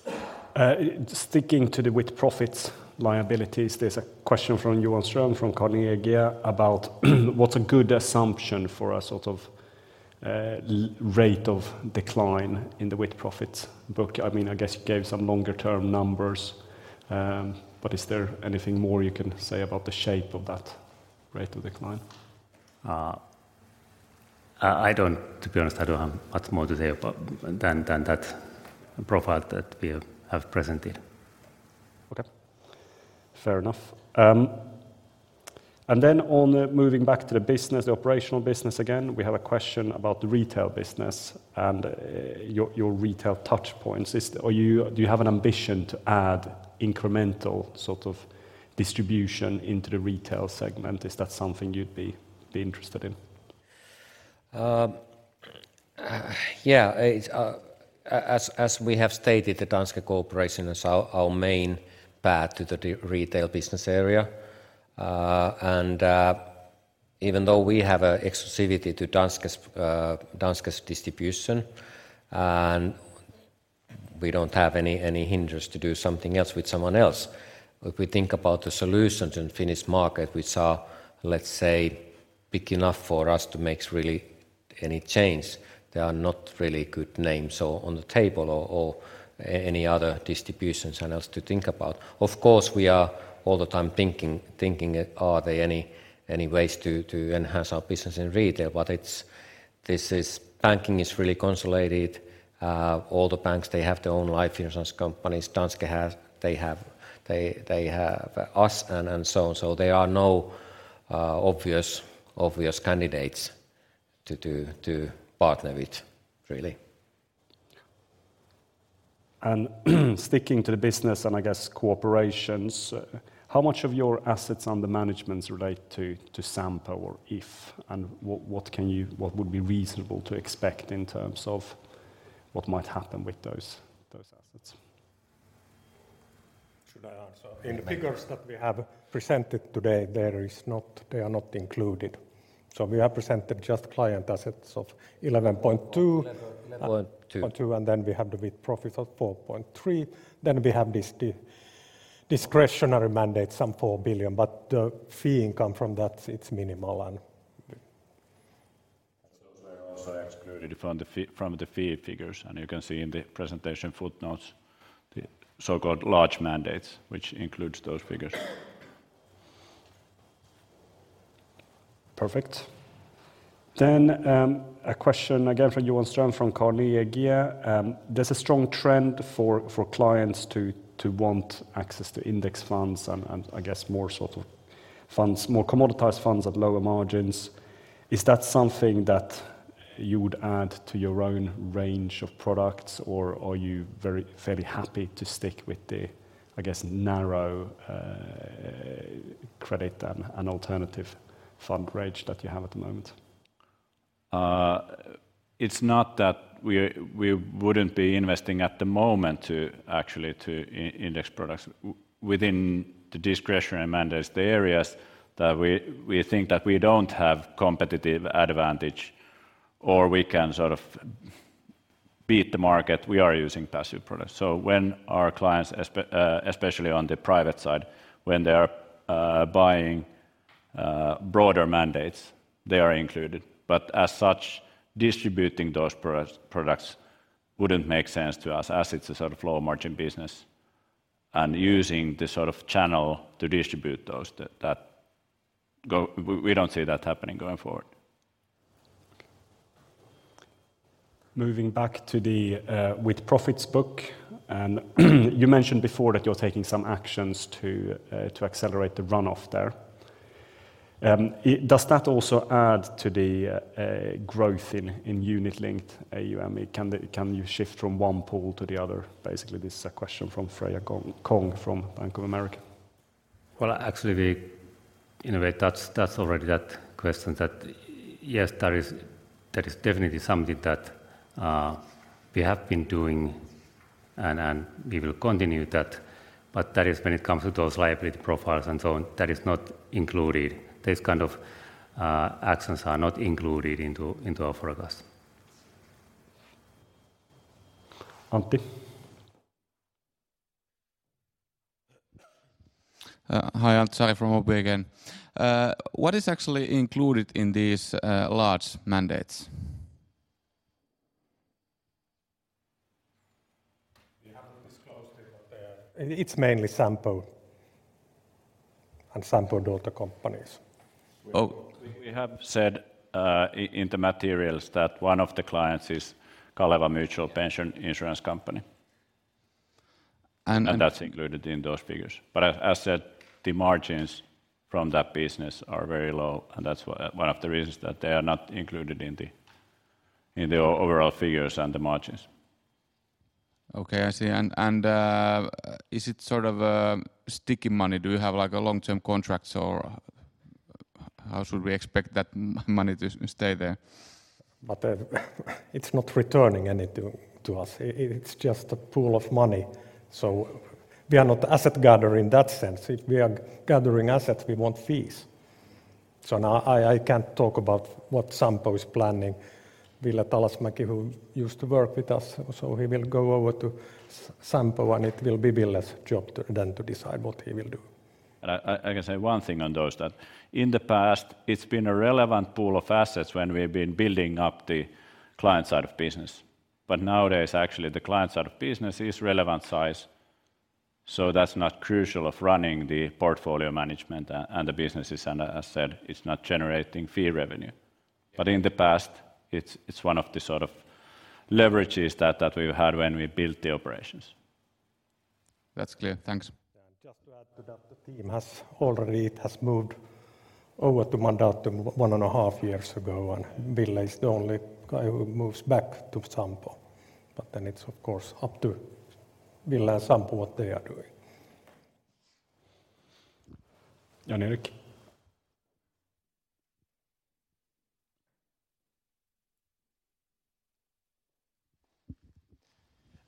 Thank you. Sticking to the with-profits liabilities, there's a question from Johan Ström, from Carnegie about what's a good assumption for a sort of rate of decline in the with-profits book? I mean, I guess you gave some longer term numbers, but is there anything more you can say about the shape of that rate of decline? To be honest, I don't have much more to say about than that profile that we have presented. Okay. Fair enough. And then on the moving back to the business, the operational business again, we have a question about the retail business and your retail touch points. Do you have an ambition to add incremental sort of distribution into the retail segment? Is that something you'd be interested in? Yeah, it's as we have stated, the Danske cooperation is our main path to the retail business area. Even though we have a exclusivity to Danske's distribution, and we don't have any hindrance to do something else with someone else. If we think about the solutions in Finnish market, which are, let's say, big enough for us to make really any change, there are not really good names on the table or any other distributions and else to think about. Of course, we are all the time thinking, are there any ways to enhance our business in retail? But it's... this is... Banking is really consolidated. All the banks, they have their own life insurance companies. Danske have, they have, they, they have us, and so on. So there are no obvious candidates to partner with, really. Sticking to the business and I guess cooperations, how much of your assets under managements relate to Sampo or If, and what, what can you—what would be reasonable to expect in terms of what might happen with those, those assets? Should I answer? Yeah. In the figures that we have presented today, there is not, they are not included. So we have presented just client assets of 11.2- 11.2. -point two, and then we have the with-profits of 4.3. Then we have this discretionary mandate, some 4 billion, but the fee income from that, it's minimal and- Those are also excluded from the fee, from the fee figures, and you can see in the presentation footnotes, the so-called large mandates, which includes those figures. Perfect. Then, a question again from Johan Ström, from Carnegie. There's a strong trend for, for clients to, to want access to index funds and, and I guess more sort of funds, more commoditized funds at lower margins. Is that something that you would add to your own range of products, or are you very fairly happy to stick with the, I guess, narrow, credit and, and alternative fund range that you have at the moment? It's not that we wouldn't be investing at the moment to actually to index products. Within the discretionary mandates, the areas that we think that we don't have competitive advantage or we can sort of beat the market, we are using passive products. So when our clients, especially on the private side, when they are buying broader mandates, they are included. But as such, distributing those products wouldn't make sense to us, as it's a sort of low-margin business, and using this sort of channel to distribute those, that go. We don't see that happening going forward. Moving back to the with-profits book, and you mentioned before that you're taking some actions to accelerate the run-off there. Does that also add to the growth in unit-linked AUM? Can you shift from one pool to the other? Basically, this is a question from Freya Kong from Bank of America. Well, actually, we... In a way, that's, that's already that question that, yes, there is, there is definitely something that we have been doing, and, and we will continue that. But that is when it comes to those liability profiles and so on, that is not included. These kind of actions are not included into, into our forecast. Antti? Hi, Antti Saari from OP again. What is actually included in these large mandates? We haven't disclosed it, but it's mainly Sampo and Sampo daughter companies. Oh, we have said in the materials that one of the clients is Kaleva Mutual Pension Insurance Company.... and that's included in those figures. But as said, the margins from that business are very low, and that's one of the reasons that they are not included in the overall figures and the margins. Okay, I see. And is it sort of sticky money? Do you have, like, long-term contracts, or how should we expect that money to stay there? But, it's not returning anything to us. It's just a pool of money. So we are not asset gatherer in that sense. If we are gathering assets, we want fees. So now I can't talk about what Sampo is planning. Ville Talasmäki, who used to work with us, so he will go over to Sampo, and it will be Ville's job to then to decide what he will do. And I can say one thing on those, that in the past, it's been a relevant pool of assets when we've been building up the client side of business. But nowadays, actually, the client side of business is relevant size, so that's not crucial of running the portfolio management and the businesses. And as said, it's not generating fee revenue. But in the past, it's one of the sort of leverages that we've had when we built the operations. That's clear. Thanks. And just to add to that, the team has already moved over to Mandatum one and a half years ago, and Ville is the only guy who moves back to Sampo. But then it's, of course, up to Ville and Sampo what they are doing.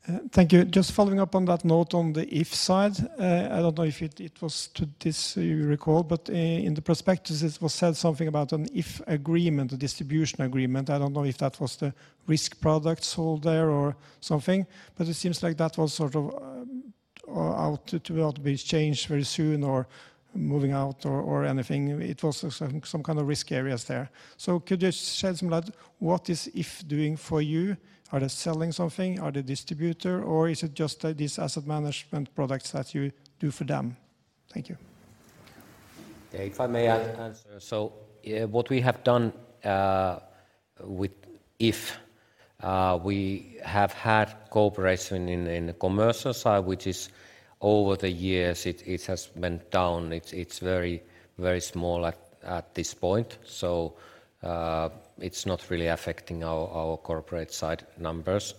Jan-Erik? Thank you. Just following up on that note on the If side, I don't know if it was this you recall, but in the prospectus, it was said something about an If agreement, a distribution agreement. I don't know if that was the risk products sold there or something, but it seems like that was sort of about to be changed very soon or moving out or anything. It was some kind of risk areas there. So could you just shed some light, what is If doing for you? Are they selling something, are they distributor, or is it just these asset management products that you do for them? Thank you. Yeah, if I may, I answer. So, yeah, what we have done with If, we have had cooperation in the commercial side, which is over the years, it has been down. It's very, very small at this point, so it's not really affecting our corporate side numbers.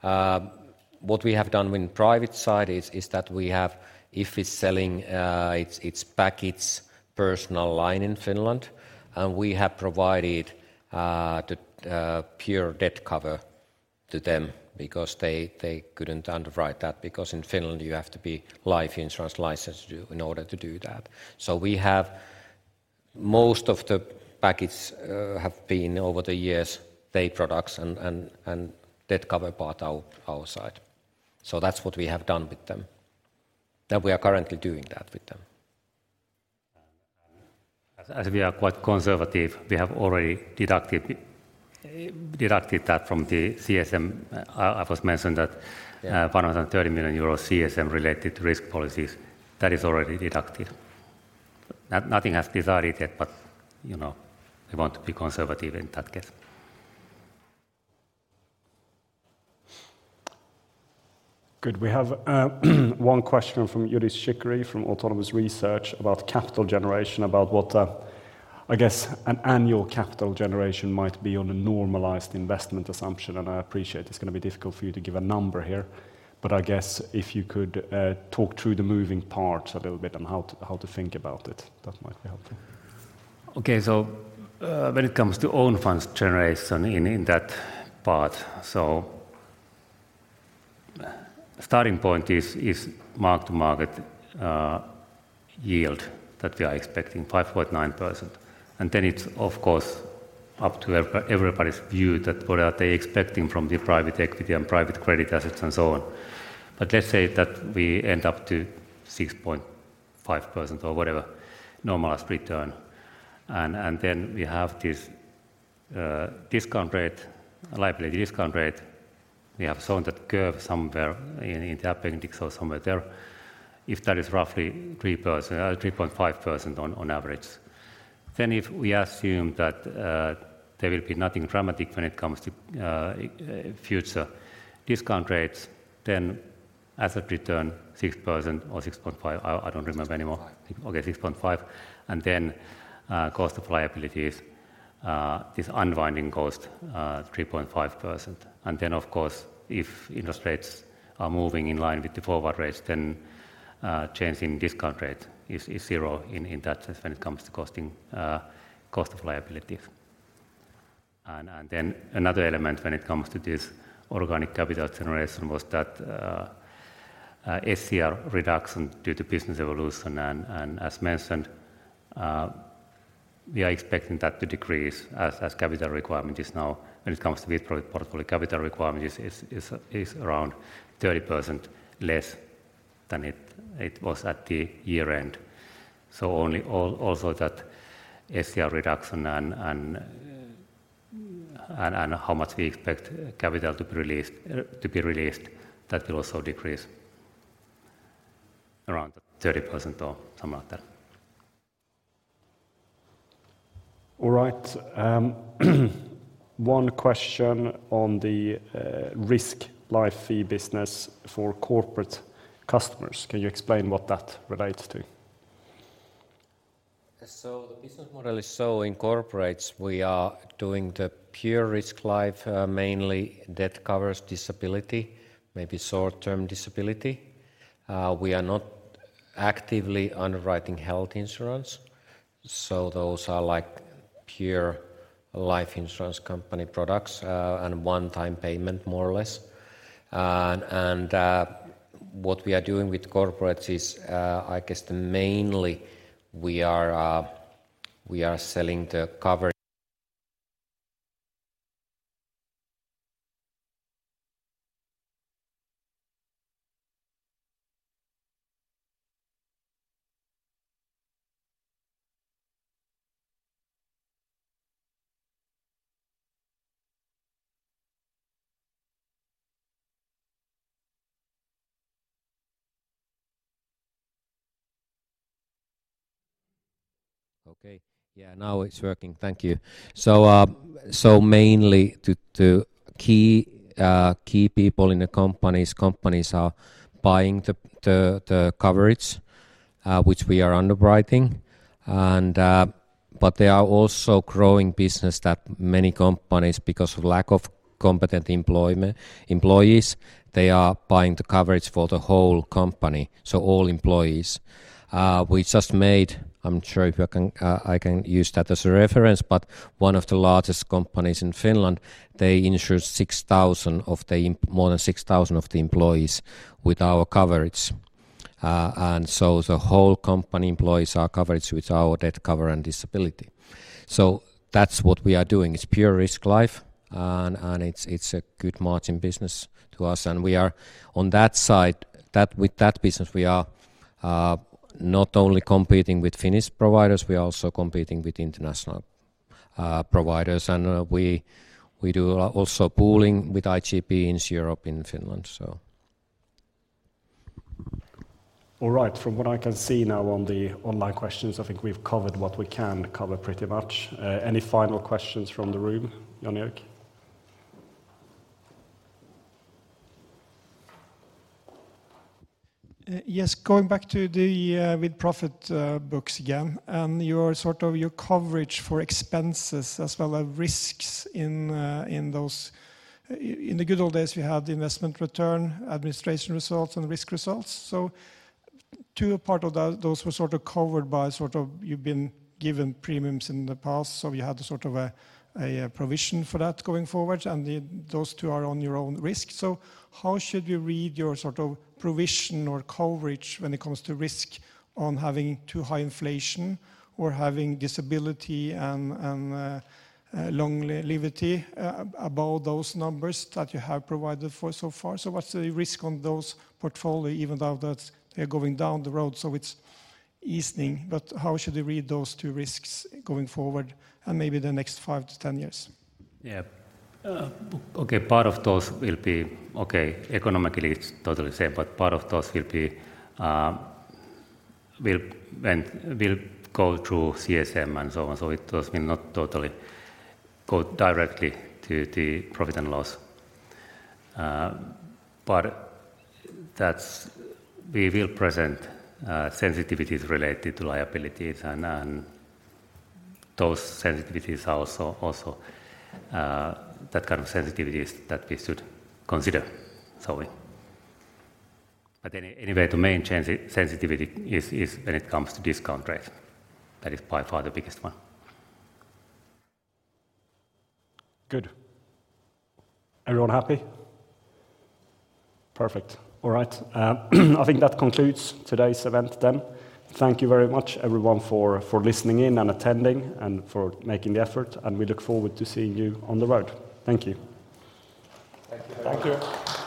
What we have done in private side is that we have, If is selling its package personal line in Finland, and we have provided the pure death cover to them because they couldn't underwrite that, because in Finland, you have to be life insurance licensed in order to do that. So we have most of the package have been over the years, P&C products and death cover part our side. So that's what we have done with them, and we are currently doing that with them. And as we are quite conservative, we have already deducted that from the CSM. I first mentioned that- Yeah... one hundred and thirty million euro CSM-related risk policies, that is already deducted. Nothing has decided yet, but, you know, we want to be conservative in that case. Good. We have one question from Yuri Khodjamirian, from Autonomous Research, about capital generation, about what I guess an annual capital generation might be on a normalized investment assumption. And I appreciate it's gonna be difficult for you to give a number here, but I guess if you could talk through the moving parts a little bit on how to think about it, that might be helpful. Okay, so when it comes to own funds generation in that part, so starting point is mark-to-market yield that we are expecting, 5.9%. And then it's, of course, up to everybody's view that what are they expecting from the private equity and private credit assets and so on. But let's say that we end up to 6.5% or whatever normalized return, and then we have this discount rate, liability discount rate. We have shown that curve somewhere in the appendix or somewhere there. If that is roughly 3%, 3.5% on average. Then if we assume that there will be nothing dramatic when it comes to future discount rates, then asset return 6% or 6.5, I don't remember anymore. Five. Okay, 6.5, and then, cost of liabilities, this unwinding cost, 3.5%. And then, of course, if interest rates are moving in line with the forward rates, then, change in discount rate is zero in that sense when it comes to costing, cost of liability. And then another element when it comes to this organic capital generation was that, SCR reduction due to business evolution. And as mentioned, we are expecting that to decrease as capital requirement is now, when it comes to portfolio, capital requirement is around 30% less than it was at the year-end. So only also that SCR reduction and how much we expect capital to be released, to be released, that will also decrease around 30% or something like that.... All right, one question on the, risk life fee business for corporate customers. Can you explain what that relates to? So the business model is so in corporates, we are doing the pure risk life, mainly that covers disability, maybe short-term disability. We are not actively underwriting health insurance, so those are like pure life insurance company products, and one-time payment, more or less. What we are doing with corporates is, I guess the mainly we are, we are selling the coverage. Okay. Yeah, now it's working. Thank you. So, so mainly to key people in the companies, companies are buying the coverage, which we are underwriting, and but they are also growing business that many companies, because of lack of competent employment- employees, they are buying the coverage for the whole company, so all employees. We just made, I'm not sure if I can, I can use that as a reference, but one of the largest companies in Finland, they insured more than 6,000 of the employees with our coverage. And so the whole company employees are covered with our death cover and disability. So that's what we are doing. It's pure risk life, and it's a good margin business to us, and we are on that side, that with that business, we are not only competing with Finnish providers, we are also competing with international providers. And we do also pooling with IGP in Europe, in Finland, so. All right. From what I can see now on the online questions, I think we've covered what we can cover pretty much. Any final questions from the room, Jan-Erik? Yes, going back to the with-profit books again, and your sort of your coverage for expenses as well as risks in those... In the good old days, we had investment return, administration results, and risk results. So two part of those were sort of covered by sort of you've been given premiums in the past, so we had a sort of a provision for that going forward, and those two are on your own risk. So how should we read your sort of provision or coverage when it comes to risk on having too high inflation or having disability and longevity above those numbers that you have provided for so far? What's the risk on those portfolio, even though that they're going down the road, so it's easing, but how should we read those two risks going forward and maybe the next five to 10 years? Yeah. Okay, part of those will be... Okay, economically, it's totally same, but part of those will be, will go through CSM and so on. So it does mean not totally go directly to the profit and loss. But that's, we will present sensitivities related to liabilities, and those sensitivities are also that kind of sensitivities that we should consider, so. But anyway, the main sensitivity is when it comes to discount rate. That is by far the biggest one. Good. Everyone happy? Perfect. All right. I think that concludes today's event then. Thank you very much, everyone, for, for listening in and attending and for making the effort, and we look forward to seeing you on the road. Thank you. Thank you. Thank you.